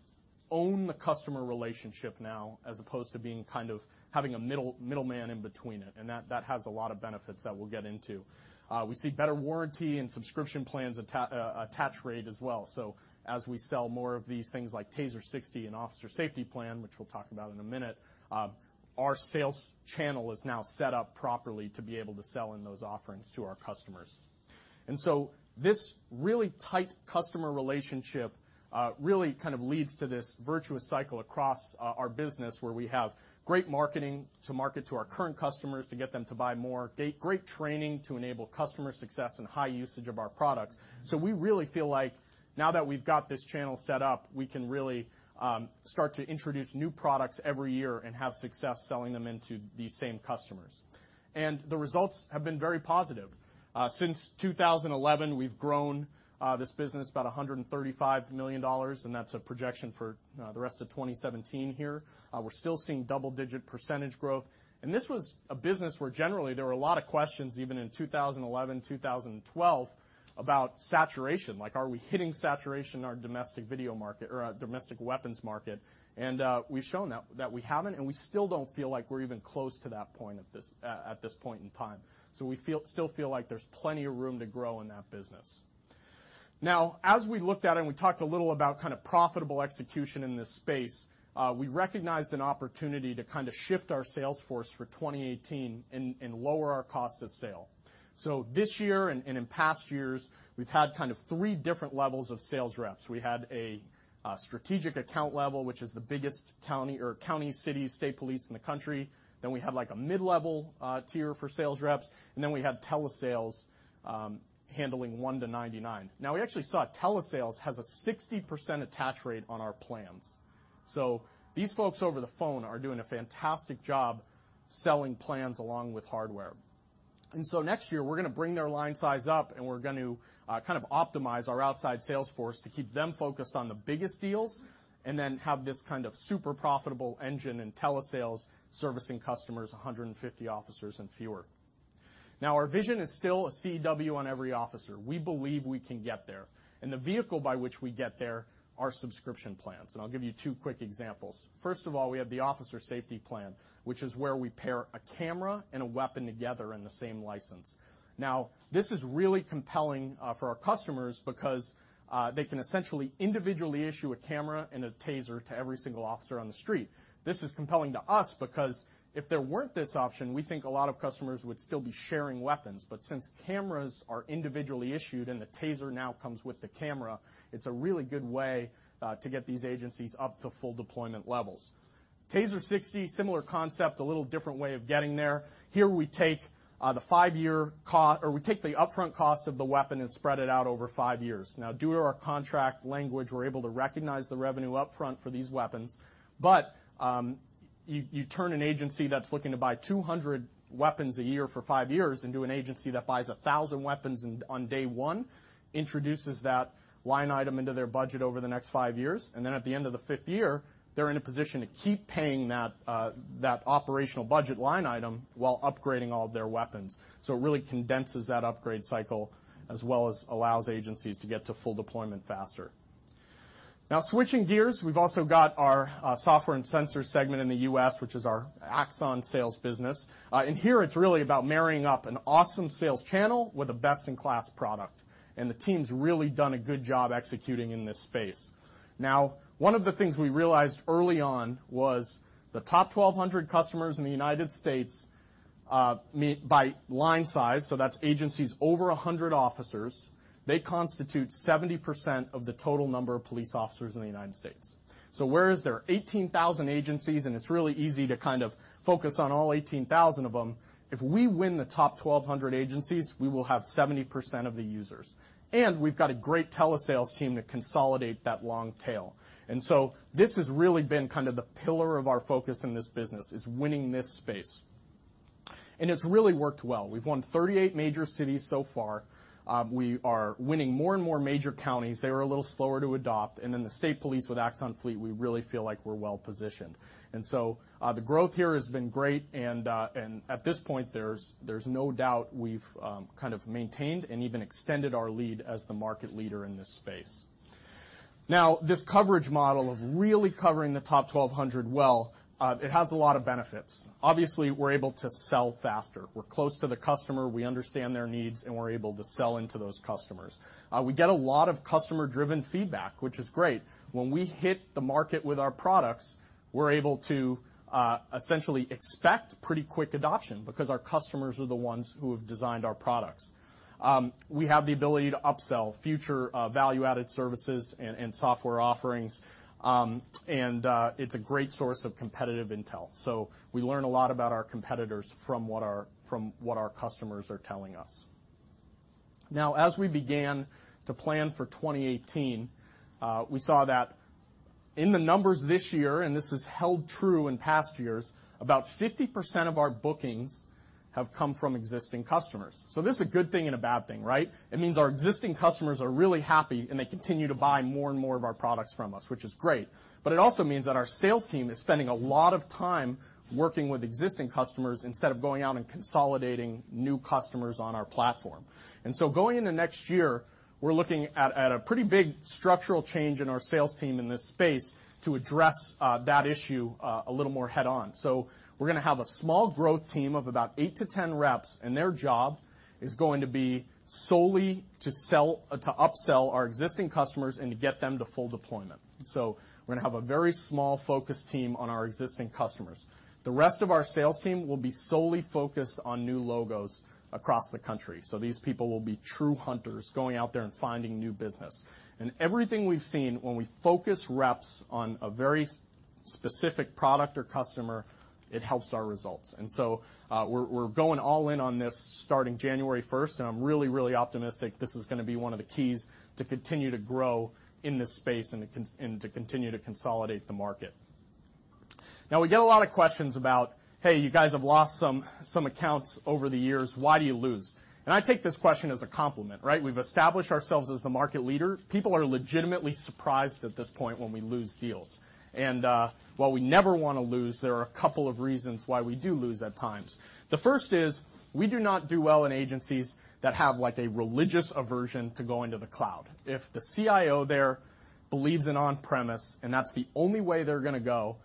Speaker 17: own the customer relationship now as opposed to having a middleman in between it, and that has a lot of benefits that we'll get into. We see better warranty and subscription plans attach rate as well. As we sell more of these things like TASER 60 and Officer Safety Plan, which we'll talk about in a minute, our sales channel is now set up properly to be able to sell in those offerings to our customers. This really tight customer relationship really leads to this virtuous cycle across our business where we have great marketing to market to our current customers to get them to buy more, great training to enable customer success and high usage of our products. We really feel like now that we've got this channel set up, we can really start to introduce new products every year and have success selling them into these same customers. The results have been very positive. Since 2011, we've grown, this business about $135 million, and that's a projection for the rest of 2017 here. We're still seeing double-digit % growth. This was a business where generally there were a lot of questions, even in 2011, 2012, about saturation. Like, are we hitting saturation in our domestic weapons market? We've shown that we haven't, and we still don't feel like we're even close to that point at this point in time. We still feel like there's plenty of room to grow in that business. As we looked at and we talked a little about profitable execution in this space, we recognized an opportunity to shift our sales force for 2018 and lower our cost of sale. This year and in past years, we've had 3 different levels of sales reps. We had a strategic account level, which is the biggest county, city, state police in the country. Then we had a mid-level tier for sales reps, and then we had telesales, handling 1 to 99. We actually saw telesales has a 60% attach rate on our plans. These folks over the phone are doing a fantastic job selling plans along with hardware. Next year, we're going to bring their line size up, and we're going to optimize our outside sales force to keep them focused on the biggest deals, and then have this super profitable engine in telesales servicing customers 150 officers and fewer. Our vision is still a CEW on every officer. We believe we can get there, and the vehicle by which we get there are subscription plans, and I'll give you two quick examples. First of all, we have the Officer Safety Plan, which is where we pair a camera and a TASER together in the same license. This is really compelling for our customers because they can essentially individually issue a camera and a TASER to every single officer on the street. This is compelling to us because if there weren't this option, we think a lot of customers would still be sharing weapons. Since cameras are individually issued and the TASER now comes with the camera, it's a really good way to get these agencies up to full deployment levels. TASER 60, similar concept, a little different way of getting there. Here we take the upfront cost of the weapon and spread it out over 5 years. Due to our contract language, we're able to recognize the revenue upfront for these weapons. You turn an agency that's looking to buy 200 weapons a year for 5 years into an agency that buys 1,000 weapons on day one, introduces that line item into their budget over the next 5 years. At the end of the fifth year, they're in a position to keep paying that operational budget line item while upgrading all of their weapons. It really condenses that upgrade cycle as well as allows agencies to get to full deployment faster. Switching gears, we've also got our software and sensor segment in the U.S., which is our Axon sales business. Here it's really about marrying up an awesome sales channel with a best-in-class product, and the team's really done a good job executing in this space. One of the things we realized early on was the top 1,200 customers in the United States, by line size, so that's agencies over 100 officers, they constitute 70% of the total number of police officers in the United States. Whereas there are 18,000 agencies, and it's really easy to focus on all 18,000 of them, if we win the top 1,200 agencies, we will have 70% of the users. We've got a great telesales team to consolidate that long tail. This has really been the pillar of our focus in this business, is winning this space. It's really worked well. We've won 38 major cities so far. We are winning more and more major counties. They were a little slower to adopt. The state police with Axon Fleet, we really feel like we're well-positioned. The growth here has been great, and at this point, there's no doubt we've kind of maintained and even extended our lead as the market leader in this space. This coverage model of really covering the top 1,200 well, it has a lot of benefits. Obviously, we're able to sell faster. We're close to the customer, we understand their needs, and we're able to sell into those customers. We get a lot of customer-driven feedback, which is great. When we hit the market with our products, we're able to essentially expect pretty quick adoption because our customers are the ones who have designed our products. We have the ability to upsell future value-added services and software offerings. It's a great source of competitive intel. We learn a lot about our competitors from what our customers are telling us. As we began to plan for 2018, we saw that in the numbers this year, and this has held true in past years, about 50% of our bookings have come from existing customers. This is a good thing and a bad thing, right? It means our existing customers are really happy, and they continue to buy more and more of our products from us, which is great. It also means that our sales team is spending a lot of time working with existing customers instead of going out and consolidating new customers on our platform. Going into next year, we're looking at a pretty big structural change in our sales team in this space to address that issue a little more head-on. We're going to have a small growth team of about eight to 10 reps, and their job is going to be solely to upsell our existing customers and to get them to full deployment. We're going to have a very small focused team on our existing customers. The rest of our sales team will be solely focused on new logos across the country. These people will be true hunters going out there and finding new business. Everything we've seen when we focus reps on a very specific product or customer, it helps our results. We're going all in on this starting January 1st, and I'm really, really optimistic this is going to be one of the keys to continue to grow in this space and to continue to consolidate the market. We get a lot of questions about, "Hey, you guys have lost some accounts over the years. Why do you lose?" I take this question as a compliment, right? We've established ourselves as the market leader. People are legitimately surprised at this point when we lose deals. While we never want to lose, there are a couple of reasons why we do lose at times. The first is we do not do well in agencies that have a religious aversion to going to the cloud. If the CIO there believes in on-premise, and that's the only way they're going to go,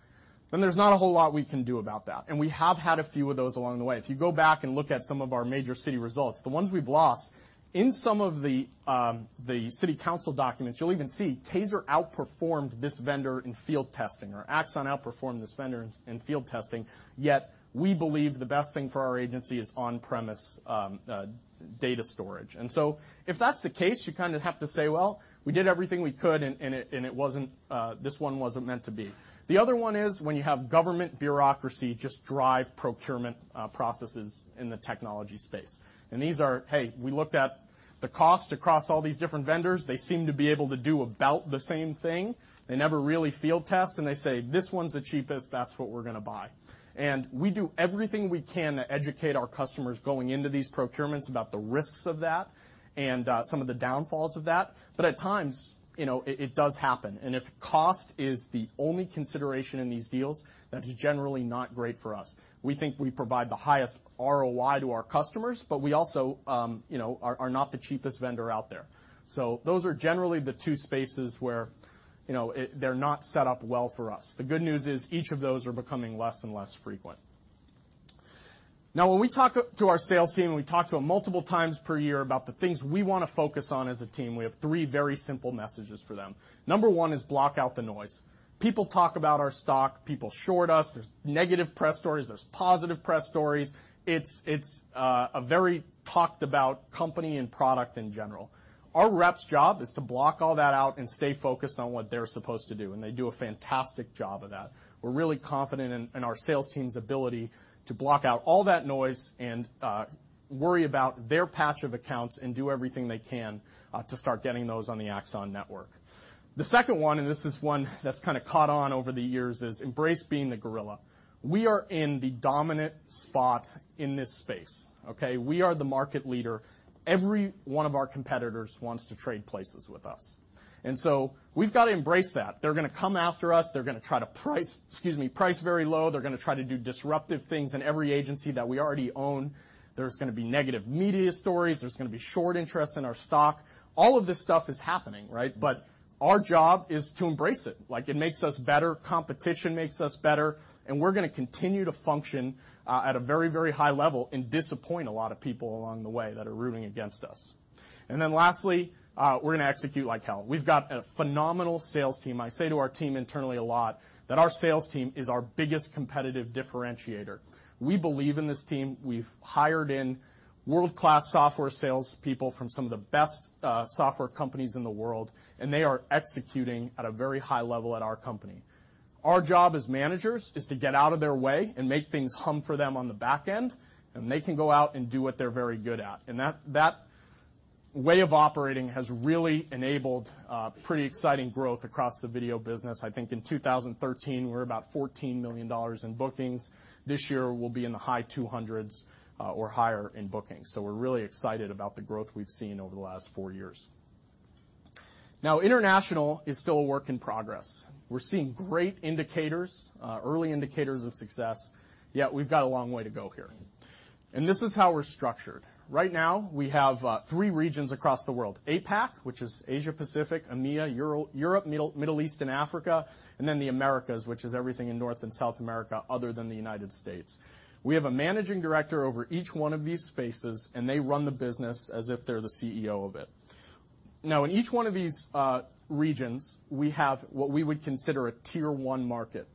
Speaker 17: then there's not a whole lot we can do about that. We have had a few of those along the way. If you go back and look at some of our major city results, the ones we've lost, in some of the city council documents, you'll even see TASER outperformed this vendor in field testing, or Axon outperformed this vendor in field testing. Yet we believe the best thing for our agency is on-premise data storage. If that's the case, you kind of have to say, well, we did everything we could, and this one wasn't meant to be. The other one is when you have government bureaucracy just drive procurement processes in the technology space. These are, hey, we looked at the cost across all these different vendors. They seem to be able to do about the same thing. They never really field test, and they say, "This one's the cheapest. That's what we're going to buy." We do everything we can to educate our customers going into these procurements about the risks of that and some of the downfalls of that. At times, it does happen. If cost is the only consideration in these deals, that is generally not great for us. We think we provide the highest ROI to our customers, but we also are not the cheapest vendor out there. Those are generally the two spaces where they're not set up well for us. The good news is each of those are becoming less and less frequent. When we talk to our sales team, we talk to them multiple times per year about the things we want to focus on as a team, we have three very simple messages for them. Number one is block out the noise. People talk about our stock. People short us. There is negative press stories. There is positive press stories. It is a very talked-about company and product in general. Our reps' job is to block all that out and stay focused on what they are supposed to do, and they do a fantastic job of that. We are really confident in our sales team's ability to block out all that noise and worry about their patch of accounts and do everything they can to start getting those on the Axon network. The second one, this is one that is kind of caught on over the years, is embrace being the gorilla. We are in the dominant spot in this space, okay? We are the market leader. Every one of our competitors wants to trade places with us. We have got to embrace that. They are going to come after us. They are going to try to price very low. They are going to try to do disruptive things in every agency that we already own. There is going to be negative media stories. There is going to be short interest in our stock. All of this stuff is happening, right? Our job is to embrace it. It makes us better. Competition makes us better, and we are going to continue to function at a very, very high level and disappoint a lot of people along the way that are rooting against us. Lastly, we are going to execute like hell. We have got a phenomenal sales team. I say to our team internally a lot that our sales team is our biggest competitive differentiator. We believe in this team. We have hired in world-class software salespeople from some of the best software companies in the world, and they are executing at a very high level at our company. Our job as managers is to get out of their way and make things hum for them on the back end, and they can go out and do what they are very good at. That way of operating has really enabled pretty exciting growth across the video business. I think in 2013, we are about $14 million in bookings. This year, we will be in the high 200s or higher in bookings. We are really excited about the growth we have seen over the last four years. International is still a work in progress. We are seeing great indicators, early indicators of success, yet we have got a long way to go here. This is how we are structured. Right now, we have three regions across the world, APAC, which is Asia-Pacific, EMEA, Europe, Middle East, and Africa, and the Americas, which is everything in North and South America other than the U.S. We have a managing director over each one of these spaces, and they run the business as if they are the CEO of it. In each one of these regions, we have what we would consider a Tier 1 market.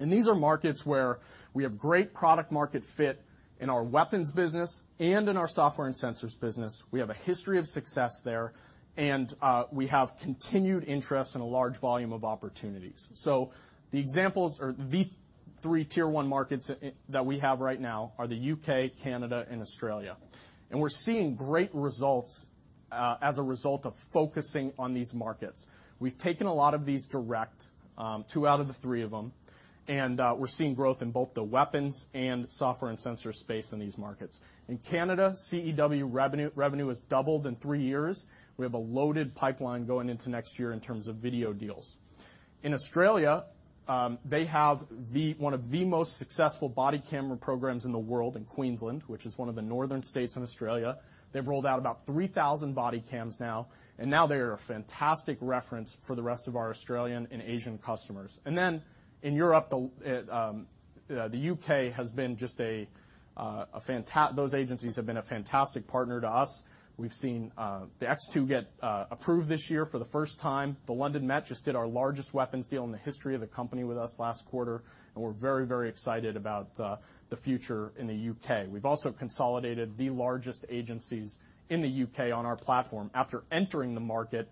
Speaker 17: These are markets where we have great product-market fit in our weapons business and in our software and sensors business. We have a history of success there, and we have continued interest and a large volume of opportunities. The examples or the three Tier 1 markets that we have right now are the U.K., Canada, and Australia. We're seeing great results as a result of focusing on these markets. We've taken a lot of these direct, two out of the three of them, and we're seeing growth in both the weapons and software and sensor space in these markets. In Canada, CEW revenue has doubled in three years. We have a loaded pipeline going into next year in terms of video deals. In Australia, they have one of the most successful body camera programs in the world in Queensland, which is one of the northern states in Australia. They've rolled out about 3,000 body cams now, and now they are a fantastic reference for the rest of our Australian and Asian customers. In Europe, the U.K., those agencies have been a fantastic partner to us. We've seen the X2 get approved this year for the first time. The London Met just did our largest weapons deal in the history of the company with us last quarter, and we're very excited about the future in the U.K. We've also consolidated the largest agencies in the U.K. on our platform after entering the market,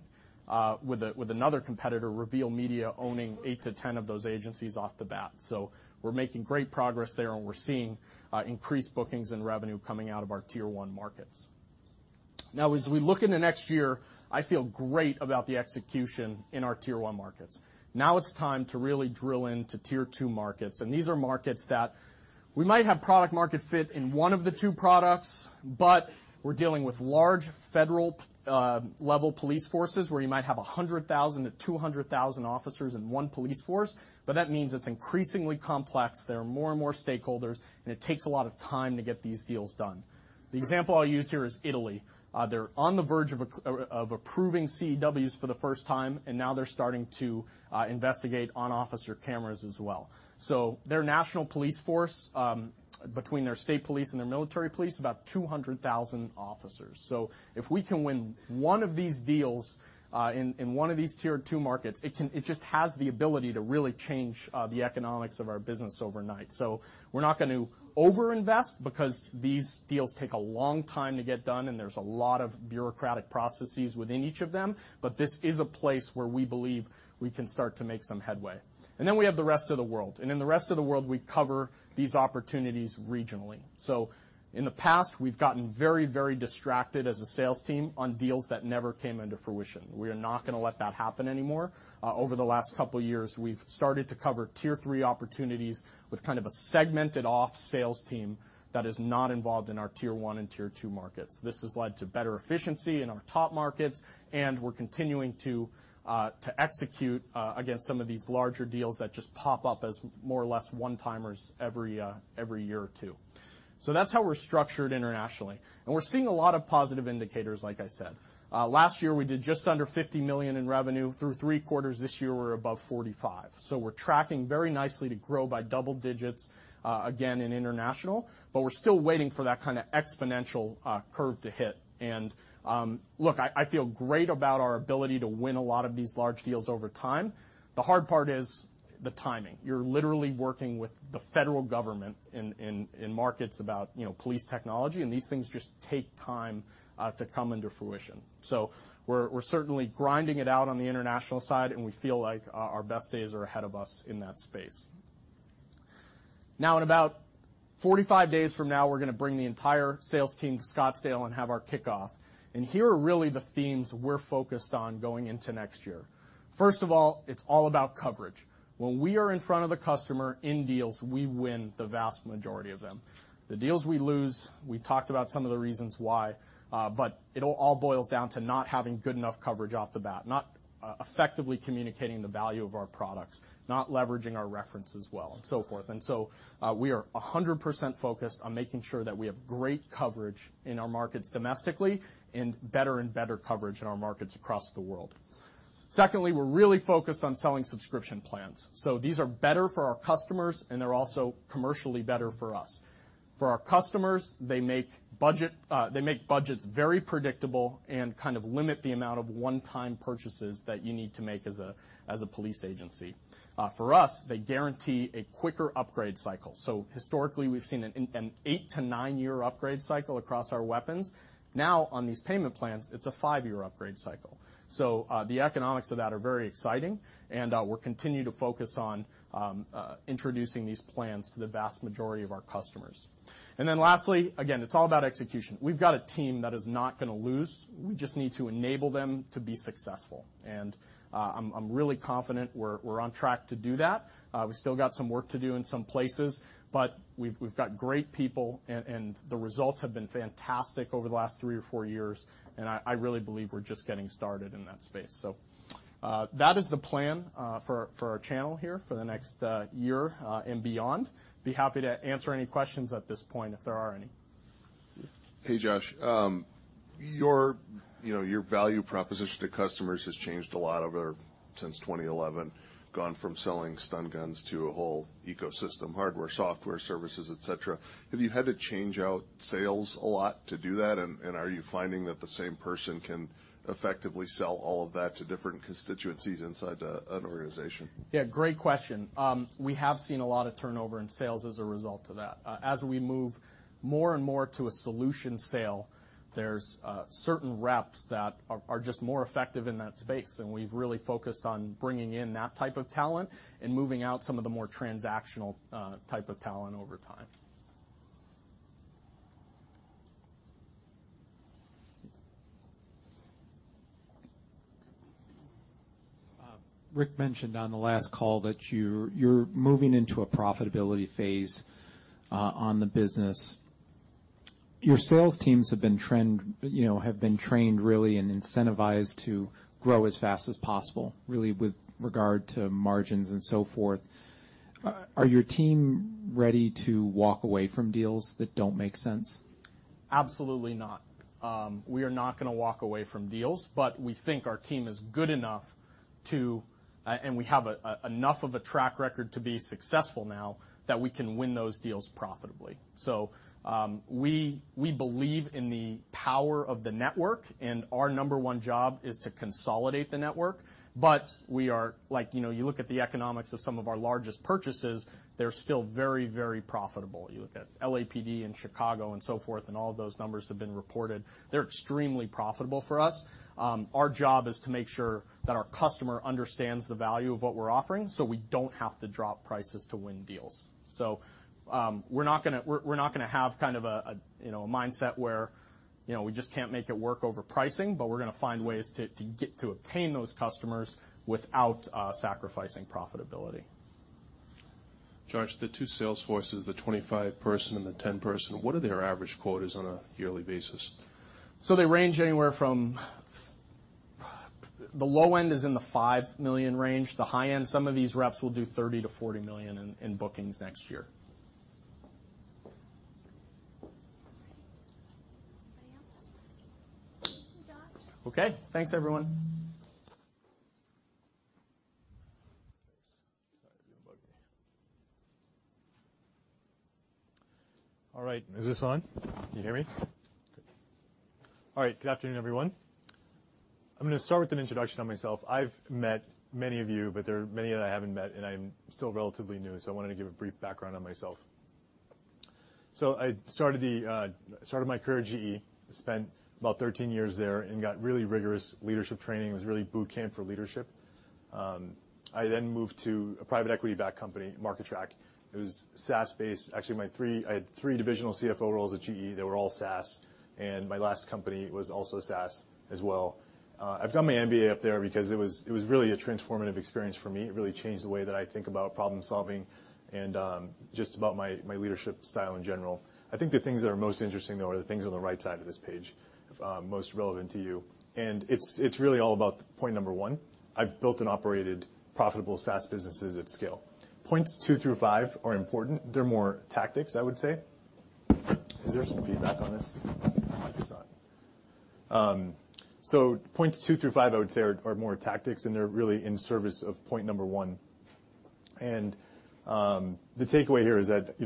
Speaker 17: with another competitor, Reveal Media, owning eight to 10 of those agencies off the bat. We're making great progress there, and we're seeing increased bookings and revenue coming out of our Tier 1 markets. As we look into next year, I feel great about the execution in our Tier 1 markets. It's time to really drill into Tier 2 markets, and these are markets that we might have product-market fit in one of the two products, but we're dealing with large federal-level police forces where you might have 100,000 to 200,000 officers in one police force, but that means it's increasingly complex. There are more and more stakeholders, and it takes a lot of time to get these deals done. The example I'll use here is Italy. They're on the verge of approving CEWs for the first time, and now they're starting to investigate on-officer cameras as well. Their national police force, between their state police and their military police, about 200,000 officers. If we can win one of these deals in one of these Tier 2 markets, it just has the ability to really change the economics of our business overnight. We're not going to over-invest because these deals take a long time to get done, and there's a lot of bureaucratic processes within each of them, but this is a place where we believe we can start to make some headway. We have the rest of the world, and in the rest of the world, we cover these opportunities regionally. In the past, we've gotten very distracted as a sales team on deals that never came into fruition. We are not going to let that happen anymore. Over the last couple of years, we've started to cover Tier 3 opportunities with kind of a segmented off sales team that is not involved in our Tier 1 and Tier 2 markets. This has led to better efficiency in our top markets, and we're continuing to execute against some of these larger deals that just pop up as more or less one-timers every year or two. That's how we're structured internationally. We're seeing a lot of positive indicators, like I said. Last year, we did just under $50 million in revenue. Through three quarters this year, we're above $45 million. We're tracking very nicely to grow by double digits again in international, but we're still waiting for that kind of exponential curve to hit. Look, I feel great about our ability to win a lot of these large deals over time. The hard part is the timing. You're literally working with the federal government in markets about police technology, and these things just take time to come into fruition. We're certainly grinding it out on the international side, and we feel like our best days are ahead of us in that space. Now, in about 45 days from now, we're going to bring the entire sales team to Scottsdale and have our kickoff. Here are really the themes we're focused on going into next year. First of all, it's all about coverage. When we are in front of the customer in deals, we win the vast majority of them. The deals we lose, we talked about some of the reasons why, but it all boils down to not having good enough coverage off the bat, not effectively communicating the value of our products, not leveraging our references well, and so forth. We are 100% focused on making sure that we have great coverage in our markets domestically and better and better coverage in our markets across the world. Secondly, we're really focused on selling subscription plans. These are better for our customers, and they're also commercially better for us. For our customers, they make budgets very predictable and kind of limit the amount of one-time purchases that you need to make as a police agency. For us, they guarantee a quicker upgrade cycle. Historically, we've seen an eight to nine-year upgrade cycle across our weapons. Now, on these payment plans, it's a five-year upgrade cycle. The economics of that are very exciting, and we'll continue to focus on introducing these plans to the vast majority of our customers. Lastly, again, it's all about execution. We've got a team that is not going to lose. We just need to enable them to be successful. I'm really confident we're on track to do that. We've still got some work to do in some places, but we've got great people, and the results have been fantastic over the last three or four years, and I really believe we're just getting started in that space. That is the plan for our channel here for the next year and beyond. Be happy to answer any questions at this point if there are any.
Speaker 18: Hey, Josh. Your value proposition to customers has changed a lot over since 2011. Gone from selling stun guns to a whole ecosystem, hardware, software services, et cetera. Have you had to change out sales a lot to do that? Are you finding that the same person can effectively sell all of that to different constituencies inside an organization?
Speaker 17: Yeah, great question. We have seen a lot of turnover in sales as a result of that. We move more and more to a solution sale, there's certain reps that are just more effective in that space, and we've really focused on bringing in that type of talent and moving out some of the more transactional type of talent over time.
Speaker 19: Rick mentioned on the last call that you're moving into a profitability phase on the business. Your sales teams have been trained really and incentivized to grow as fast as possible, really with regard to margins and so forth. Are your team ready to walk away from deals that don't make sense?
Speaker 17: Absolutely not. We are not going to walk away from deals, but we think our team is good enough to, and we have enough of a track record to be successful now that we can win those deals profitably. We believe in the power of the network, and our number one job is to consolidate the network. You look at the economics of some of our largest purchases, they're still very, very profitable. You look at LAPD and Chicago and so forth, and all of those numbers have been reported. They're extremely profitable for us. Our job is to make sure that our customer understands the value of what we're offering, so we don't have to drop prices to win deals. We're not going to have kind of a mindset where we just can't make it work over pricing, but we're going to find ways to obtain those customers without sacrificing profitability.
Speaker 20: Josh, the two sales forces, the 25 person and the 10 person, what are their average quotas on a yearly basis?
Speaker 17: They range anywhere from, the low end is in the $5 million range. The high end, some of these reps will do $30 million-$40 million in bookings next year.
Speaker 1: Anybody else? Thank you, Josh.
Speaker 17: Okay. Thanks everyone.
Speaker 21: Thanks. Sorry, it's going to bug me. All right. Is this on? Can you hear me? Good. All right. Good afternoon, everyone. I'm going to start with an introduction on myself. I've met many of you, but there are many that I haven't met, and I'm still relatively new, so I wanted to give a brief background on myself. I started my career at GE, spent about 13 years there and got really rigorous leadership training. It was really boot camp for leadership. I then moved to a private equity-backed company, MarketTrack. It was SaaS-based. Actually, I had three divisional CFO roles at GE. They were all SaaS, and my last company was also SaaS as well. I've got my MBA up there because it was really a transformative experience for me. It really changed the way that I think about problem-solving and, just about my leadership style in general. I think the things that are most interesting, though, are the things on the right side of this page, most relevant to you. It's really all about point number 1. I've built and operated profitable SaaS businesses at scale. Points 2 through 5 are important. They're more tactics, I would say. Is there some feedback on this? This microphone. Points 2 through 5, I would say, are more tactics, and they're really in service of point number 1. The takeaway here is that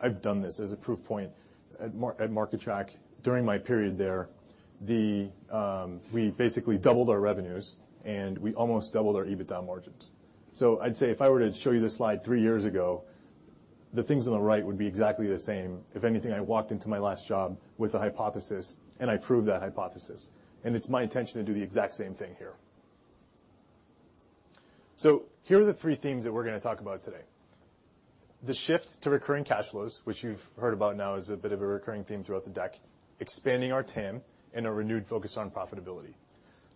Speaker 21: I've done this as a proof point. At MarketTrack, during my period there, we basically doubled our revenues, and we almost doubled our EBITDA margins. I'd say if I were to show you this slide three years ago, the things on the right would be exactly the same. If anything, I walked into my last job with a hypothesis, and I proved that hypothesis, and it's my intention to do the exact same thing here. Here are the three themes that we're going to talk about today. The shift to recurring cash flows, which you've heard about now is a bit of a recurring theme throughout the deck, expanding our TAM, and a renewed focus on profitability.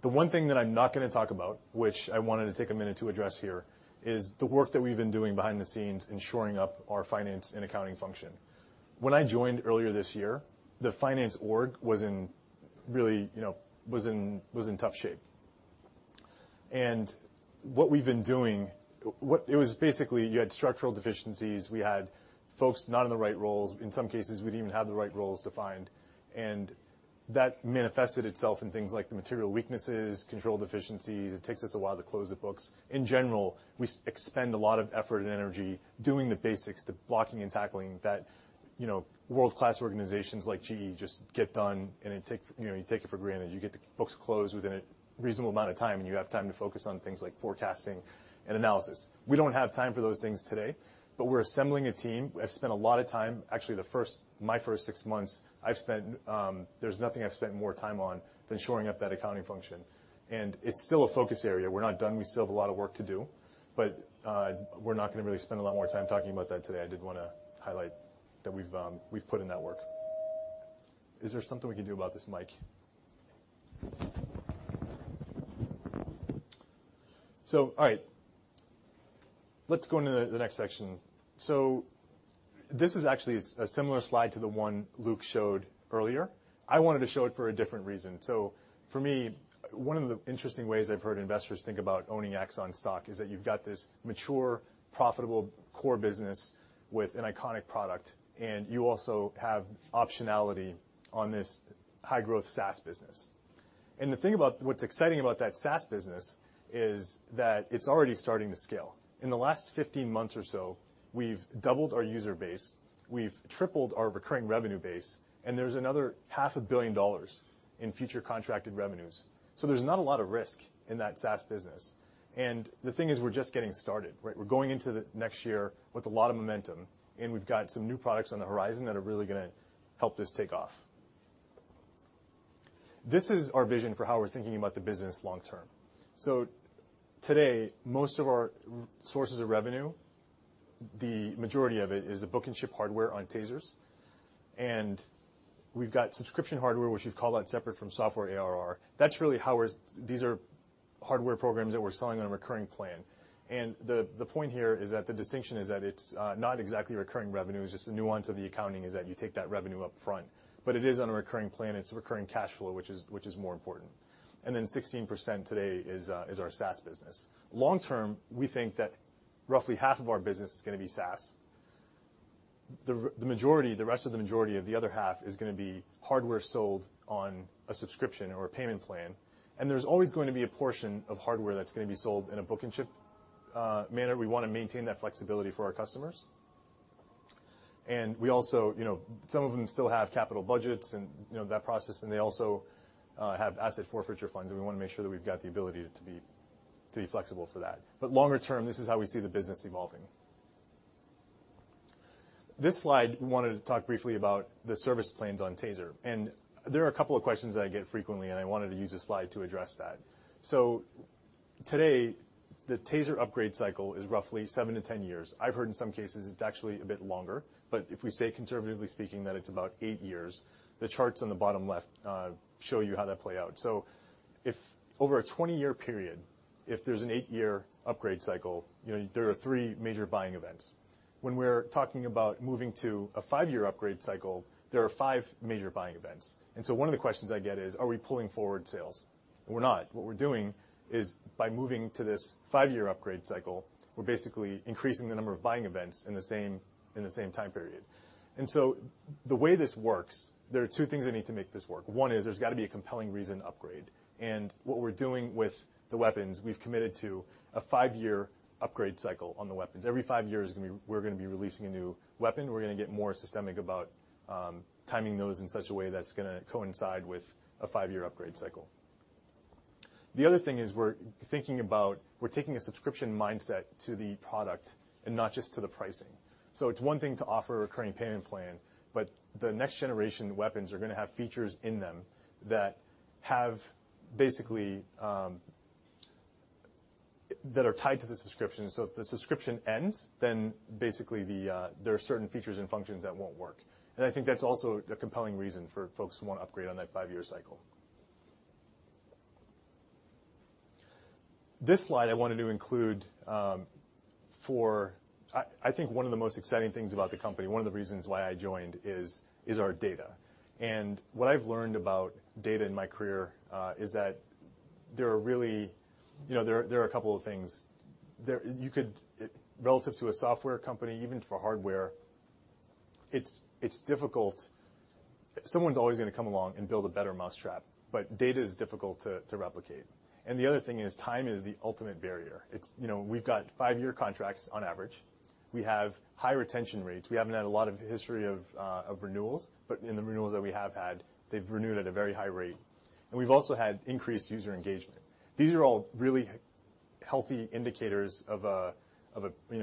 Speaker 21: The one thing that I'm not going to talk about, which I wanted to take a minute to address here, is the work that we've been doing behind the scenes in shoring up our finance and accounting function. When I joined earlier this year, the finance org was in tough shape. What we've been doing, it was basically, you had structural deficiencies. We had folks not in the right roles. In some cases, we didn't even have the right roles defined. That manifested itself in things like the material weaknesses, control deficiencies. It takes us a while to close the books. In general, we expend a lot of effort and energy doing the basics, the blocking and tackling that world-class organizations like GE just get done, and you take it for granted. You get the books closed within a reasonable amount of time, and you have time to focus on things like forecasting and analysis. We don't have time for those things today, but we're assembling a team. I've spent a lot of time, actually my first six months, there's nothing I've spent more time on than shoring up that accounting function, and it's still a focus area. We're not done. We still have a lot of work to do, but we're not going to really spend a lot more time talking about that today. I did want to highlight that we've put in that work. Is there something we can do about this mic? All right. Let's go into the next section. This is actually a similar slide to the one Luke showed earlier. I wanted to show it for a different reason. For me, one of the interesting ways I've heard investors think about owning Axon stock is that you've got this mature, profitable core business with an iconic product, and you also have optionality on this high-growth SaaS business. The thing about what's exciting about that SaaS business is that it's already starting to scale. In the last 15 months or so, we've doubled our user base, we've tripled our recurring revenue base, and there's another half a billion dollars in future contracted revenues. There's not a lot of risk in that SaaS business. The thing is, we're just getting started, right? We're going into the next year with a lot of momentum, and we've got some new products on the horizon that are really going to help this take off. This is our vision for how we're thinking about the business long term. Today, most of our sources of revenue, the majority of it is the book and ship hardware on TASERs. We've got subscription hardware, which we've called out separate from software ARR. These are hardware programs that we're selling on a recurring plan. The point here is that the distinction is that it's not exactly recurring revenue, it's just the nuance of the accounting is that you take that revenue up front. It is on a recurring plan. It's recurring cash flow, which is more important. Then 16% today is our SaaS business. Long term, we think that roughly half of our business is going to be SaaS. The rest of the majority of the other half is going to be hardware sold on a subscription or a payment plan, and there's always going to be a portion of hardware that's going to be sold in a book and ship manner. We want to maintain that flexibility for our customers. Some of them still have capital budgets and that process, and they also have asset forfeiture funds, and we want to make sure that we've got the ability to be flexible for that. Longer term, this is how we see the business evolving. This slide. We wanted to talk briefly about the service plans on TASER, and there are a couple of questions that I get frequently, and I wanted to use this slide to address that. Today, the TASER upgrade cycle is roughly seven to 10 years. I've heard in some cases it's actually a bit longer, but if we say conservatively speaking, that it's about eight years, the charts on the bottom left show you how that play out. If over a 20-year period, if there's an eight-year upgrade cycle, there are three major buying events. When we're talking about moving to a five-year upgrade cycle, there are five major buying events. One of the questions I get is, are we pulling forward sales? We're not. What we're doing is by moving to this five-year upgrade cycle, we're basically increasing the number of buying events in the same time period. The way this works, there are two things that need to make this work. One is there's got to be a compelling reason to upgrade. What we're doing with the weapons, we've committed to a five-year upgrade cycle on the weapons. Every five years, we're going to be releasing a new weapon. We're going to get more systemic about timing those in such a way that's going to coincide with a five-year upgrade cycle. The other thing is we're thinking about, we're taking a subscription mindset to the product and not just to the pricing. It's one thing to offer a recurring payment plan, but the next generation weapons are going to have features in them that are tied to the subscription. If the subscription ends, basically there are certain features and functions that won't work. I think that's also a compelling reason for folks who want to upgrade on that five-year cycle. This slide I wanted to include for, I think one of the most exciting things about the company, one of the reasons why I joined is our data. What I've learned about data in my career, is that there are a couple of things. Relative to a software company, even for hardware, it's difficult. Someone's always going to come along and build a better mousetrap, data is difficult to replicate. The other thing is time is the ultimate barrier. We've got five-year contracts on average. We have high retention rates. We haven't had a lot of history of renewals, but in the renewals that we have had, they've renewed at a very high rate. We've also had increased user engagement. These are all really healthy indicators of a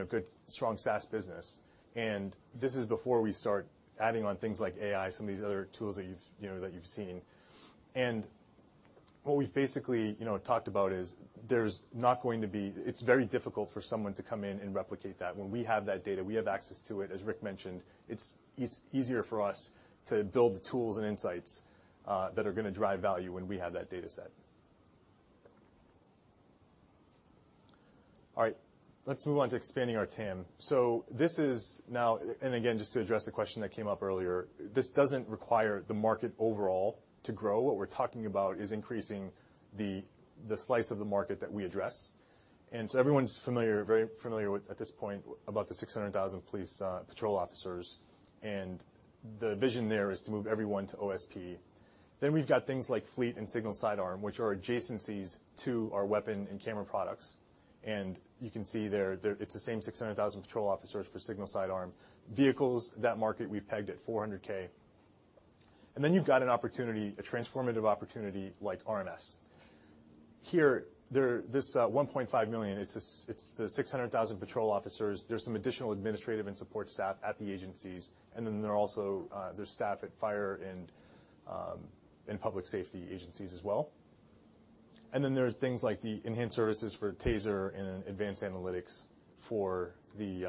Speaker 21: good, strong SaaS business, and this is before we start adding on things like AI, some of these other tools that you've seen. What we've basically talked about is it's very difficult for someone to come in and replicate that. When we have that data, we have access to it, as Rick mentioned, it's easier for us to build the tools and insights that are going to drive value when we have that data set. All right. Let's move on to expanding our TAM. This is now, again, just to address a question that came up earlier, this doesn't require the market overall to grow. What we're talking about is increasing the slice of the market that we address. Everyone's very familiar with at this point about the 600,000 police patrol officers, and the vision there is to move everyone to OSP. Then we've got things like Fleet and Signal Sidearm, which are adjacencies to our weapon and camera products. You can see there, it's the same 600,000 patrol officers for Signal Sidearm. Vehicles, that market we've pegged at 400,000. Then you've got an opportunity, a transformative opportunity like RMS. Here, this 1.5 million, it's the 600,000 patrol officers. There's some additional administrative and support staff at the agencies, then there's staff at fire and public safety agencies as well. Then there's things like the enhanced services for TASER and advanced analytics for the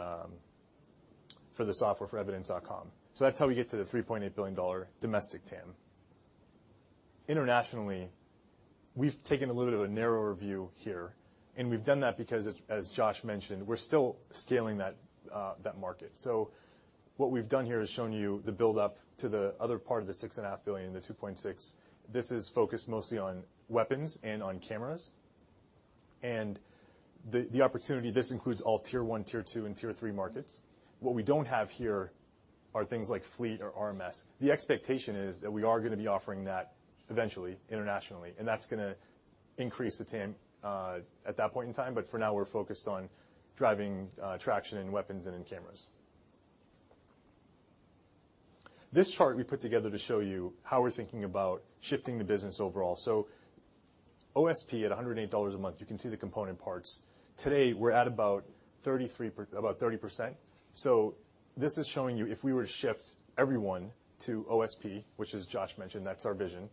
Speaker 21: software for Evidence.com. That's how we get to the $3.8 billion domestic TAM. Internationally, we've taken a little bit of a narrower view here, we've done that because, as Josh mentioned, we're still scaling that market. What we've done here is shown you the buildup to the other part of the $6.5 billion, the $2.6 billion. This is focused mostly on weapons and on cameras. The opportunity, this includes all tier 1, tier 2, and tier 3 markets. What we don't have here are things like Fleet or RMS. The expectation is that we are going to be offering that eventually internationally, that's going to increase the TAM at that point in time. For now, we're focused on driving traction in weapons and in cameras. This chart we put together to show you how we're thinking about shifting the business overall. OSP at $108 a month, you can see the component parts. Today, we're at about 30%. This is showing you if we were to shift everyone to OSP, which as Josh mentioned, that's our vision,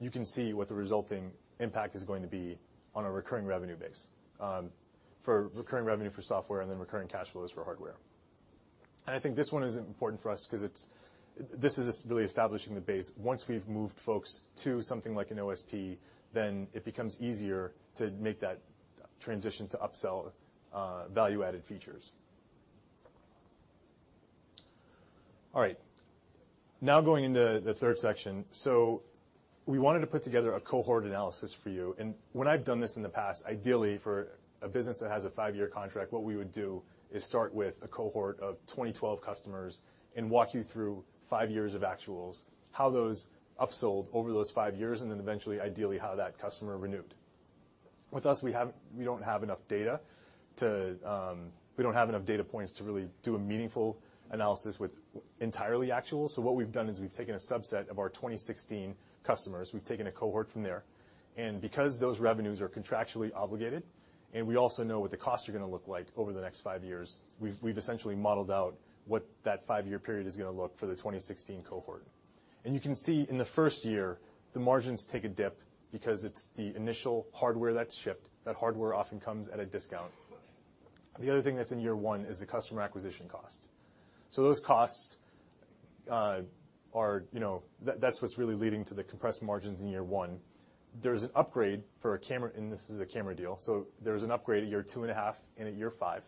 Speaker 21: you can see what the resulting impact is going to be on a recurring revenue base. For recurring revenue for software then recurring cash flows for hardware. I think this one is important for us because this is really establishing the base. Once we've moved folks to something like an OSP, it becomes easier to make that transition to upsell value-added features. All right. Now going into the third section. We wanted to put together a cohort analysis for you. When I've done this in the past, ideally for a business that has a five-year contract, what we would do is start with a cohort of 2012 customers and walk you through five years of actuals, how those upsold over those five years, then eventually, ideally, how that customer renewed. With us, we don't have enough data points to really do a meaningful analysis with entirely actuals. What we've done is we've taken a subset of our 2016 customers. We've taken a cohort from there. Because those revenues are contractually obligated, and we also know what the costs are going to look like over the next five years, we've essentially modeled out what that five-year period is going to look for the 2016 cohort. You can see in the first year, the margins take a dip because it's the initial hardware that's shipped. That hardware often comes at a discount. The other thing that's in year one is the customer acquisition cost. Those costs, that's what's really leading to the compressed margins in year one. There's an upgrade for a camera, and this is a camera deal. There's an upgrade at year two and a half and at year five.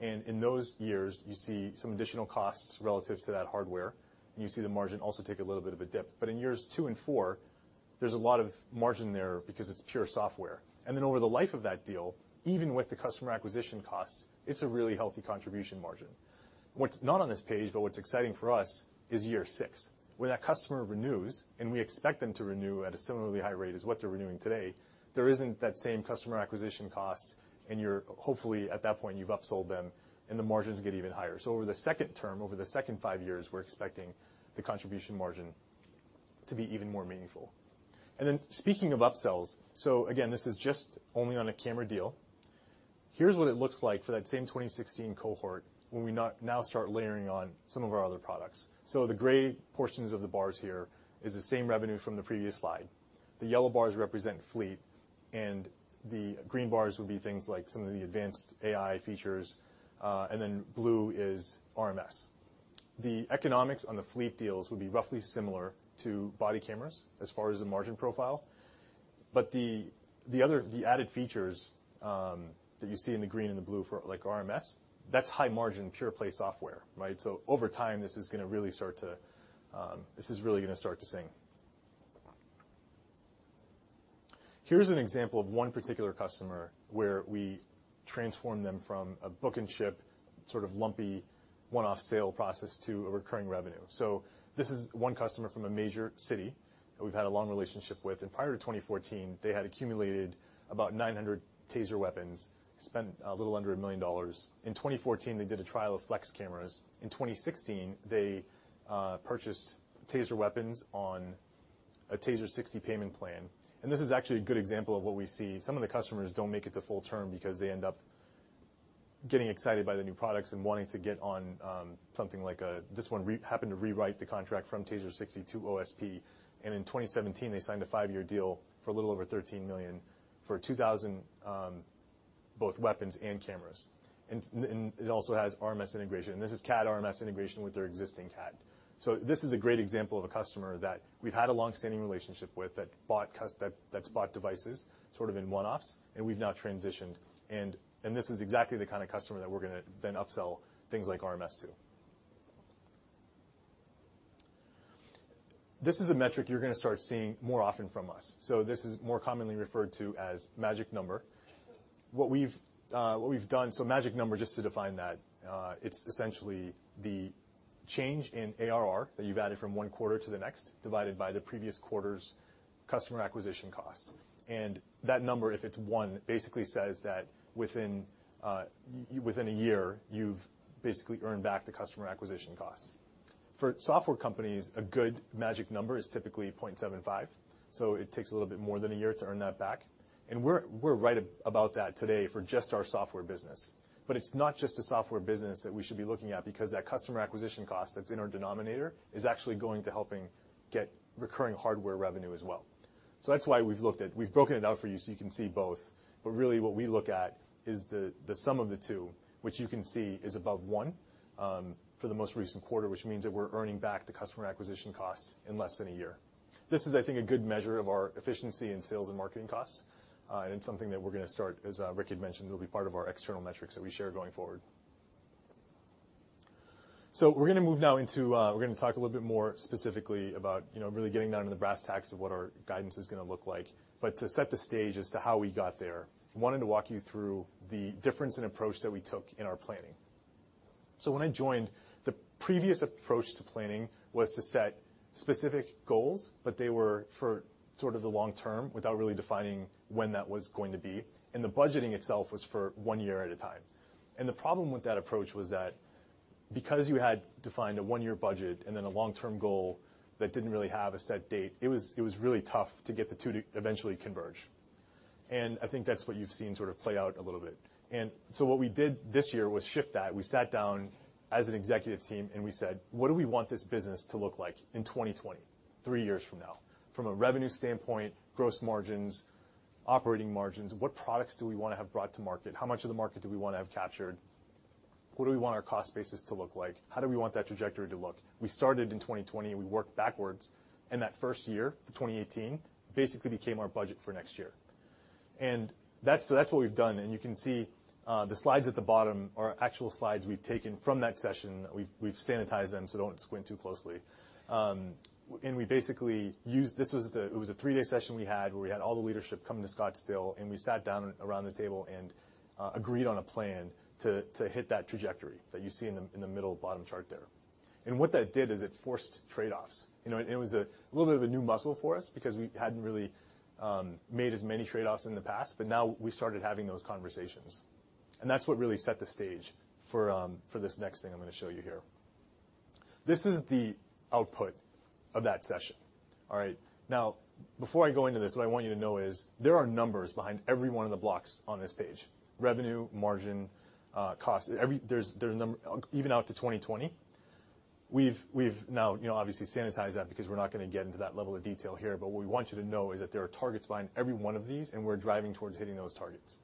Speaker 21: In those years, you see some additional costs relative to that hardware, and you see the margin also take a little bit of a dip. In years two and four, there's a lot of margin there because it's pure software. Over the life of that deal, even with the customer acquisition costs, it's a really healthy contribution margin. What's not on this page, but what's exciting for us is year six. When that customer renews, and we expect them to renew at a similarly high rate as what they're renewing today, there isn't that same customer acquisition cost, and hopefully, at that point, you've upsold them, and the margins get even higher. Over the second term, over the second five years, we're expecting the contribution margin to be even more meaningful. Speaking of upsells, again, this is just only on a camera deal. Here's what it looks like for that same 2016 cohort when we now start layering on some of our other products. The gray portions of the bars here is the same revenue from the previous slide. The yellow bars represent Fleet, and the green bars would be things like some of the advanced AI features, and then blue is RMS. The economics on the Fleet deals would be roughly similar to body cameras as far as the margin profile. The added features, that you see in the green and the blue for like RMS, that's high margin, pure play software, right? Over time, this is really going to start to sing. Here's an example of one particular customer where we transformed them from a book and ship sort of lumpy one-off sale process to a recurring revenue. This is one customer from a major city that we've had a long relationship with. Prior to 2014, they had accumulated about 900 TASER weapons, spent a little under $1 million. In 2014, they did a trial of Axon Flex cameras. In 2016, they purchased TASER weapons on a TASER 60 payment plan. This is actually a good example of what we see. Some of the customers don't make it to full term because they end up getting excited by the new products and wanting to get on something like a This one happened to rewrite the contract from TASER 60 to OSP. In 2017, they signed a five-year deal for a little over $13 million for 2,000 both weapons and cameras. It also has RMS integration. This is CAD RMS integration with their existing CAD. This is a great example of a customer that we've had a long-standing relationship with that's bought devices sort of in one-offs, we've now transitioned. This is exactly the kind of customer that we're going to then upsell things like RMS to. This is a metric you're going to start seeing more often from us. This is more commonly referred to as magic number. What we've done, magic number, just to define that, it's essentially the change in ARR that you've added from one quarter to the next, divided by the previous quarter's customer acquisition cost. That number, if it's one, basically says that within a year, you've basically earned back the customer acquisition cost. For software companies, a good magic number is typically 0.75, so it takes a little bit more than a year to earn that back. We're right about that today for just our software business. It's not just a software business that we should be looking at because that customer acquisition cost that's in our denominator is actually going to Get recurring hardware revenue as well. That's why we've looked at, we've broken it out for you so you can see both. Really what we look at is the sum of the two, which you can see is above one for the most recent quarter, which means that we're earning back the customer acquisition costs in less than a year. This is, I think, a good measure of our efficiency in sales and marketing costs. It's something that we're going to start, as Rick had mentioned, will be part of our external metrics that we share going forward. We're going to talk a little bit more specifically about really getting down to the brass tacks of what our guidance is going to look like. To set the stage as to how we got there, I wanted to walk you through the difference in approach that we took in our planning. When I joined, the previous approach to planning was to set specific goals, but they were for sort of the long term without really defining when that was going to be. The budgeting itself was for one year at a time. The problem with that approach was that because you had defined a one-year budget and then a long-term goal that didn't really have a set date, it was really tough to get the two to eventually converge. I think that's what you've seen sort of play out a little bit. What we did this year was shift that. We sat down as an executive team, and we said, "What do we want this business to look like in 2020, three years from now? From a revenue standpoint, gross margins, operating margins, what products do we want to have brought to market? How much of the market do we want to have captured? What do we want our cost basis to look like? How do we want that trajectory to look?" We started in 2020, we worked backwards. That first year, the 2018, basically became our budget for next year. That's what we've done, you can see, the slides at the bottom are actual slides we've taken from that session. We've sanitized them, so don't squint too closely. We basically used. This was a three-day session we had where we had all the leadership come to Scottsdale, and we sat down around the table and agreed on a plan to hit that trajectory that you see in the middle bottom chart there. What that did is it forced trade-offs. It was a little bit of a new muscle for us because we hadn't really made as many trade-offs in the past, but now we started having those conversations. That's what really set the stage for this next thing I'm going to show you here. This is the output of that session. All right. Now, before I go into this, what I want you to know is there are numbers behind every one of the blocks on this page. Revenue, margin, cost. There's number, even out to 2020. We've now obviously sanitized that because we're not going to get into that level of detail here. What we want you to know is that there are targets behind every one of these, and we're driving towards hitting those targets.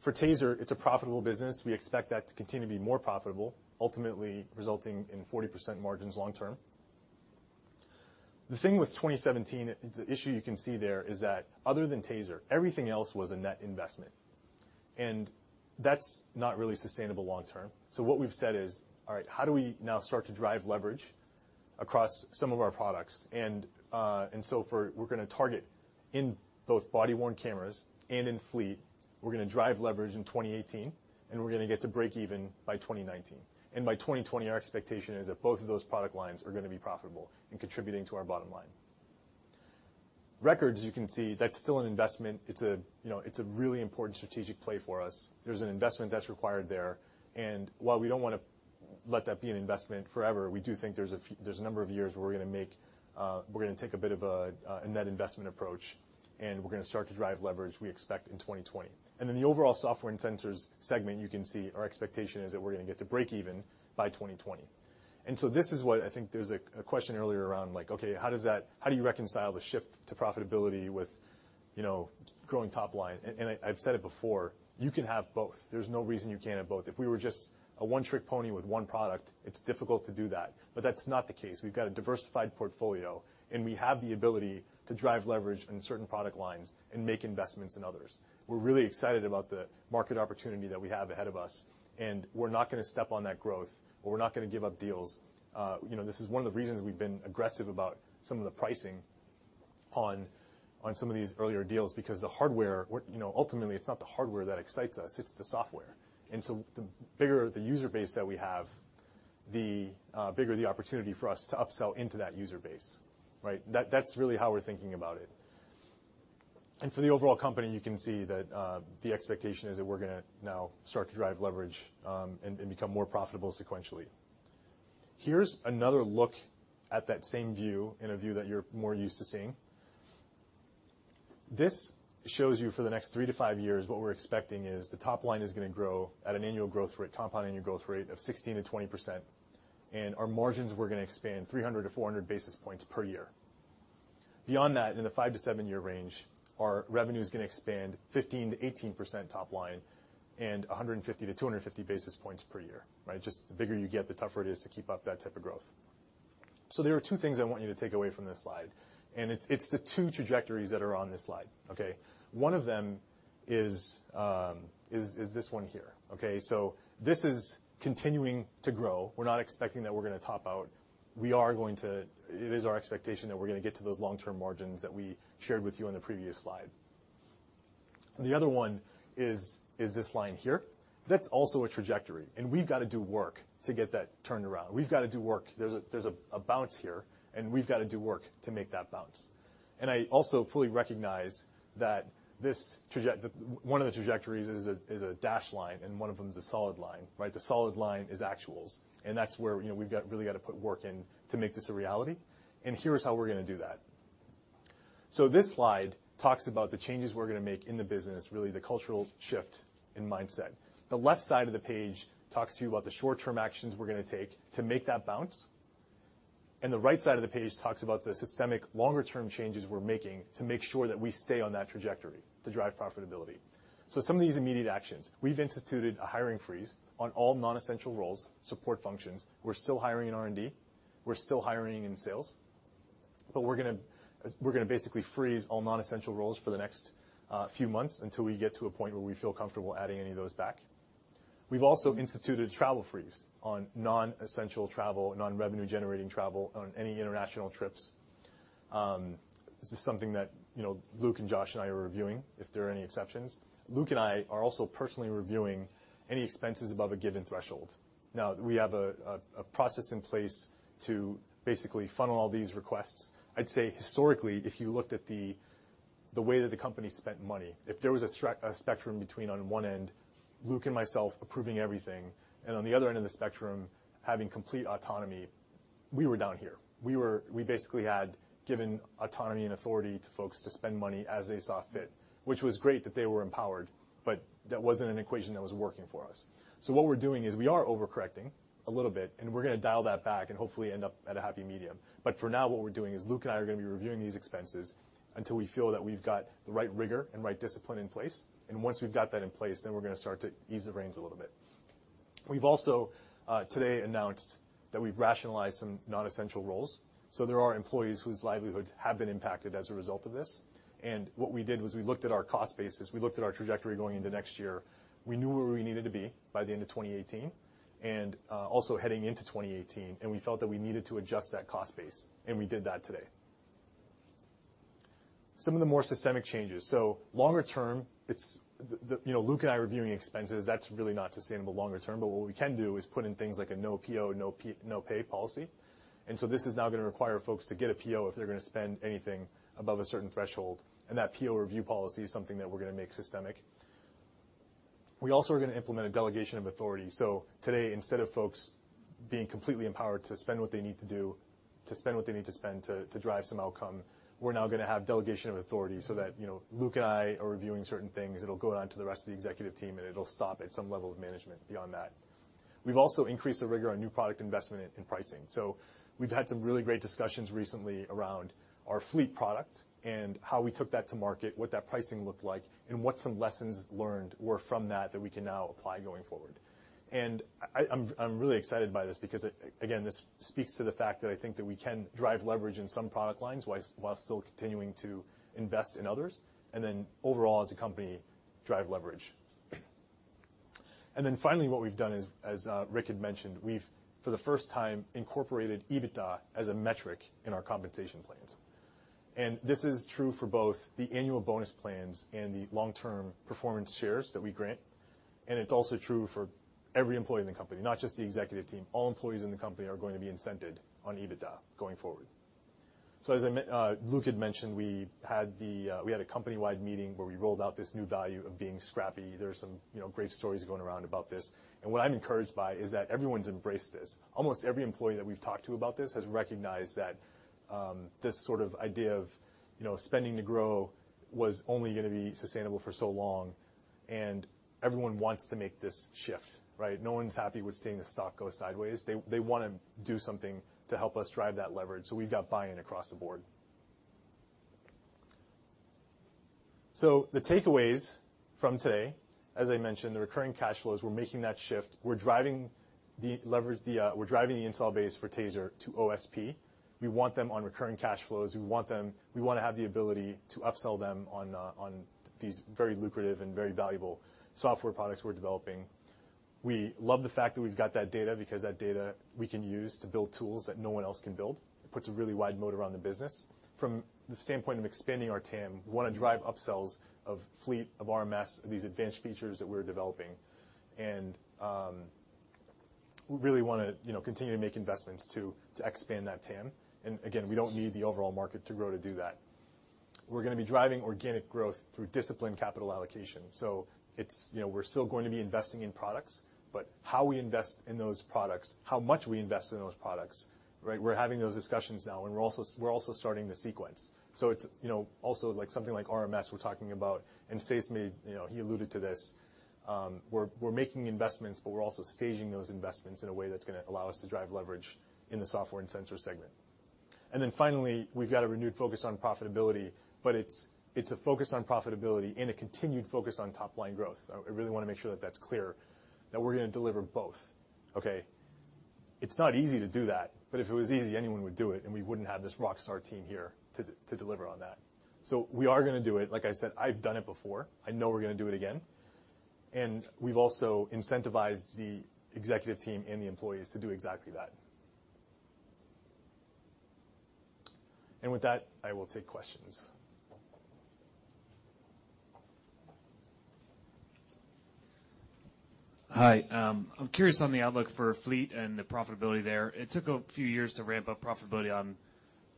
Speaker 21: For TASER, it's a profitable business. We expect that to continue to be more profitable, ultimately resulting in 40% margins long term. The thing with 2017, the issue you can see there is that other than TASER, everything else was a net investment. That's not really sustainable long term. What we've said is, all right, how do we now start to drive leverage across some of our products? We're going to target in both body-worn cameras and in Fleet, we're going to drive leverage in 2018, and we're going to get to break even by 2019. By 2020, our expectation is that both of those product lines are going to be profitable and contributing to our bottom line. Axon Records, you can see that's still an investment. It's a really important strategic play for us. There's an investment that's required there, and while we don't want to let that be an investment forever, we do think there's a number of years where we're going to take a bit of a net investment approach, and we're going to start to drive leverage we expect in 2020. The overall software and sensors segment, you can see our expectation is that we're going to get to break even by 2020. This is what I think there's a question earlier around, like, okay, how do you reconcile the shift to profitability with growing top line? I've said it before, you can have both. There's no reason you can't have both. If we were just a one-trick pony with one product, it's difficult to do that. That's not the case. We've got a diversified portfolio, and we have the ability to drive leverage in certain product lines and make investments in others. We're really excited about the market opportunity that we have ahead of us, and we're not going to step on that growth, or we're not going to give up deals. This is one of the reasons we've been aggressive about some of the pricing on some of these earlier deals, because the hardware, ultimately, it's not the hardware that excites us, it's the software. The bigger the user base that we have, the bigger the opportunity for us to upsell into that user base. Right? That's really how we're thinking about it. For the overall company, you can see that the expectation is that we're going to now start to drive leverage, and become more profitable sequentially. Here's another look at that same view in a view that you're more used to seeing. This shows you for the next three to five years what we're expecting is the top line is going to grow at an annual growth rate, compound annual growth rate of 16%-20%, and our margins, we're going to expand 300-400 basis points per year. Beyond that, in the five to seven-year range, our revenue is going to expand 15%-18% top line and 150-250 basis points per year. Right? Just the bigger you get, the tougher it is to keep up that type of growth. There are two things I want you to take away from this slide, and it's the two trajectories that are on this slide. Okay? One of them is this one here. Okay? This is continuing to grow. We're not expecting that we're going to top out. It is our expectation that we're going to get to those long-term margins that we shared with you on the previous slide. The other one is this line here. That's also a trajectory, and we've got to do work to get that turned around. We've got to do work. There's a bounce here, and we've got to do work to make that bounce. I also fully recognize that one of the trajectories is a dashed line, and one of them is a solid line. Right? The solid line is actuals, and that's where we've really got to put work in to make this a reality. Here's how we're going to do that. This slide talks about the changes we're going to make in the business, really the cultural shift in mindset. The left side of the page talks to you about the short-term actions we're going to take to make that bounce, and the right side of the page talks about the systemic longer-term changes we're making to make sure that we stay on that trajectory to drive profitability. Some of these immediate actions. We've instituted a hiring freeze on all non-essential roles, support functions. We're still hiring in R&D. We're still hiring in sales. We're going to basically freeze all non-essential roles for the next few months until we get to a point where we feel comfortable adding any of those back. We've also instituted a travel freeze on non-essential travel, non-revenue-generating travel on any international trips. This is something that Luke and Josh and I are reviewing if there are any exceptions. Luke and I are also personally reviewing any expenses above a given threshold. Now, we have a process in place to basically funnel all these requests. I'd say historically, if you looked at the way that the company spent money, if there was a spectrum between, on one end, Luke and myself approving everything, and on the other end of the spectrum, having complete autonomy, we were down here. We basically had given autonomy and authority to folks to spend money as they saw fit, which was great that they were empowered, but that wasn't an equation that was working for us. What we're doing is we are overcorrecting a little bit, and we're going to dial that back and hopefully end up at a happy medium. For now, what we're doing is Luke and I are going to be reviewing these expenses until we feel that we've got the right rigor and right discipline in place, and once we've got that in place, then we're going to start to ease the reins a little bit. We've also today announced that we've rationalized some non-essential roles. There are employees whose livelihoods have been impacted as a result of this. What we did was we looked at our cost basis. We looked at our trajectory going into next year. We knew where we needed to be by the end of 2018 and also heading into 2018, we felt that we needed to adjust that cost base, and we did that today. Some of the more systemic changes. Longer term, Luke and I reviewing expenses, that's really not sustainable longer term, but what we can do is put in things like a no PO, no pay policy. This is now going to require folks to get a PO if they're going to spend anything above a certain threshold, and that PO review policy is something that we're going to make systemic. We also are going to implement a delegation of authority. Today, instead of folks being completely empowered to spend what they need to do, to spend what they need to spend to drive some outcome, we're now going to have delegation of authority so that Luke and I are reviewing certain things. It'll go on to the rest of the executive team, and it'll stop at some level of management beyond that. We've also increased the rigor on new product investment and pricing. We've had some really great discussions recently around our Fleet product and how we took that to market, what that pricing looked like, and what some lessons learned were from that we can now apply going forward. I'm really excited by this because, again, this speaks to the fact that I think that we can drive leverage in some product lines while still continuing to invest in others, and then overall as a company, drive leverage. Finally, what we've done is, as Rick had mentioned, we've for the first time incorporated EBITDA as a metric in our compensation plans. This is true for both the annual bonus plans and the long-term performance shares that we grant. It's also true for every employee in the company, not just the executive team. All employees in the company are going to be incented on EBITDA going forward. As Luke had mentioned, we had a company-wide meeting where we rolled out this new value of being scrappy. There are some great stories going around about this. What I'm encouraged by is that everyone's embraced this. Almost every employee that we've talked to about this has recognized that this sort of idea of spending to grow was only going to be sustainable for so long, everyone wants to make this shift, right? No one's happy with seeing the stock go sideways. They want to do something to help us drive that leverage. We've got buy-in across the board. The takeaways from today, as I mentioned, the recurring cash flows, we're making that shift. We're driving the install base for TASER to OSP. We want them on recurring cash flows. We want to have the ability to upsell them on these very lucrative and very valuable software products we're developing. We love the fact that we've got that data because that data we can use to build tools that no one else can build. It puts a really wide moat around the business. From the standpoint of expanding our TAM, we want to drive upsells of Axon Fleet, of RMS, of these advanced features that we're developing. We really want to continue to make investments to expand that TAM. Again, we don't need the overall market to grow to do that. We're going to be driving organic growth through disciplined capital allocation. We're still going to be investing in products, but how we invest in those products, how much we invest in those products, we're having those discussions now, we're also starting to sequence. It's also something like RMS we're talking about, Saysa, he alluded to this. We're making investments, but we're also staging those investments in a way that's going to allow us to drive leverage in the software and sensor segment. Finally, we've got a renewed focus on profitability, but it's a focus on profitability and a continued focus on top-line growth. I really want to make sure that that's clear, that we're going to deliver both, okay? It's not easy to do that, but if it was easy, anyone would do it, we wouldn't have this rockstar team here to deliver on that. We are going to do it. Like I said, I've done it before. I know we're going to do it again. We've also incentivized the executive team and the employees to do exactly that. With that, I will take questions.
Speaker 16: Hi. I'm curious on the outlook for Axon Fleet and the profitability there. It took a few years to ramp up profitability on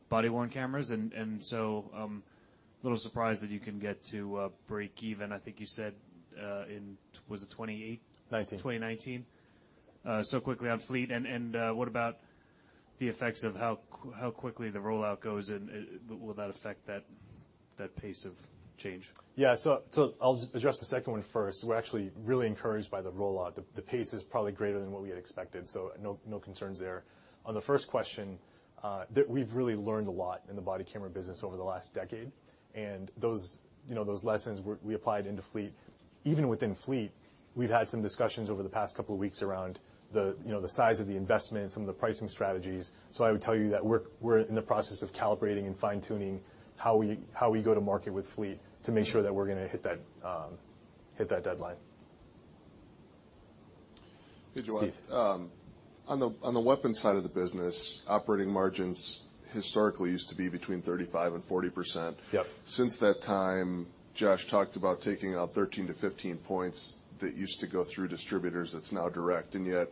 Speaker 16: body-worn cameras, I'm a little surprised that you can get to breakeven, I think you said in, was it 2028?
Speaker 21: '19.
Speaker 16: 2019. Quickly on Fleet, what about the effects of how quickly the rollout goes and will that affect that pace of change?
Speaker 21: I'll address the second one first. We're actually really encouraged by the rollout. The pace is probably greater than what we had expected, no concerns there. On the first question, we've really learned a lot in the body camera business over the last decade, and those lessons we applied into Fleet. Even within Fleet, we've had some discussions over the past couple of weeks around the size of the investment and some of the pricing strategies. I would tell you that we're in the process of calibrating and fine-tuning how we go to market with Fleet to make sure that we're going to hit that deadline.
Speaker 22: Steve.
Speaker 18: Hey, Jawad. On the weapons side of the business, operating margins historically used to be between 35%-40%.
Speaker 21: Yep.
Speaker 18: Since that time, Josh talked about taking out 13-15 points that used to go through distributors that's now direct, yet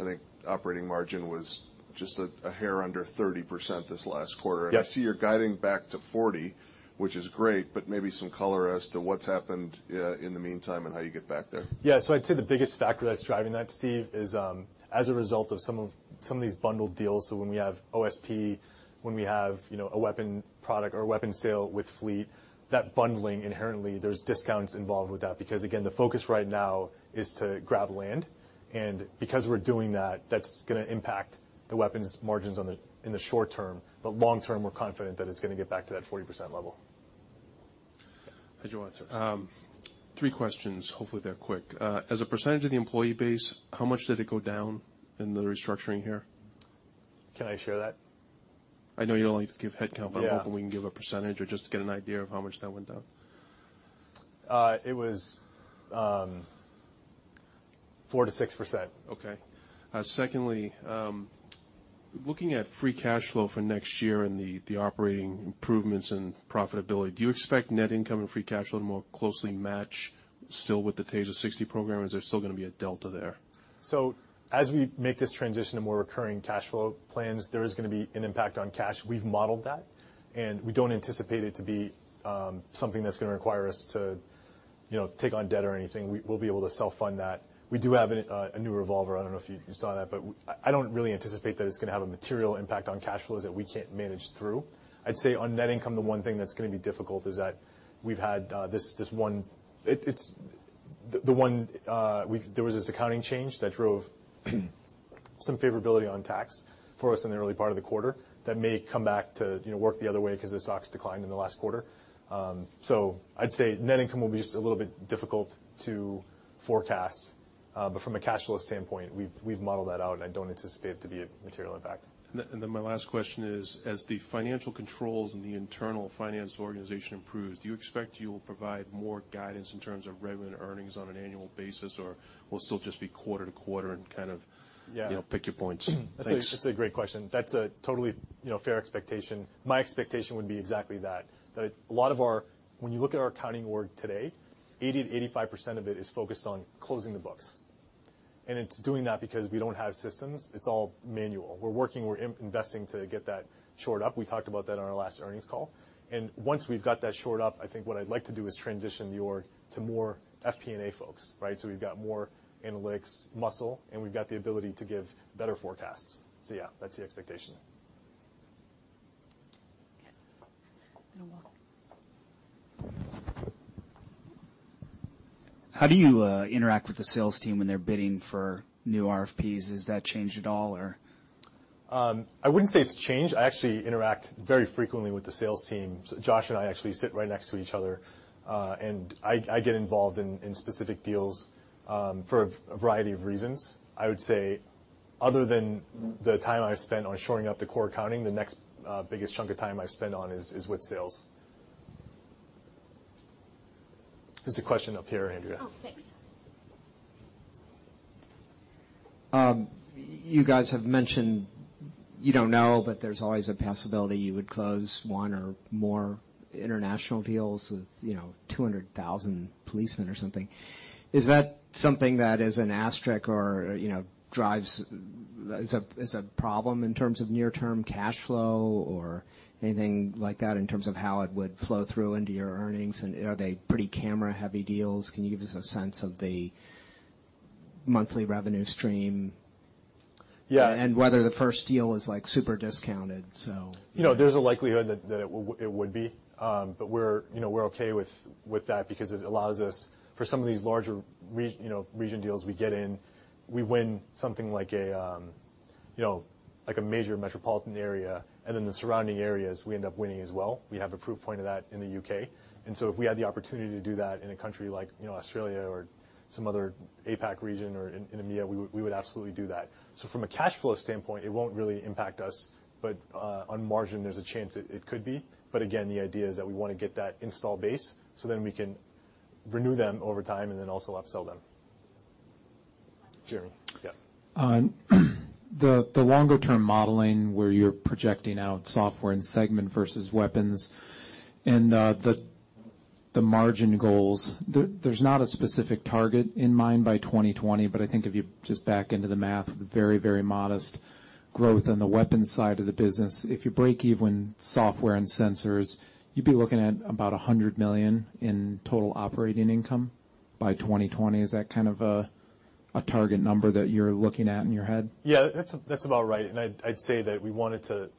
Speaker 18: I think operating margin was just a hair under 30% this last quarter.
Speaker 21: Yes.
Speaker 18: I see you're guiding back to 40%, which is great, maybe some color as to what's happened in the meantime and how you get back there.
Speaker 21: Yeah. I'd say the biggest factor that's driving that, Steve, is as a result of some of these bundled deals. When we have OSP, when we have a weapon product or a weapons sale with Fleet, that bundling inherently, there's discounts involved with that. Again, the focus right now is to grab land. Because we're doing that's going to impact the weapons margins in the short term. Long term, we're confident that it's going to get back to that 40% level.
Speaker 20: Hi, Jawad.
Speaker 21: Sure.
Speaker 20: Three questions. Hopefully, they're quick. As a percentage of the employee base, how much did it go down in the restructuring here?
Speaker 21: Can I share that?
Speaker 20: I know you don't like to give headcount-
Speaker 21: Yeah
Speaker 20: I'm hoping we can give a percentage or just to get an idea of how much that went down.
Speaker 21: It was 4% to 6%.
Speaker 20: Okay. Secondly, looking at free cash flow for next year and the operating improvements and profitability, do you expect net income and free cash flow to more closely match still with the TASER 60 program, or is there still going to be a delta there?
Speaker 21: As we make this transition to more recurring cash flow plans, there is going to be an impact on cash. We've modeled that, and we don't anticipate it to be something that's going to require us to take on debt or anything. We'll be able to self-fund that. We do have a new revolver. I don't know if you saw that, but I don't really anticipate that it's going to have a material impact on cash flows that we can't manage through. I'd say on net income, the one thing that's going to be difficult is that There was this accounting change that drove some favorability on tax for us in the early part of the quarter. That may come back to work the other way because the stocks declined in the last quarter. I'd say net income will be just a little bit difficult to forecast. From a cash flow standpoint, we've modeled that out, and I don't anticipate it to be a material impact.
Speaker 20: My last question is, as the financial controls and the internal finance organization improves, do you expect you will provide more guidance in terms of regular earnings on an annual basis, or will still just be quarter to quarter?
Speaker 21: Yeah
Speaker 20: pick your points? Thanks.
Speaker 21: That's a great question. That's a totally fair expectation. My expectation would be exactly that. When you look at our accounting org today, 80%-85% of it is focused on closing the books, and it's doing that because we don't have systems. It's all manual. We're working, we're investing to get that shored up. We talked about that on our last earnings call. Once we've got that shored up, I think what I'd like to do is transition the org to more FP&A folks, right? We've got more analytics muscle, and we've got the ability to give better forecasts. Yeah, that's the expectation.
Speaker 1: Okay. Little walk.
Speaker 23: How do you interact with the sales team when they're bidding for new RFPs? Has that changed at all or?
Speaker 21: I wouldn't say it's changed. I actually interact very frequently with the sales team. Josh and I actually sit right next to each other. I get involved in specific deals, for a variety of reasons. I would say other than the time I've spent on shoring up the core accounting, the next biggest chunk of time I've spent on is with sales. There's a question up here, Andrea.
Speaker 1: Oh, thanks.
Speaker 23: You guys have mentioned you don't know, there's always a possibility you would close one or more international deals with 200,000 policemen or something. Is that something that is an asterisk or is a problem in terms of near-term cash flow or anything like that in terms of how it would flow through into your earnings? Are they pretty camera-heavy deals? Can you give us a sense of the monthly revenue stream?
Speaker 21: Yeah.
Speaker 23: Whether the first deal was super discounted?
Speaker 21: There's a likelihood that it would be. We're okay with that because it allows us, for some of these larger region deals we get in, we win something like a major metropolitan area, and then the surrounding areas, we end up winning as well. We have a proof point of that in the U.K. If we had the opportunity to do that in a country like Australia or some other APAC region or in EMEA, we would absolutely do that. From a cash flow standpoint, it won't really impact us. On margin, there's a chance it could be. Again, the idea is that we want to get that install base so then we can renew them over time and then also upsell them. Jeremy, yeah.
Speaker 24: On the longer-term modeling where you're projecting out software and segment versus weapons and the margin goals, there's not a specific target in mind by 2020. I think if you just back into the math, very modest growth on the weapons side of the business. If you break even software and sensors, you'd be looking at about $100 million in total operating income? By 2020, is that kind of a target number that you're looking at in your head?
Speaker 21: Yeah, that's about right. I'd say that we wanted to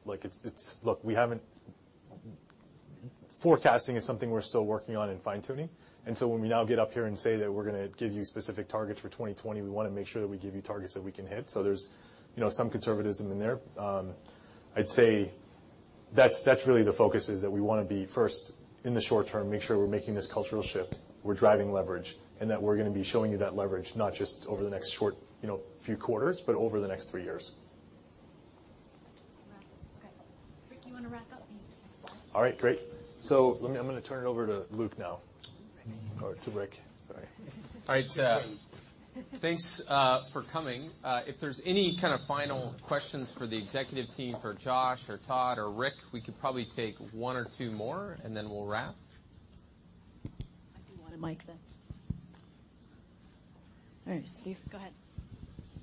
Speaker 21: Forecasting is something we're still working on and fine-tuning. When we now get up here and say that we're going to give you specific targets for 2020, we want to make sure that we give you targets that we can hit. There's some conservatism in there. I'd say that's really the focus, is that we want to be first in the short term, make sure we're making this cultural shift, we're driving leverage, and that we're going to be showing you that leverage not just over the next short few quarters, but over the next three years.
Speaker 1: Right. Okay. Rick, you want to wrap up?
Speaker 21: All right, great. Let me, I'm going to turn it over to Luke now. Or to Rick, sorry.
Speaker 6: All right. Thanks for coming. If there's any kind of final questions for the executive team, for Josh or Todd or Rick, we could probably take one or two more, and then we'll wrap.
Speaker 1: I do want a mic then. All right, Steve, go ahead.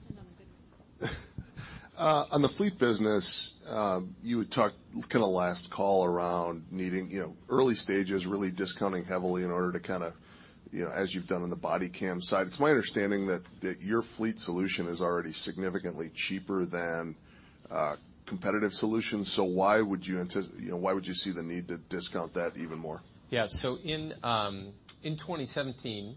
Speaker 1: Turn on the good one.
Speaker 18: On the Fleet business, you had talked kind of last call around needing early stages, really discounting heavily in order to kind of, as you've done on the body cam side. It's my understanding that your Fleet solution is already significantly cheaper than competitive solutions. Why would you see the need to discount that even more?
Speaker 6: In 2017,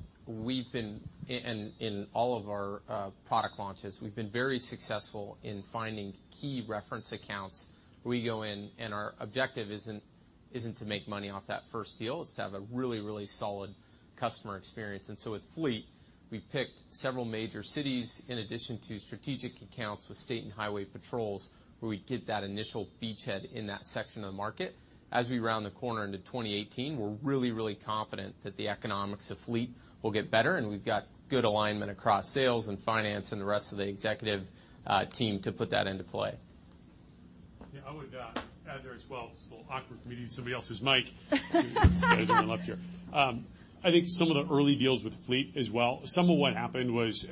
Speaker 6: in all of our product launches, we've been very successful in finding key reference accounts where we go in, and our objective isn't to make money off that first deal. It's to have a really solid customer experience. With Axon Fleet, we picked several major cities, in addition to strategic accounts with state and highway patrols, where we get that initial beachhead in that section of the market. As we round the corner into 2018, we're really confident that the economics of Axon Fleet will get better, and we've got good alignment across sales and finance and the rest of the executive team to put that into play.
Speaker 2: I would add there as well. It's a little awkward for me to use somebody else's mic. These guys are left here. I think some of the early deals with Axon Fleet as well, some of what happened was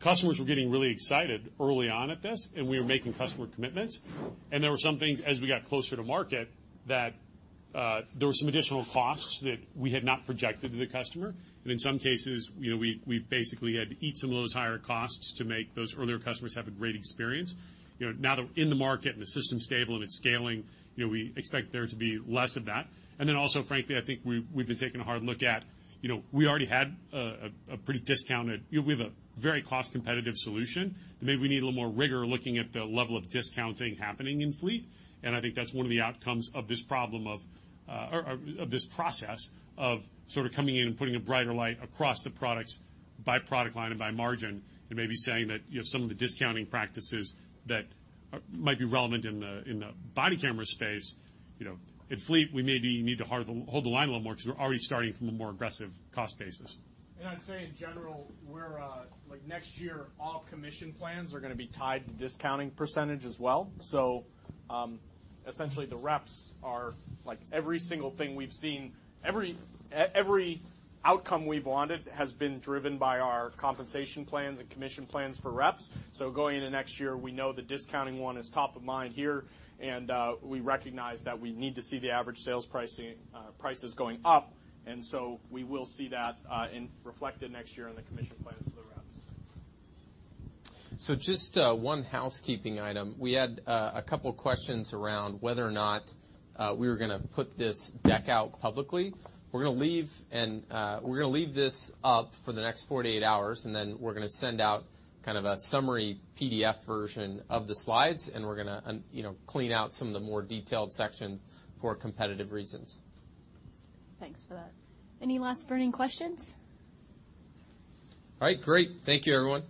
Speaker 2: customers were getting really excited early on at this, and we were making customer commitments, and there were some things as we got closer to market, that there were some additional costs that we had not projected to the customer. In some cases, we've basically had to eat some of those higher costs to make those earlier customers have a great experience. Now they're in the market, the system's stable, it's scaling, we expect there to be less of that. Also, frankly, I think we've been taking a hard look at, we have a very cost-competitive solution. Maybe we need a little more rigor looking at the level of discounting happening in Axon Fleet. I think that's one of the outcomes of this process of sort of coming in and putting a brighter light across the products by product line and by margin and maybe saying that some of the discounting practices that might be relevant in the body camera space. In Axon Fleet, we maybe need to hold the line a little more because we're already starting from a more aggressive cost basis.
Speaker 17: I'd say in general, next year, all commission plans are going to be tied to discounting percentage as well. Essentially the reps are, like every single thing we've seen, every outcome we've wanted has been driven by our compensation plans and commission plans for reps. Going into next year, we know the discounting one is top of mind here, we recognize that we need to see the average sales prices going up. We will see that reflected next year in the commission plans for the reps.
Speaker 6: Just one housekeeping item. We had a couple questions around whether or not we were going to put this deck out publicly. We're going to leave this up for the next 48 hours, and then we're going to send out kind of a summary PDF version of the slides, and we're going to clean out some of the more detailed sections for competitive reasons.
Speaker 1: Thanks for that. Any last burning questions?
Speaker 6: All right, great. Thank you, everyone.